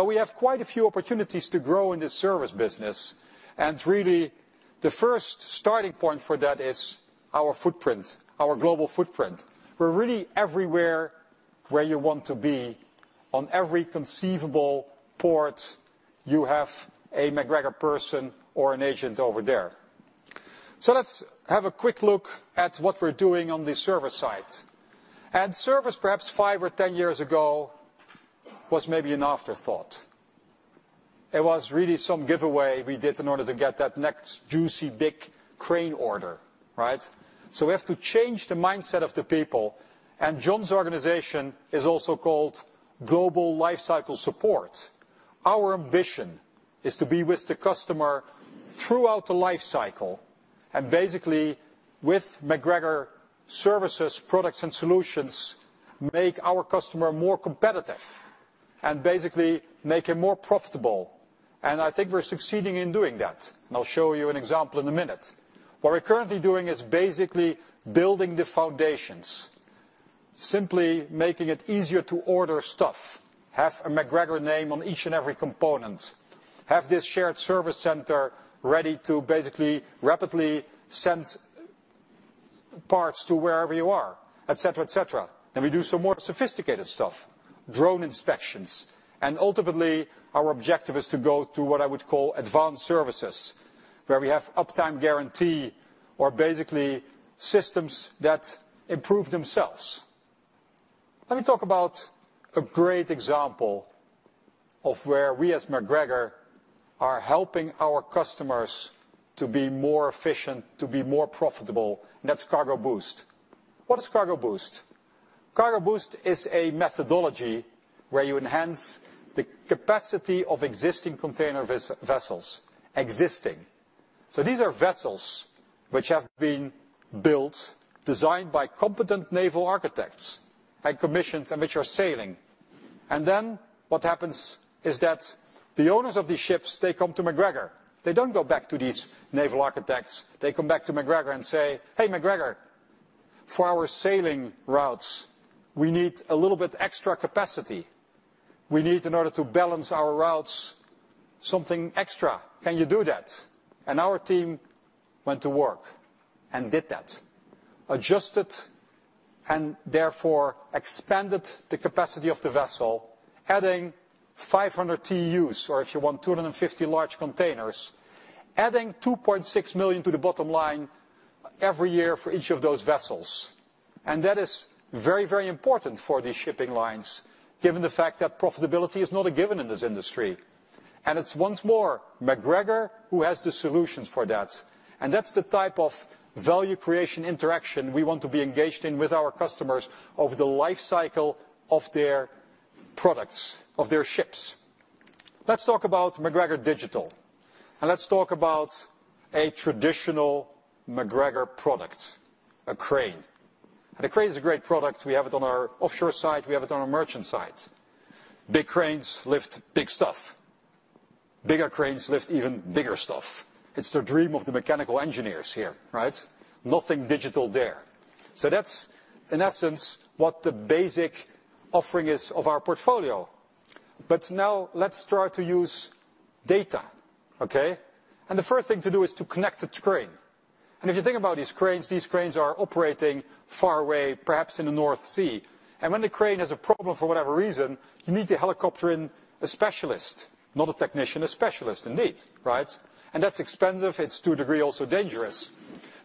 We have quite a few opportunities to grow in the service business, and really the first starting point for that is our footprint, our global footprint. We're really everywhere where you want to be. On every conceivable port, you have a MacGregor person or an agent over there. Let's have a quick look at what we're doing on the service side. Service, perhaps 5 or 10 years ago, was maybe an afterthought. It was really some giveaway we did in order to get that next juicy, big crane order, right? We have to change the mindset of the people, and John's organization is also called Global Lifecycle Support. Our ambition is to be with the customer throughout the lifecycle and basically with MacGregor services, products, and solutions, make our customer more competitive and basically make it more profitable. I think we're succeeding in doing that, and I'll show you an example in a minute. What we're currently doing is basically building the foundations, simply making it easier to order stuff, have a MacGregor name on each and every component, have this shared service center ready to basically rapidly send parts to wherever you are, et cetera, et cetera. We do some more sophisticated stuff, drone inspections, and ultimately our objective is to go to what I would call advanced services, where we have uptime guarantee or basically systems that improve themselves. Let me talk about a great example of where we as MacGregor are helping our customers to be more efficient, to be more profitable, that's Cargo Boost. What is Cargo Boost? Cargo Boost is a methodology where you enhance the capacity of existing container vessels. Existing. These are vessels which have been built, designed by competent naval architects and commissioned and which are sailing. What happens is that the owners of these ships, they come to MacGregor. They don't go back to these naval architects. They come back to MacGregor and say, "Hey, MacGregor, for our sailing routes, we need a little bit extra capacity. We need in order to balance our routes, something extra. Can you do that?" Our team went to work and did that, adjusted and therefore expanded the capacity of the vessel, adding 500 TEUs, or if you want, 250 large containers, adding 2.6 million to the bottom line every year for each of those vessels. That is very, very important for these shipping lines, given the fact that profitability is not a given in this industry. It's once more MacGregor who has the solutions for that. That's the type of value creation interaction we want to be engaged in with our customers over the life cycle of their products, of their ships. Let's talk about MacGregor Digital, and let's talk about a traditional MacGregor product, a crane. A crane is a great product. We have it on our offshore side. We have it on our merchant side. Big cranes lift big stuff. Bigger cranes lift even bigger stuff. It's the dream of the mechanical engineers here, right? Nothing digital there. That's in essence what the basic offering is of our portfolio. Now let's try to use data, okay? The first thing to do is to connect the crane. If you think about these cranes, these cranes are operating far away, perhaps in the North Sea. When the crane has a problem for whatever reason, you need to helicopter in a specialist, not a technician, a specialist indeed, right? That's expensive. It's to a degree, also dangerous.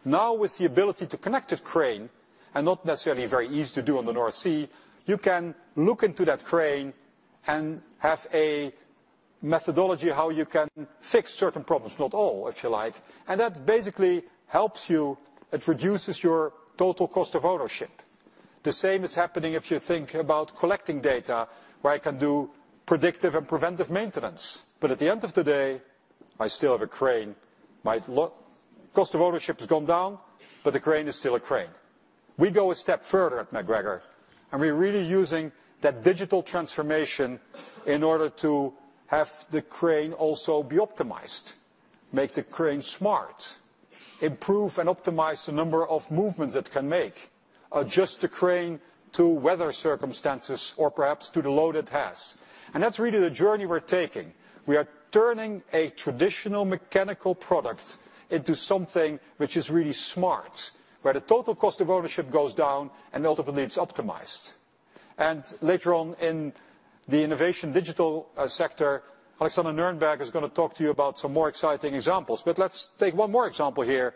Now, with the ability to connect a crane, and not necessarily very easy to do on the North Sea, you can look into that crane and have a methodology how you can fix certain problems. Not all, if you like. That basically helps you. It reduces your total cost of ownership. The same is happening if you think about collecting data where I can do predictive and preventive maintenance. At the end of the day, I still have a crane. My cost of ownership has gone down, but the crane is still a crane. We go a step further at MacGregor, and we're really using that digital transformation in order to have the crane also be optimized, make the crane smart, improve and optimize the number of movements it can make, adjust the crane to weather circumstances or perhaps to the load it has. That's really the journey we're taking. We are turning a traditional mechanical product into something which is really smart, where the total cost of ownership goes down and ultimately it's optimized. Later on in the innovation digital sector, Alexander Nürnberg is going to talk to you about some more exciting examples. Let's take one more example here,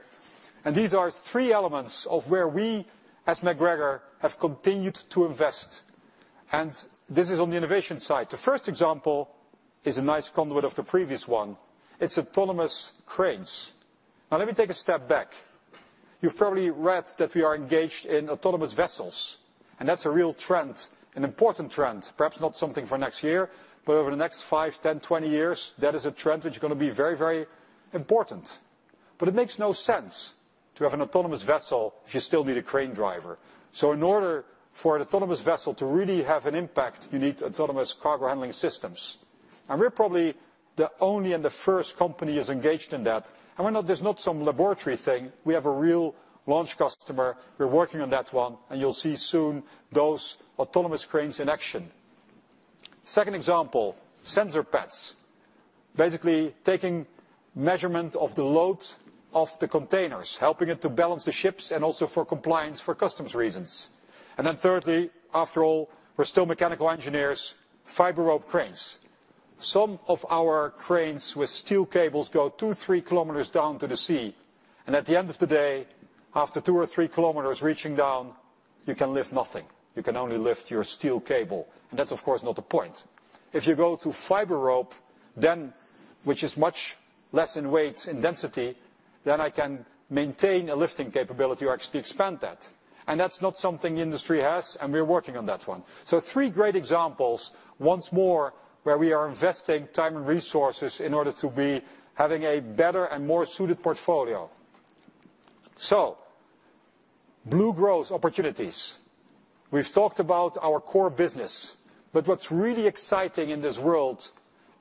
and these are three elements of where we, as MacGregor, have continued to invest. This is on the innovation side. The first example is a nice conduit of the previous one. It's autonomous cranes. Now, let me take a step back. You've probably read that we are engaged in autonomous vessels, and that's a real trend, an important trend. Perhaps not something for next year, but over the next 5, 10, 20 years, that is a trend which is going to be very, very important. It makes no sense to have an autonomous vessel if you still need a crane driver. In order for an autonomous vessel to really have an impact, you need autonomous cargo handling systems. We're probably the only and the first company who's engaged in that. This not some laboratory thing. We have a real launch customer. We're working on that one, and you'll see soon those autonomous cranes in action. Second example, sensor pads. Basically taking measurement of the load of the containers, helping it to balance the ships and also for compliance for customs reasons. Thirdly, after all, we're still mechanical engineers, fiber rope cranes. Some of our cranes with steel cables go two, three kilometers down to the sea. At the end of the day, after two orthree kilometers reaching down, you can lift nothing. You can only lift your steel cable. That's, of course, not the point. If you go to fiber rope, which is much less in weight and density, then I can maintain a lifting capability or actually expand that. That's not something the industry has, and we're working on that one. Three great examples, once more, where we are investing time and resources in order to be having a better and more suited portfolio. Blue growth opportunities. We've talked about our core business, but what's really exciting in this world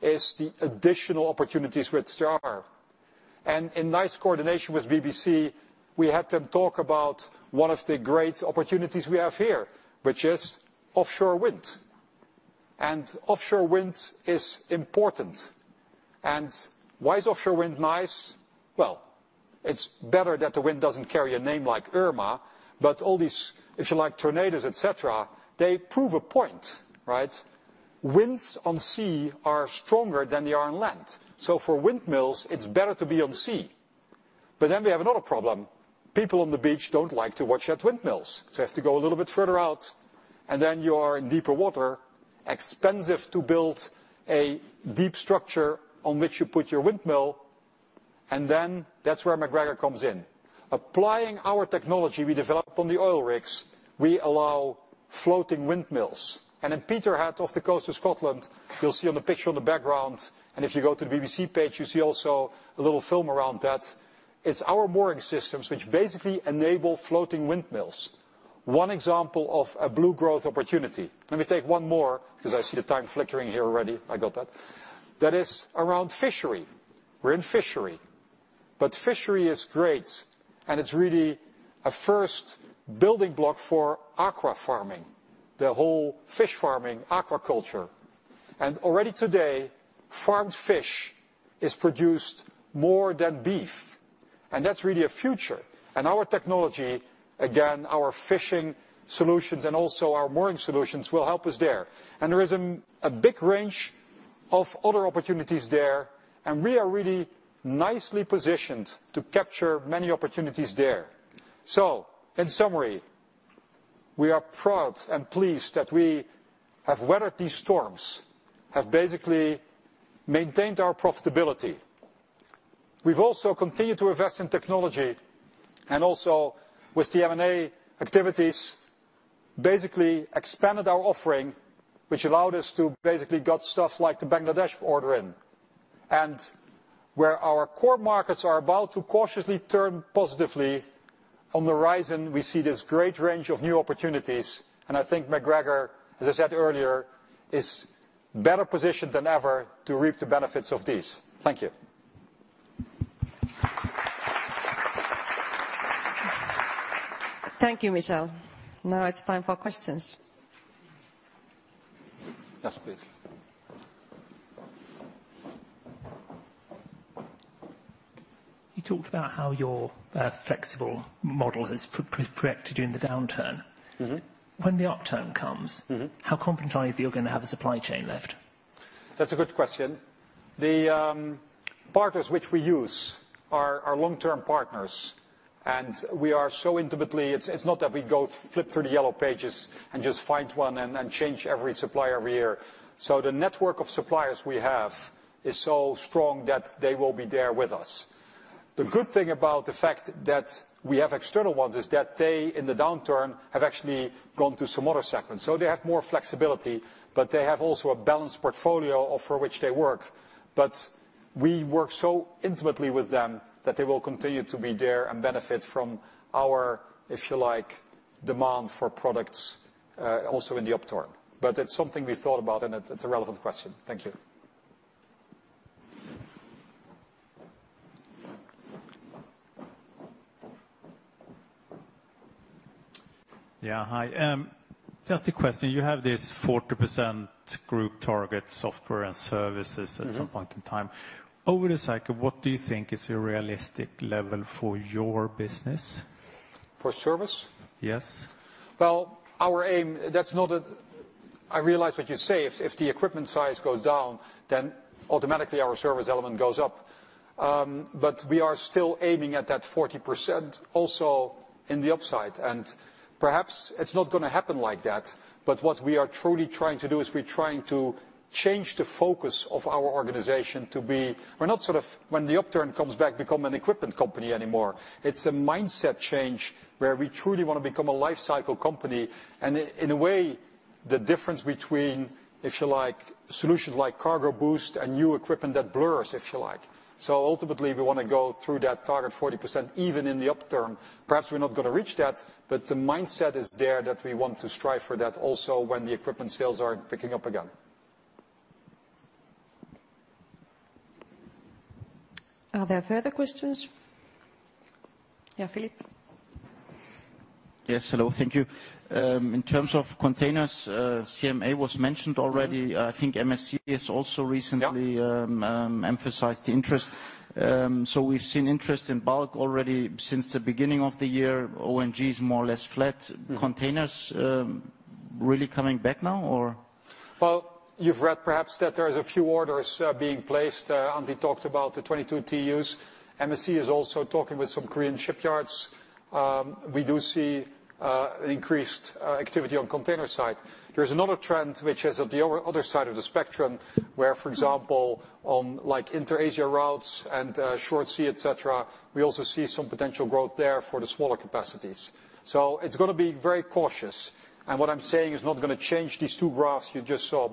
is the additional opportunities which there are. In nice coordination with BBC, we had them talk about one of the great opportunities we have here, which is offshore wind. Offshore wind is important. Why is offshore wind nice? It's better that the wind doesn't carry a name like Irma, all these, if you like, tornadoes, etc., they prove a point, right? Winds on sea are stronger than they are on land. For windmills, it's better to be on sea. We have another problem. People on the beach don't like to watch at windmills, you have to go a little bit further out. You are in deeper water, expensive to build a deep structure on which you put your windmill, that's where MacGregor comes in. Applying our technology we developed on the oil rigs, we allow floating windmills. In Peterhead, off the coast of Scotland, you'll see on the picture in the background, if you go to the BBC page, you see also a little film around that. It's our mooring systems which basically enable floating windmills. One example of a blue growth opportunity. Let me take one more, 'cause I see the time flickering here already. I got that. That is around fishery. We're in fishery. Fishery is great, and it's really a first building block for aqua farming, the whole fish farming, aquaculture. Already today, farmed fish is produced more than beef, and that's really a future. Our technology, again, our fishing solutions and also our mooring solutions, will help us there. There is a big range of other opportunities there, and we are really nicely positioned to capture many opportunities there. In summary, we are proud and pleased that we have weathered these storms, have basically maintained our profitability. We've also continued to invest in technology and also with the M&A activities, basically expanded our offering, which allowed us to basically got stuff like the Bangladesh order in. Where our core markets are about to cautiously turn positively, on the horizon, we see this great range of new opportunities. I think MacGregor, as I said earlier, is better positioned than ever to reap the benefits of these. Thank you. Thank you, Michel. Now it's time for questions. Yes, please. You talked about how your flexible model has protected you in the downturn. Mm-hmm. When the upturn comes- Mm-hmm. How confident are you that you're gonna have a supply chain left? That's a good question. The partners which we use are long-term partners. We are so intimately. It's not that we go flip through the yellow pages and just find one and change every supplier every year. The network of suppliers we have is so strong that they will be there with us. The good thing about the fact that we have external ones is that they, in the downturn, have actually gone to some other segments. They have more flexibility, but they have also a balanced portfolio of for which they work. We work so intimately with them that they will continue to be there and benefit from our, if you like, demand for products, also in the upturn. It's something we thought about, and it's a relevant question. Thank you. Yeah. Hi. Just a question. You have this 40% group target software and services at some point in time. Mm-hmm. Over the cycle, what do you think is a realistic level for your business? For service? Yes. Our aim, that's not. I realize what you say. If the equipment size goes down, then automatically our service element goes up. We are still aiming at that 40% also in the upside. Perhaps it's not gonna happen like that, but what we are truly trying to do is we're trying to change the focus of our organization. We're not sort of, when the upturn comes back, become an equipment company anymore. It's a mindset change where we truly wanna become a lifecycle company. In a way, the difference between, if you like, solutions like Cargo Boost and new equipment, that blurs, if you like. Ultimately, we wanna go through that target 40%, even in the upturn. Perhaps we're not gonna reach that, but the mindset is there that we want to strive for that also when the equipment sales are picking up again. Are there further questions? Yeah, Philip. Yes. Hello, thank you. In terms of containers, CMA was mentioned already. Mm-hmm. I think MSC has also recently- Yeah... emphasized interest. We've seen interest in bulk already since the beginning of the year. ONG is more or less flat. Mm. Containers, really coming back now or? You've read perhaps that there is a few orders being placed. Antti talked about the 22 TEUs. MSC is also talking with some Korean shipyards. We do see increased activity on container side. There's another trend which is at the other side of the spectrum, where, for example, on like intra-Asia routes and short sea, et cetera, we also see some potential growth there for the smaller capacities. It's gonna be very cautious. What I'm saying is not gonna change these two graphs you just saw.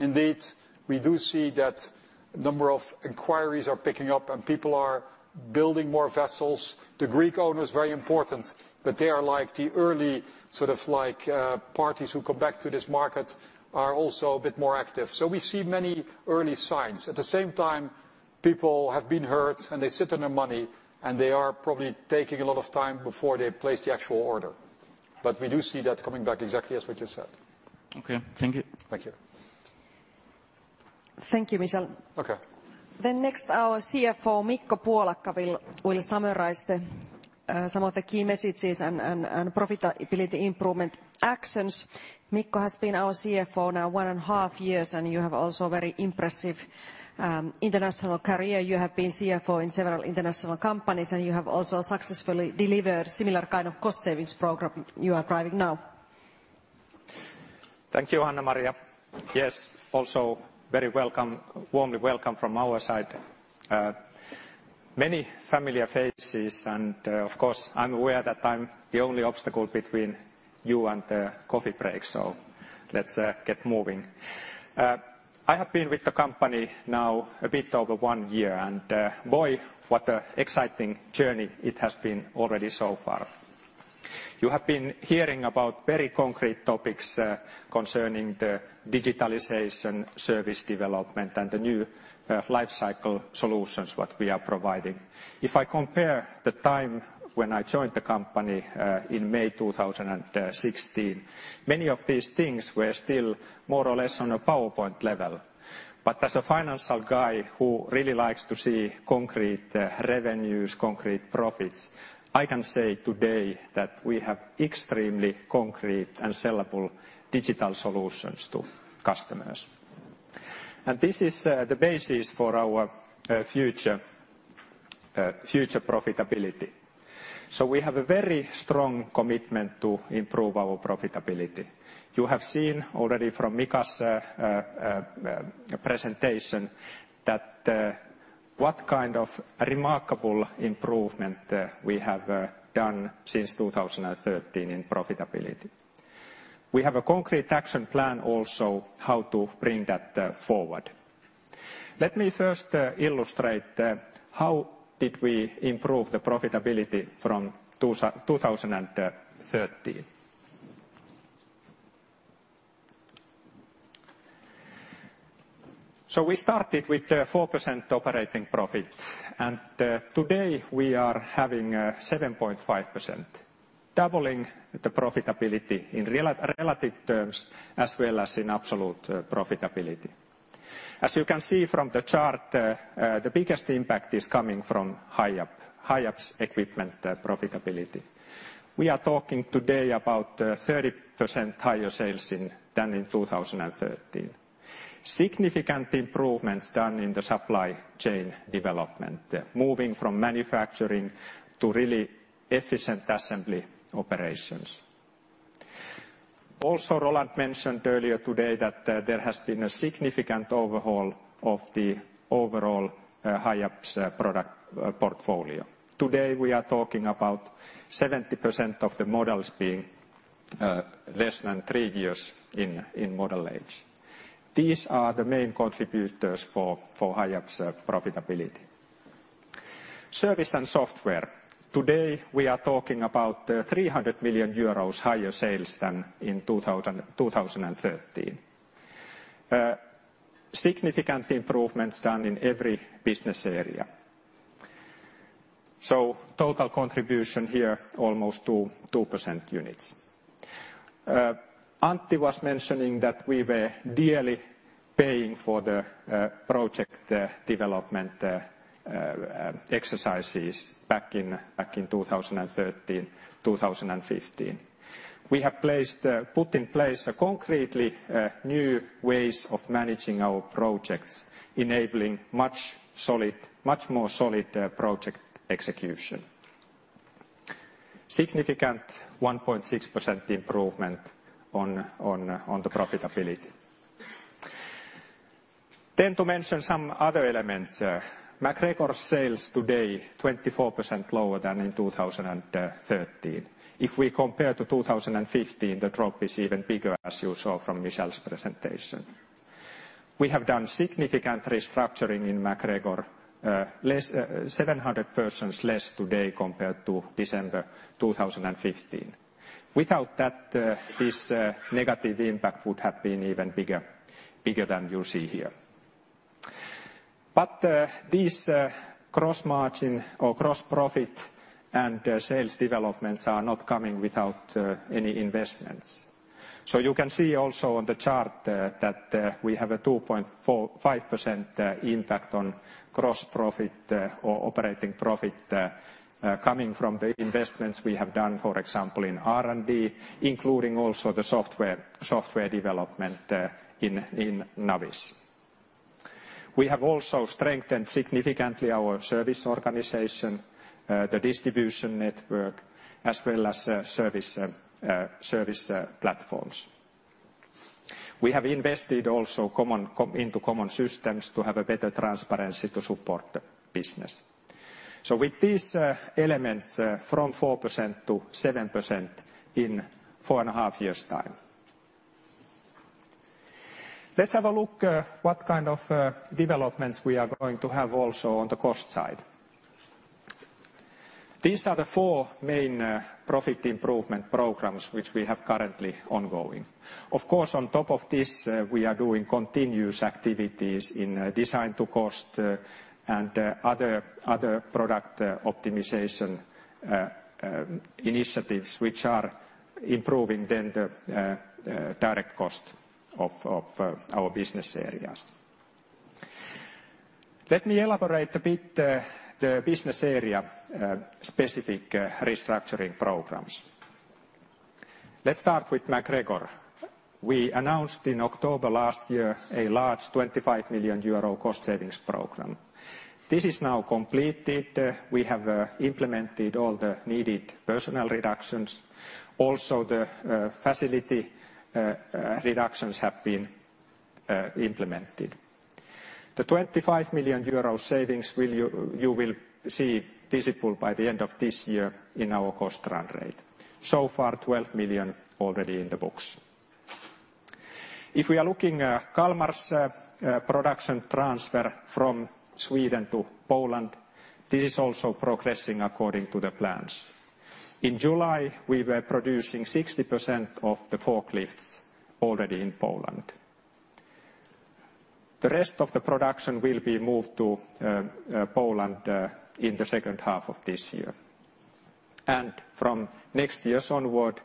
Indeed, we do see that number of inquiries are picking up and people are building more vessels. The Greek owner is very important, that they are like the early sort of like parties who come back to this market, are also a bit more active. We see many early signs. At the same time, people have been hurt, and they sit on their money, and they are probably taking a lot of time before they place the actual order. We do see that coming back exactly as what you said. Okay. Thank you. Thank you. Thank you, Michel. Okay. Next, our CFO, Mikko Puolakka, will summarize the some of the key messages and profitability improvement actions. Mikko has been our CFO now one and half years, and you have also very impressive international career. You have been CFO in several international companies, and you have also successfully delivered similar kind of cost savings program you are driving now. Thank you, Hannah-Maria. Also very welcome, warmly welcome from our side. Many familiar faces and, of course, I'm aware that I'm the only obstacle between you and the coffee break, so let's get moving. I have been with the company now a bit over one year, and boy, what a exciting journey it has been already so far. You have been hearing about very concrete topics concerning the digitalization, service development, and the new lifecycle solutions what we are providing. If I compare the time when I joined the company in May 2016, many of these things were still more or less on a PowerPoint level. As a financial guy who really likes to see concrete revenues, concrete profits, I can say today that we have extremely concrete and sellable digital solutions to customers. This is the basis for our future future profitability. We have a very strong commitment to improve our profitability. You have selMikael presentation that what kind of remarkable improvement we have done since 2013 in profitability. We have a concrete action plan also how to bring that forward. Let me first illustrate how did we improve the profitability from 2013. We started with 4% operating profit, and today, we are having 7.5%, doubling the profitability in relative terms as well as in absolute profitability. As you can see from the chart, the biggest impact is coming from Hiab's equipment profitability. We are talking today about 30% higher sales than in 2013. Significant improvements done in the supply chain development, moving from manufacturing to really efficient assembly operations. Also, Roland mentioned earlier today that there has been a significant overhaul of the overall Hiab's product portfolio. Today, we are talking about 70% of the models being less than three years in model age. These are the main contributors for Hiab's profitability. Service and software. Today, we are talking about 300 million euros higher sales than in 2013. Significant improvements done in every business area. Total contribution here, almost 2% units. Antti was mentioning that we were dearly paying for the project development exercises back in 2013, 2015. We have put in place concretely new ways of managing our projects, enabling much more solid project execution. Significant 1.6% improvement on the profitability. To mention some other elements, MacGregor's sales today 24% lower than in 2013. If we compare to 2015, the drop is even bigger as you saw from Michel's presentation. We have done significant restructuring in MacGregor, 700 persons less today compared to December 2015. Without that, this negative impact would have been even bigger than you see here. These cross-margin or cross-profit and sales developments are not coming without any investments. You can see also on the chart that we have a 2.45% impact on cross-profit or operating profit coming from the investments we have done, for example, in R&D, including also the software development in Navis. We have also strengthened significantly our service organization, the distribution network, as well as service platforms. We have invested also common into common systems to have a better transparency to support the business. With these elements, from 4%-7% in four and a half years' time. Let's have a look what kind of developments we are going to have also on the cost side. These are the 4 main profit improvement programs which we have currently ongoing. Of course, on top of this, we are doing continuous activities in design to cost and other product optimization initiatives which are improving then the direct cost of our business areas. Let me elaborate a bit the business area specific restructuring programs. Let's start with MacGregor. We announced in October last year a large 25 million euro cost savings program. This is now completed. We have implemented all the needed personnel reductions, also the facility reductions have been implemented. The 25 million euro savings you will see visible by the end of this year in our cost run rate. So far, 12 million already in the books. If we are looking, Kalmar's production transfer from Sweden to Poland, this is also progressing according to the plans. In July, we were producing 60% of the forklifts already in Poland. The rest of the production will be moved to Poland in the second half of this year. From next years onwards,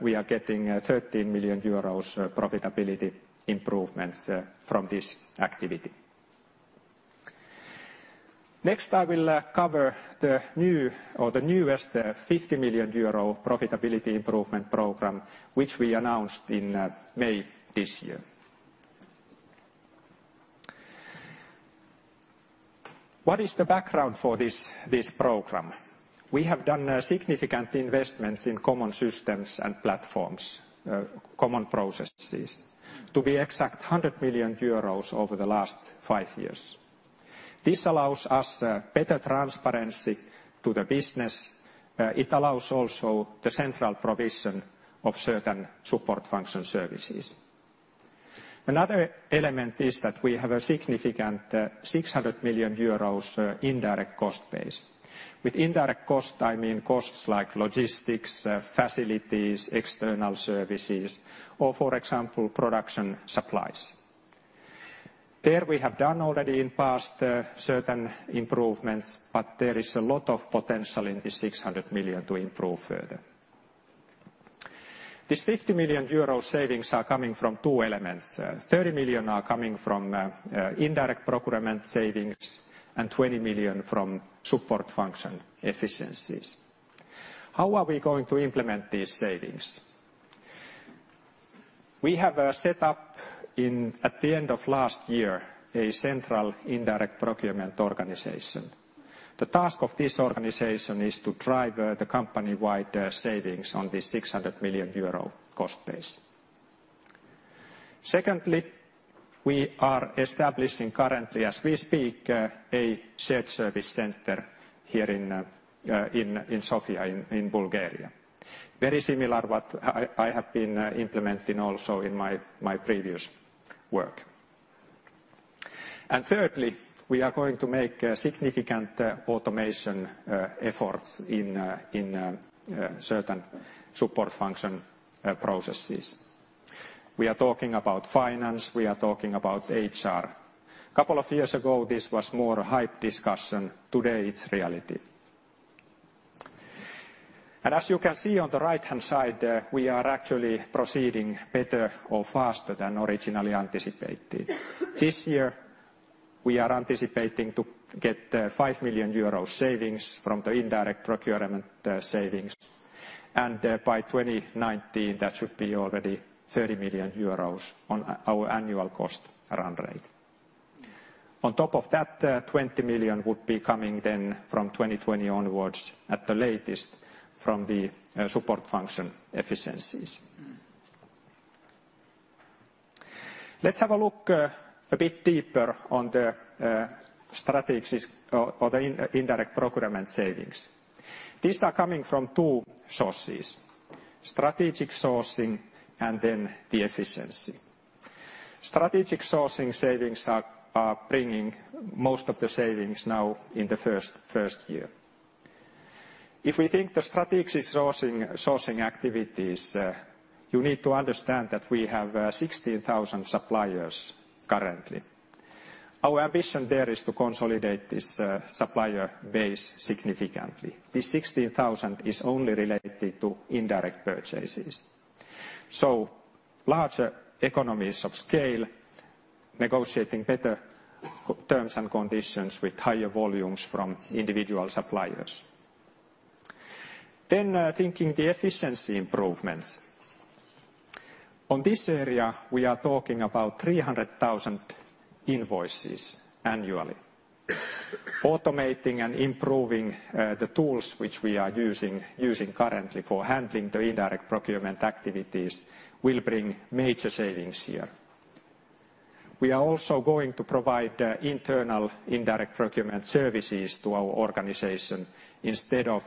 we are getting 13 million euros profitability improvements from this activity. Next, I will cover the new or the newest 50 million euro profitability improvement program, which we announced in May this year. What is the background for this program? We have done significant investments in common systems and platforms, common processes, to be exact, 100 million euros over the last five years. This allows us better transparency to the business. It allows also the central provision of certain support function services. Another element is that we have a significant, 600 million euros, indirect cost base. With indirect cost, I mean, costs like logistics, facilities, external services, or for example, production supplies. There we have done already in past certain improvements, but there is a lot of potential in this 600 million to improve further. These 50 million euro savings are coming from two elements. 30 million are coming from indirect procurement savings and 20 million from support function efficiencies. How are we going to implement these savings? We have set up in, at the end of last year, a central indirect procurement organization. The task of this organization is to drive the company-wide savings on this 600 million euro cost base. Secondly, we are establishing currently, as we speak, a shared service center here in Sofia, in Bulgaria. Very similar what I have been implementing also in my previous work. Thirdly, we are going to make significant automation efforts in certain support function processes. We are talking about finance, we are talking about HR. Couple of years ago, this was more a hype discussion, today it's reality. As you can see on the right-hand side, we are actually proceeding better or faster than originally anticipated. This year, we are anticipating to get 5 million euros savings from the indirect procurement savings. By 2019, that should be already 30 million euros on our annual cost run rate. On top of that, 20 million would be coming then from 2020 onwards at the latest from the support function efficiencies. Let's have a look a bit deeper on the strategies or the indirect procurement savings. These are coming from two sources, strategic sourcing and then the efficiency. Strategic sourcing savings are bringing most of the savings now in the first year. If we think the strategic sourcing activities, you need to understand that we have 16,000 suppliers currently. Our ambition there is to consolidate this supplier base significantly. This 16,000 is only related to indirect purchases. Larger economies of scale, negotiating better terms and conditions with higher volumes from individual suppliers. Thinking the efficiency improvements. On this area, we are talking about 300,000 invoices annually. Automating and improving the tools which we are using currently for handling the indirect procurement activities will bring major savings here. We are also going to provide internal indirect procurement services to our organization instead of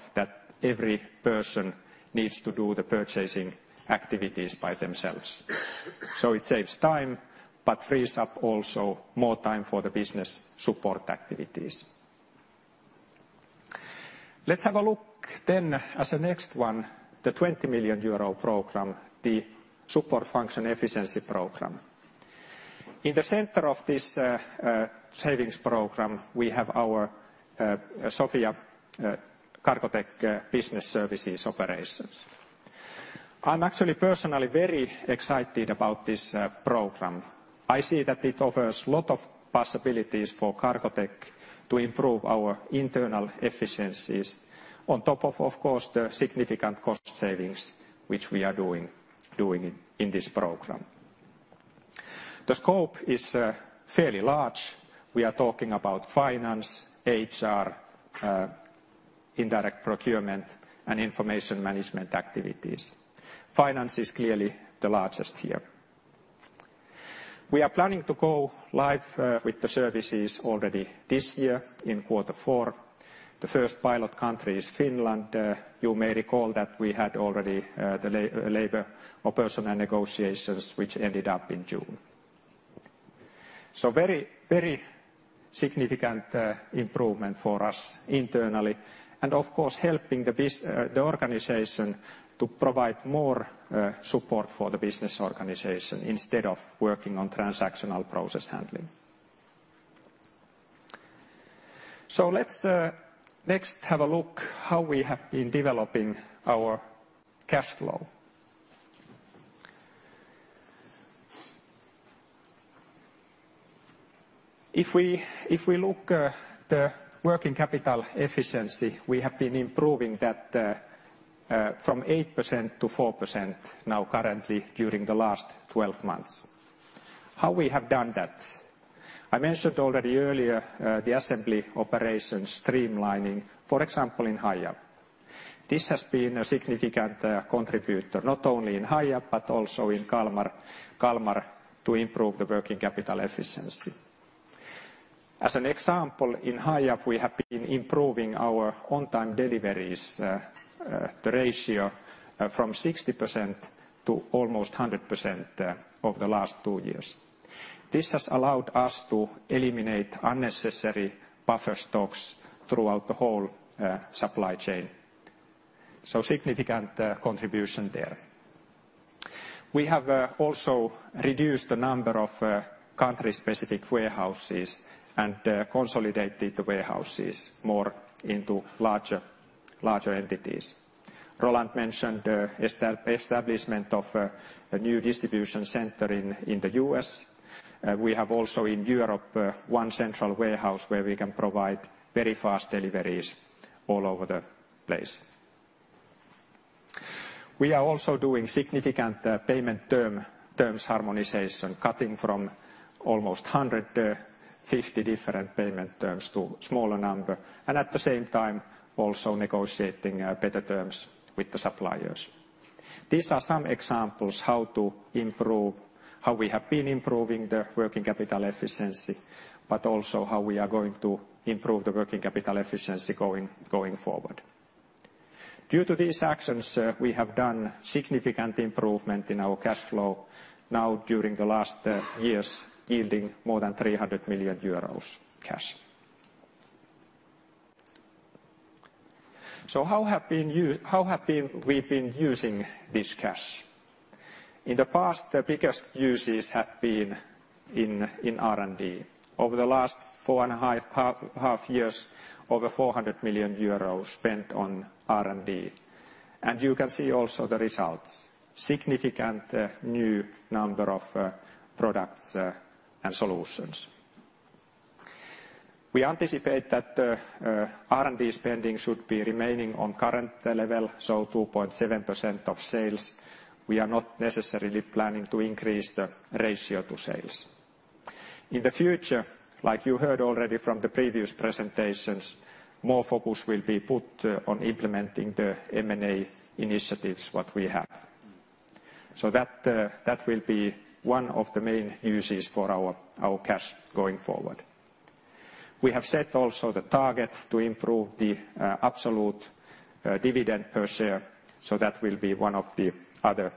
that every person needs to do the purchasing activities by themselves. It saves time, but frees up also more time for the business support activities. Let's have a look as a next one, the 20 million euro program, the support function efficiency program. In the center of this savings program, we have our Sofia, Cargotec Business Services operations. I'm actually personally very excited about this program. I see that it offers lot of possibilities for Cargotec to improve our internal efficiencies on top of course, the significant cost savings which we are doing in this program. The scope is fairly large. We are talking about finance, HR, indirect procurement, and information management activities. Finance is clearly the largest here. We are planning to go live with the services already this year in quarter four. The first pilot country is Finland. You may recall that we had already the labor or personnel negotiations which ended up in June. Very, very significant improvement for us internally and of course helping the organization to provide more support for the business organization instead of working on transactional process handling. Let's next have a look how we have been developing our cash flow. If we look, the working capital efficiency, we have been improving that from 8% to 4% now currently during the last 12 months. How we have done that? I mentioned already earlier, the assembly operations streamlining, for example, in Stargard. This has been a significant contributor, not only in Stargard, but also in Kalmar to improve the working capital efficiency. As an example, in Stargard we have been improving our on-time deliveries, the ratio from 60% to almost 100% over the last two years. This has allowed us to eliminate unnecessary buffer stocks throughout the whole supply chain. Significant contribution there. We have also reduced the number of country-specific warehouses and consolidated the warehouses more into larger entities. Roland mentioned, establishment of a new distribution center in the U.S. We have also in Europe, one central warehouse where we can provide very fast deliveries all over the place. We are also doing significant payment terms harmonization, cutting from almost 150 different payment terms to smaller number, and at the same time also negotiating better terms with the suppliers. These are some examples how we have been improving the working capital efficiency, but also how we are going to improve the working capital efficiency going forward. Due to these actions, we have done significant improvement in our cash flow now during the last years, yielding more than 300 million euros cash. How have been we've been using this cash? In the past, the biggest uses have been in R&D. Over the last four and a half years, over 400 million euros spent on R&D. You can see also the results, significant new number of products and solutions. We anticipate that R&D spending should be remaining on current level, so 2.7% of sales. We are not necessarily planning to increase the ratio to sales. In the future, like you heard already from the previous presentations, more focus will be put on implementing the M&A initiatives, what we have. That will be one of the main uses for our cash going forward. We have set also the target to improve the absolute dividend per share. That will be one of the other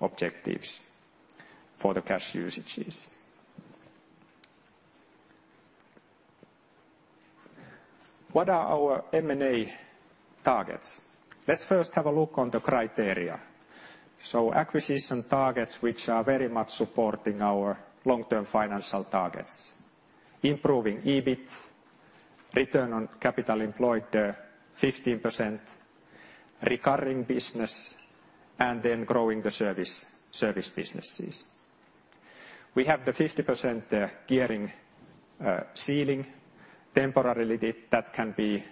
objectives for the cash usages. What are our M&A targets? Let's first have a look on the criteria. Acquisition targets which are very much supporting our long-term financial targets, improving EBIT, return on capital employed, 15%, recurring business, and then growing the service businesses. We have the 50% gearing ceiling temporarily that can be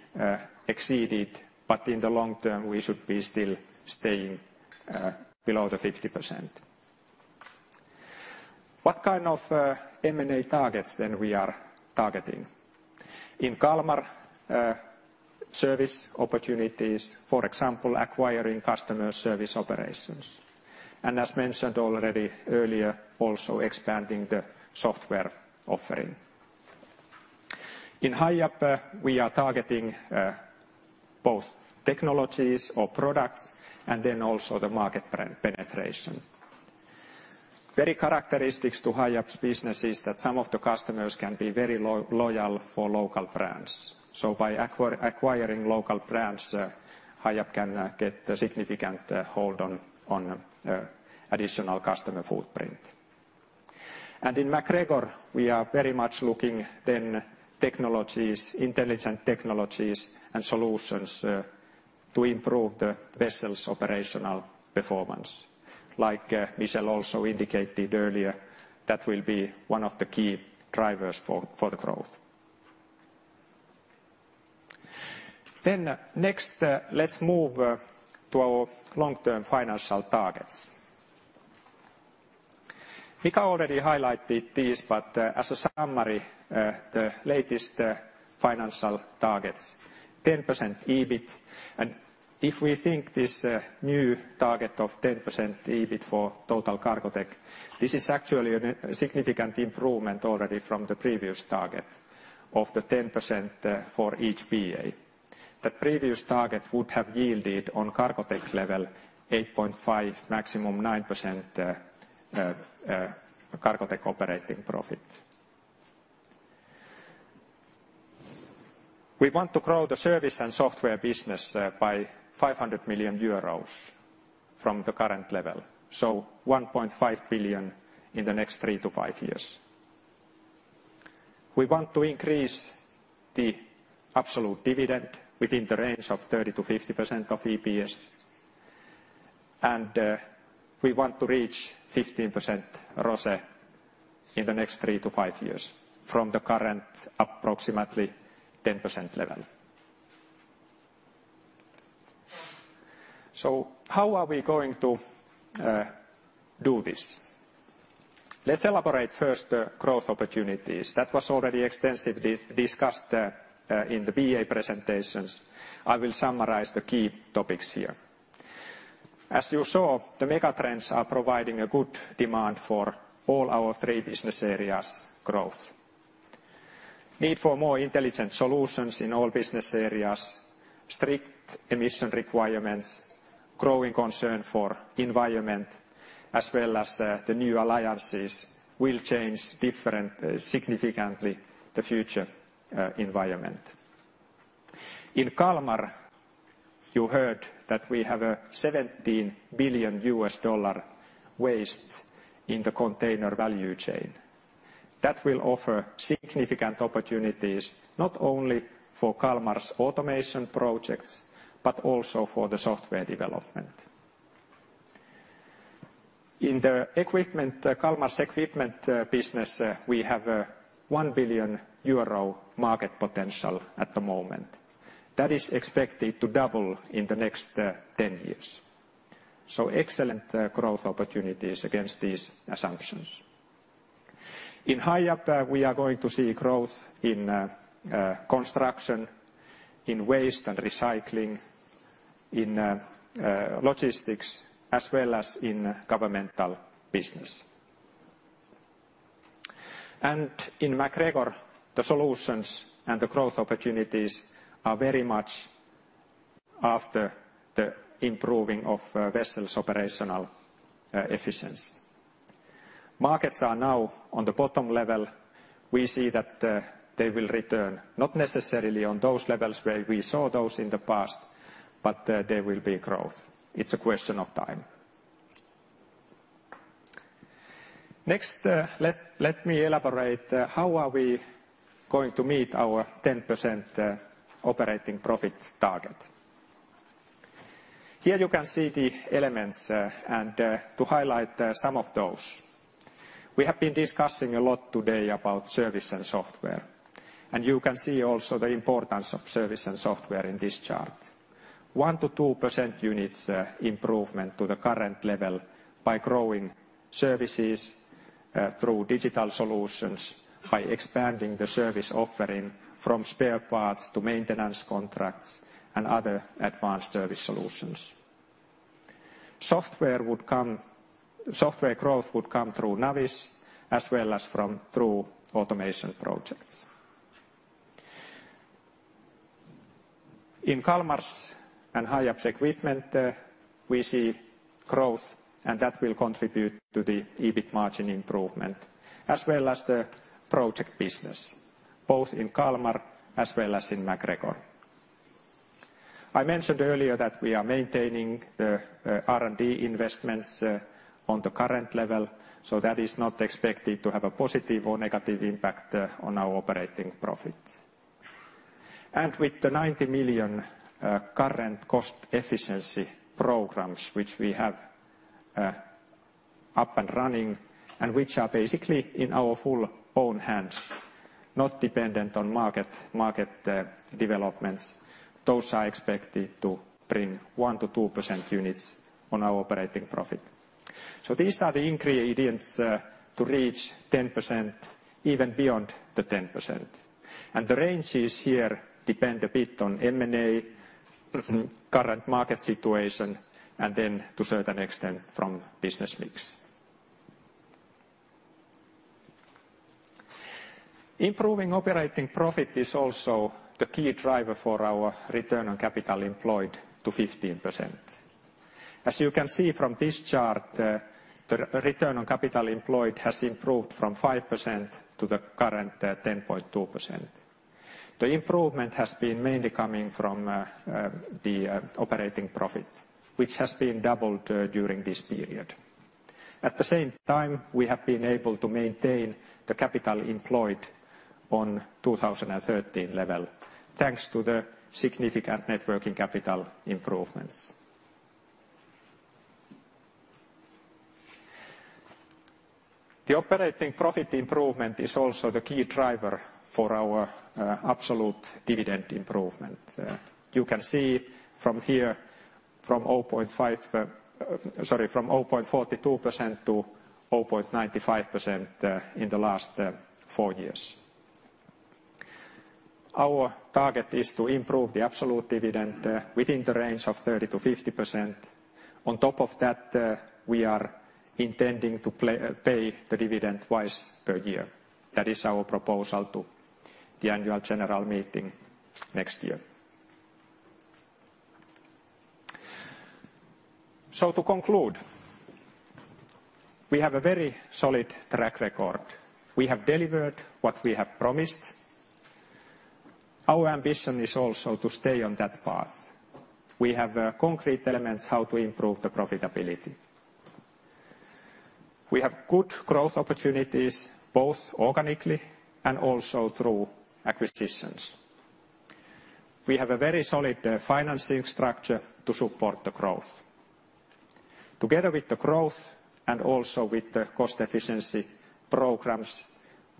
exceeded, but in the long term, we should be still staying below the 50%. What kind of M&A targets then we are targeting? In Kalmar, service opportunities, for example, acquiring customer service operations. As mentioned already earlier, also expanding the software offering. In Hiab, we are targeting both technologies or products and then also the market penetration. Very characteristics to Hiab's business is that some of the customers can be very loyal for local brands. By acquiring local brands, Hiab can get a significant hold on additional customer footprint. In MacGregor, we are very much looking then technologies, intelligent technologies and solutions to improve the vessels' operational performance. Like Michel also indicated earlier, that will be one of the key drivers for the growth. Next, let's move to our long-term financial targets. Mikael already highlighted these, but as a summary, the latest financial targets, 10% EBIT. If we think this new target of 10% EBIT for total Cargotec, this is actually a significant improvement already from the previous target of the 10% for each BA. The previous target would have yielded on Cargotec's level, 8.5, maximum 9% Cargotec operating profit. We want to grow the service and software business by 500 million euros from the current level, so 1.5 billion in the next three-five years. We want to increase the absolute dividend within the range of 30%-50% of EPS, and we want to reach 15% ROCE in the next three-five years from the current approximately 10% level. How are we going to do this? Let's elaborate first growth opportunities. That was already extensively discussed in the BA presentations. I will summarize the key topics here. As you saw, the megatrends are providing a good demand for all our three business areas' growth. Need for more intelligent solutions in all business areas, strict emission requirements, growing concern for environment, as well as the new alliances will change significantly the future environment. In Kalmar, you heard that we have a $17 billion waste in the container value chain. That will offer significant opportunities not only for Kalmar's automation projects, but also for the software development. In the equipment, Kalmar's equipment business, we have a 1 billion euro market potential at the moment. That is expected to double in the next 10 years. Excellent growth opportunities against these assumptions. In Hiab, we are going to see growth in construction, in waste and recycling, in logistics, as well as in governmental business. In MacGregor, the solutions and the growth opportunities are very much after the improving of vessels' operational efficiency. Markets are now on the bottom level. We see that they will return, not necessarily on those levels where we saw those in the past, but there will be growth. It's a question of time. Next, let me elaborate how are we going to meet our 10% operating profit target. Here you can see the elements and to highlight some of those. We have been discussing a lot today about service and software. You can see also the importance of service and software in this chart. 1%-2% units improvement to the current level by growing services through digital solutions, by expanding the service offering from spare parts to maintenance contracts and other advanced service solutions. Software growth would come through Navis as well as from true automation projects. In Kalmar's and Hiab's equipment, we see growth and that will contribute to the EBIT margin improvement as well as the project business, both in Kalmar as well as in MacGregor. I mentioned earlier that we are maintaining the R&D investments on the current level, that is not expected to have a positive or negative impact on our operating profit. With the 90 million current cost efficiency programs which we have up and running and which are basically in our full own hands, not dependent on market developments, those are expected to bring 1-2% units on our operating profit. These are the ingredients to reach 10%, even beyond the 10%. The ranges here depend a bit on M&A, current market situation, and to a certain extent from business mix. Improving operating profit is also the key driver for our return on capital employed to 15%. As you can see from this chart, the return on capital employed has improved from 5% to the current 10.2%. The improvement has been mainly coming from the operating profit, which has been doubled during this period. We have been able to maintain the capital employed on 2013 level thanks to the significant networking capital improvements. The operating profit improvement is also the key driver for our absolute dividend improvement. You can see from here from 0.5, sorry, from 0.42% to 0.95%, in the last four years. Our target is to improve the absolute dividend within the range of 30%-50%. On top of that, we are intending to pay the dividend twice per year. That is our proposal to the annual general meeting next year. To conclude, we have a very solid track record. We have delivered what we have promised. Our ambition is also to stay on that path. We have concrete elements how to improve the profitability. We have good growth opportunities both organically and also through acquisitions. We have a very solid financing structure to support the growth. Together with the growth and also with the cost efficiency programs,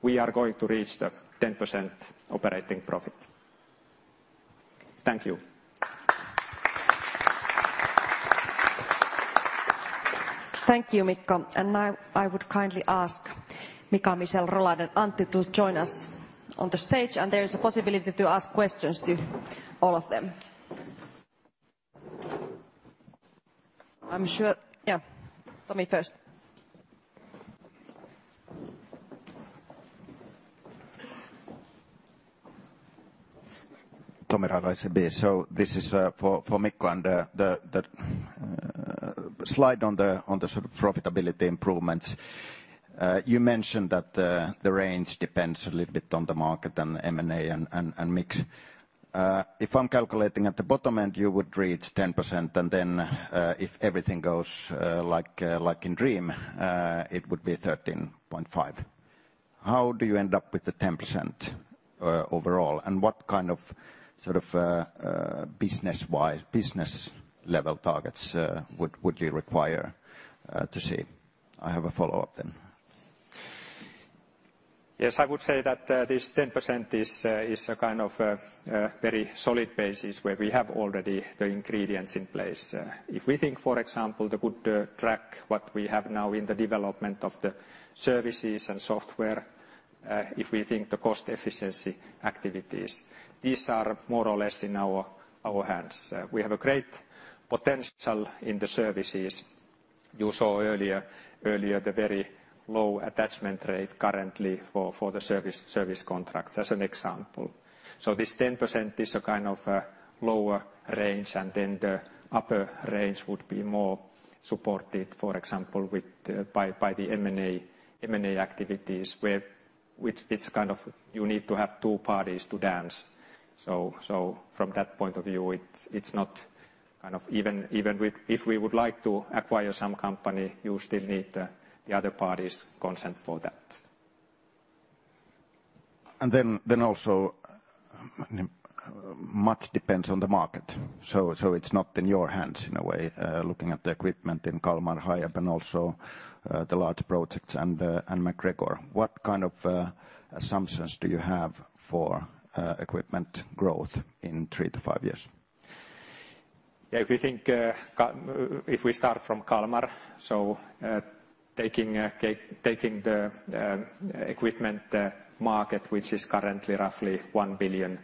we are going to reach the 10% operating profit. Thank you. Thank you, Mikko. Now I would kindly ask Mikael, Michel, Roland, and Antti to join us on the stage. There is a possibility to ask questions to all of them. I'm sure... Yeah. Tommy first. Tommy Raudaskoski, so this is for Mikko and the slide on the profitability improvements. You mentioned that the range depends a little bit on the market and M&A and mix. If I'm calculating at the bottom end, you would reach 10%, and then, if everything goes like like in dream, it would be 13.5%. How do you end up with the 10% overall? What kind of, sort of, business-wide, business level targets would you require to see? I have a follow-up then. Yes, I would say that this 10% is a kind of a very solid basis where we have already the ingredients in place. If we think, for example, the good track what we have now in the development of the services and software. If we think the cost efficiency activities, these are more or less in our hands. We have a great potential in the services. You saw earlier the very low attachment rate currently for the service contract, as an example. This 10% is a kind of a lower range, and then the upper range would be more supported, for example, with by the M&A activities where. Which kind of you need to have twthree parties to dance. From that point of view, it's not kind of even If we would like to acquire some company, you still need the other party's consent for that. Also, much depends on the market. So it's not in your hands in a way, looking at the equipment in Kalmar Hiab and also, the large projects and MacGregor. What kind of assumptions do you have for equipment growth in 3-5 years? If we think if we start from Kalmar, taking the equipment market, which is currently roughly 1 billion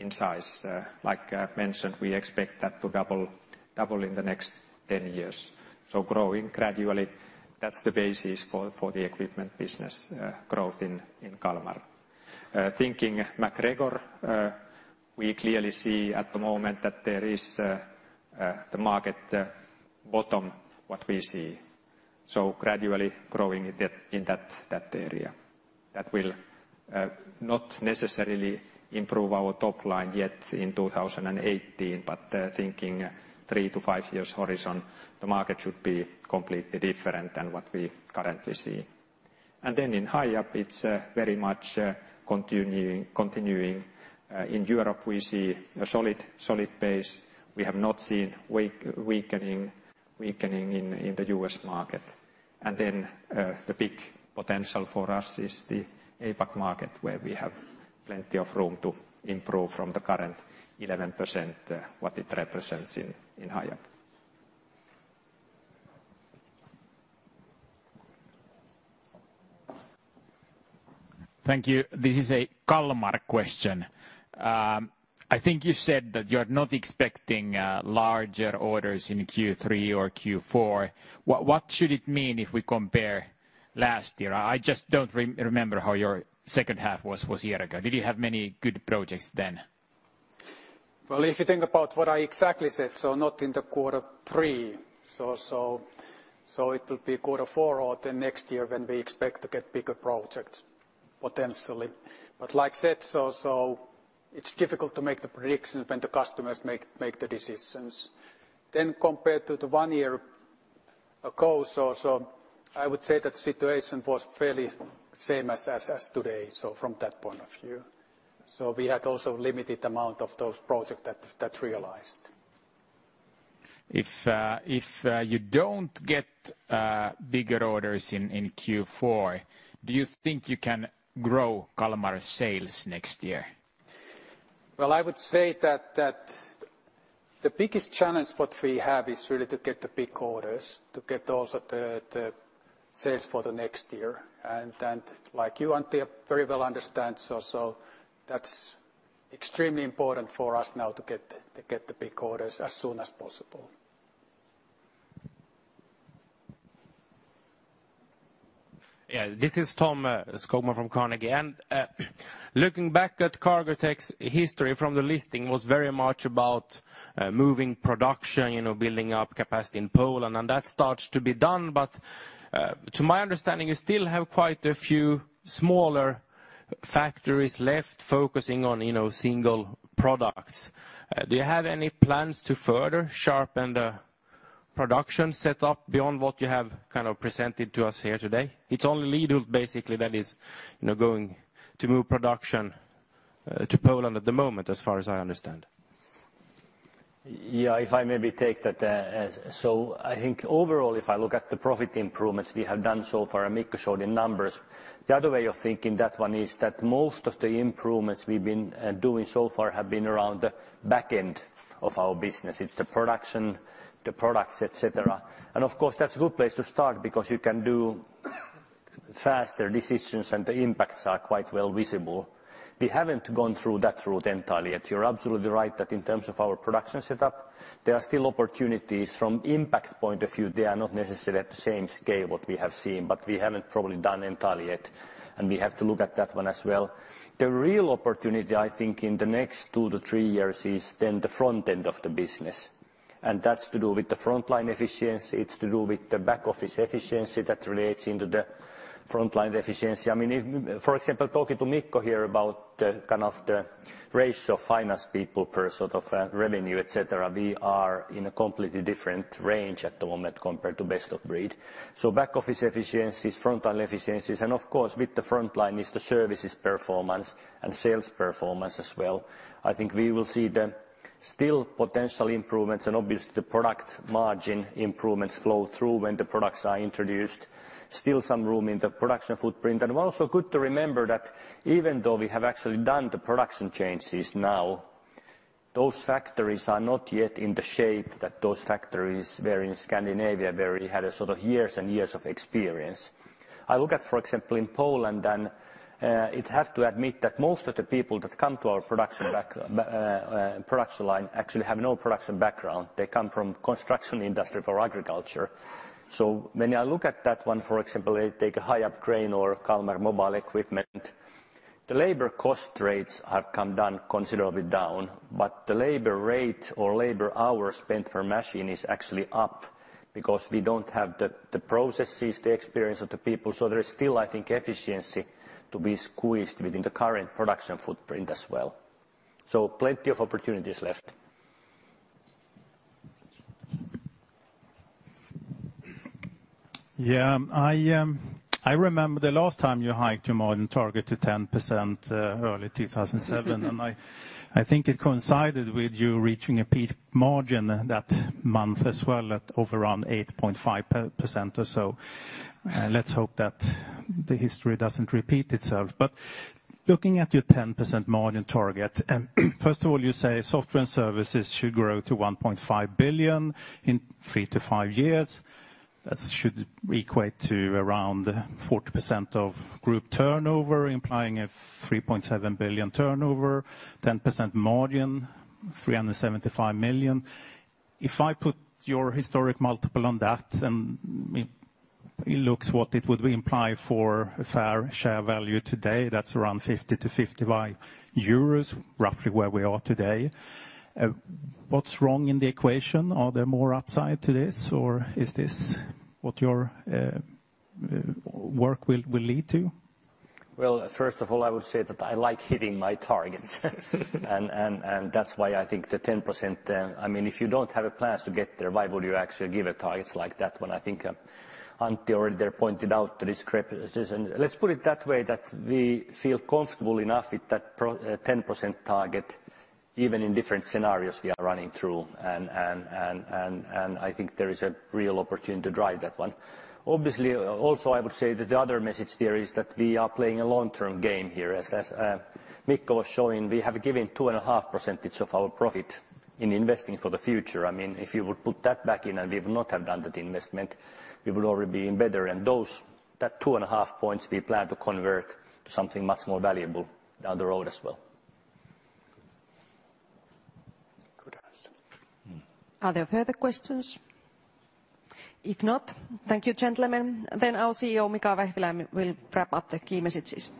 in size. Like mentioned, we expect that to double in the next 10 years. Growing gradually, that's the basis for the equipment business growth in Kalmar. Thinking MacGregor, we clearly see at the moment that there is the market bottom what we see. Gradually growing it in that area. That will not necessarily improve our top line yet in 2018. Thinking 3-5 years horizon, the market should be completely different than what we currently see. In Hiab, it's very much continuing. In Europe, we see a solid base. We have not seen weakening in the U.S. market. Then the big potential for us is the APAC market, where we have plenty of room to improve from the current 11%, what it represents in Hiab. Thank you. This is a Kalmar question. I think you said that you're not expecting larger orders in Q3 or Q4. What should it mean if we compare last year? I just don't remember how your second half was year ago. Did you have many good projects then? If you think about what I exactly said, not in the quarter three. It will be quarter four or the next year when we expect to get bigger projects, potentially. Like I said, it's difficult to make the predictions when the customers make the decisions. Compared to the one year ago, I would say that situation was fairly same as today, from that point of view. We had also limited amount of those projects that realized. If you don't get bigger orders in Q4, do you think you can grow Kalmar sales next year? I would say that the biggest challenge what we have is really to get the big orders, to get also the sales for the next year. Like you, Antje, very well understand, so that's extremely important for us now to get the big orders as soon as possible. This is Tom Skogman from Carnegie. Looking back at Cargotec's history from the listing was very much about, moving production, you know, building up capacity in Poland, and that starts to be done. To my understanding, you still have quite a few smaller factories left focusing on, you know, single products. Do you have any plans to further sharpen the production set up beyond what you have kind of presented to us here today? It's only Lidl basically that is, you know, going to move production, to Poland at the moment, as far as I understand. If I maybe take that. I think overall, if I look at the profit improvements we have done so far, and Mikko showed the numbers. The other way of thinking that one is that most of the improvements we've been doing so far have been around the back end of our business. It's the production, the products, et cetera. Of course, that's a good place to start because you can do faster decisions, and the impacts are quite well visible. We haven't gone through that route entirely yet. You're absolutely right that in terms of our production set up, there are still opportunities. From impact point of view, they are not necessarily at the same scale what we have seen, but we haven't probably done entirely yet, and we have to look at that one as well. The real opportunity, I think, in the next 2-3 years is then the front end of the business, and that's to do with the front line efficiency. It's to do with the back office efficiency that relates into the front line efficiency. I mean, if, for example, talking to Mikko here about the kind of the ratio of finance people per sort of revenue, et cetera, we are in a completely different range at the moment compared to best of breed. Back office efficiencies, front line efficiencies, and of course, with the front line is the services performance and sales performance as well. I think we will see the still potential improvements and obviously the product margin improvements flow through when the products are introduced. Still some room in the production footprint. Also good to remember that even though we have actually done the production changes now, those factories are not yet in the shape that those factories there in Scandinavia, where we had a sort of years and years of experience. I look at, for example, in Poland, and it have to admit that most of the people that come to our production line actually have no production background. They come from construction industry or agriculture. When I look at that one, for example, take a Hiab crane or Kalmar mobile equipment. The labor cost rates have come down, considerably down, but the labor rate or labor hours spent per machine is actually up because we don't have the processes, the experience of the people. There is still, I think, efficiency to be squeezed within the current production footprint as well. Plenty of opportunities left. Yeah. I remember the last time you hiked your margin target to 10%, early 2007. I think it coincided with you reaching a peak margin that month as well at, of around 8.5% or so. Yeah. Let's hope that the history doesn't repeat itself. Looking at your 10% margin target, first of all, you say software and services should grow to 1.5 billion in 3-5 years. That should equate to around 40% of group turnover, implying a 3.7 billion turnover, 10% margin 375 million. If I put your historic multiple on that, it looks what it would imply for a fair share value today, that's around 50-55 euros, roughly where we are today. What's wrong in the equation? Are there more upside to this, or is this what your work will lead to? Well, first of all, I would say that I like hitting my targets. That's why I think the 10%, I mean, if you don't have a plan to get there, why would you actually give a targets like that one? I think Antti already there pointed out the discrepancies. Let's put it that way, that we feel comfortable enough with that pro, 10% target, even in different scenarios we are running through. I think there is a real opportunity to drive that one. Obviously, also I would say that the other message there is that we are playing a long-term game here. As Mikko was showing, we have given 2.5% of our profit in investing for the future. I mean, if you would put that back in and we've not have done that investment, we will already be in better. Those, that two and a half points we plan to convert to something much more valuable down the road as well. Good answer. Are there further questions? If not, thank you, gentlemen. Our CEO, Mika Vehvilaine, will wrap up the key messages.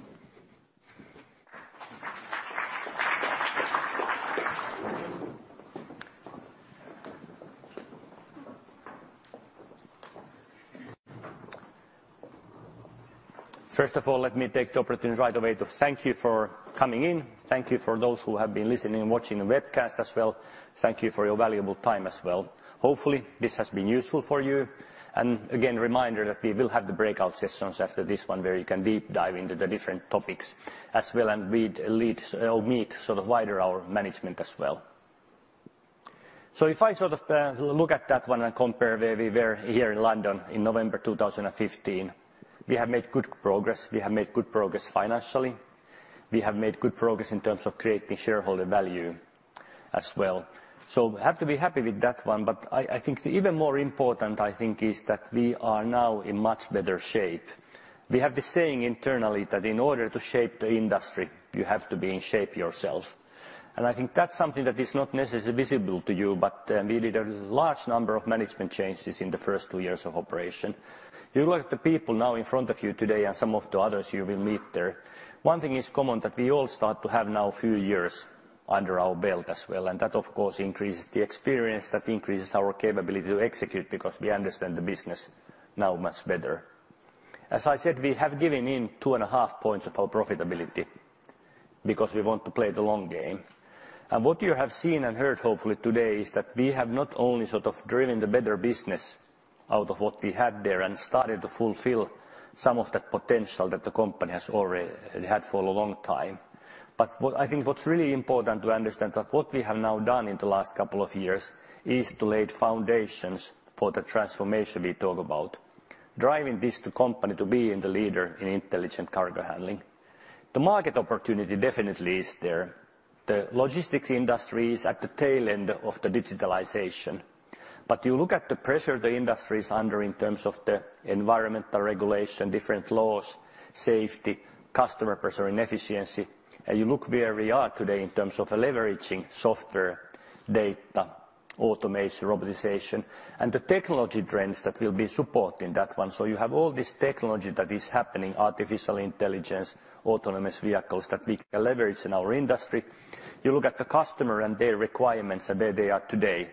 First of all, let me take the opportunity right away to thank you for coming in. Thank you for those who have been listening and watching the webcast as well. Thank you for your valuable time as well. Hopefully, this has been useful for you. Again, reminder that we will have the breakout sessions after this one where you can deep dive into the different topics as well, and read leads or meet sort of wider our management as well. If I sort of look at that one and compare where we were here in London in November 2015, we have made good progress. We have made good progress financially. We have made good progress in terms of creating shareholder value as well. We have to be happy with that one, but I think the even more important, I think, is that we are now in much better shape. We have the saying internally that in order to shape the industry, you have to be in shape yourself. I think that's something that is not necessarily visible to you, but we did a large number of management changes in the first two years of operation. You look at the people now in front of you today and some of the others you will meet there, one thing is common, that we all start to have now a few years under our belt as well, and that of course increases the experience, that increases our capability to execute because we understand the business now much better. What you have seen and heard hopefully today is that we have not only sort of driven the better business out of what we had there and started to fulfill some of that potential that the company has already had for a long time. I think what's really important to understand that what we have now done in the last couple of years is to lay the foundations for the transformation we talk about, driving this to company to being the leader in intelligent cargo handling. The market opportunity definitely is there. The logistics industry is at the tail end of the digitalization. You look at the pressure the industry is under in terms of the environmental regulation, different laws, safety, customer pressure, and efficiency, and you look where we are today in terms of leveraging software, data, automation, robotization, and the technology trends that will be supporting that one. You have all this technology that is happening, artificial intelligence, autonomous vehicles that we can leverage in our industry. You look at the customer and their requirements and where they are today,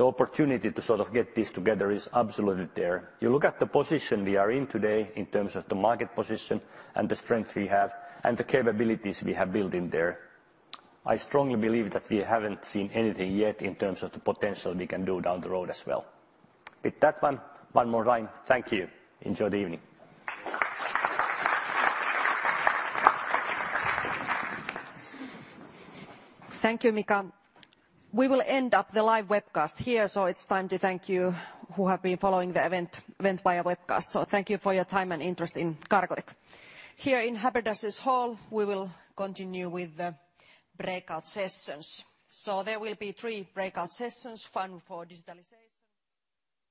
the opportunity to sort of get this together is absolutely there. You look at the position we are in today in terms of the market position and the strength we have and the capabilities we have built in there, I strongly believe that we haven't seen anything yet in terms of the potential we can do down the road as well. With that one more time, thank you. Enjoy the evening. Thank you, Mika. We will end up the live webcast here. It's time to thank you who have been following the event via webcast. Thank you for your time and interest in Cargotec. Here in Haberdasher's Hall, we will continue with the breakout sessions. There will be 3 breakout sessions, one for Digitalisation-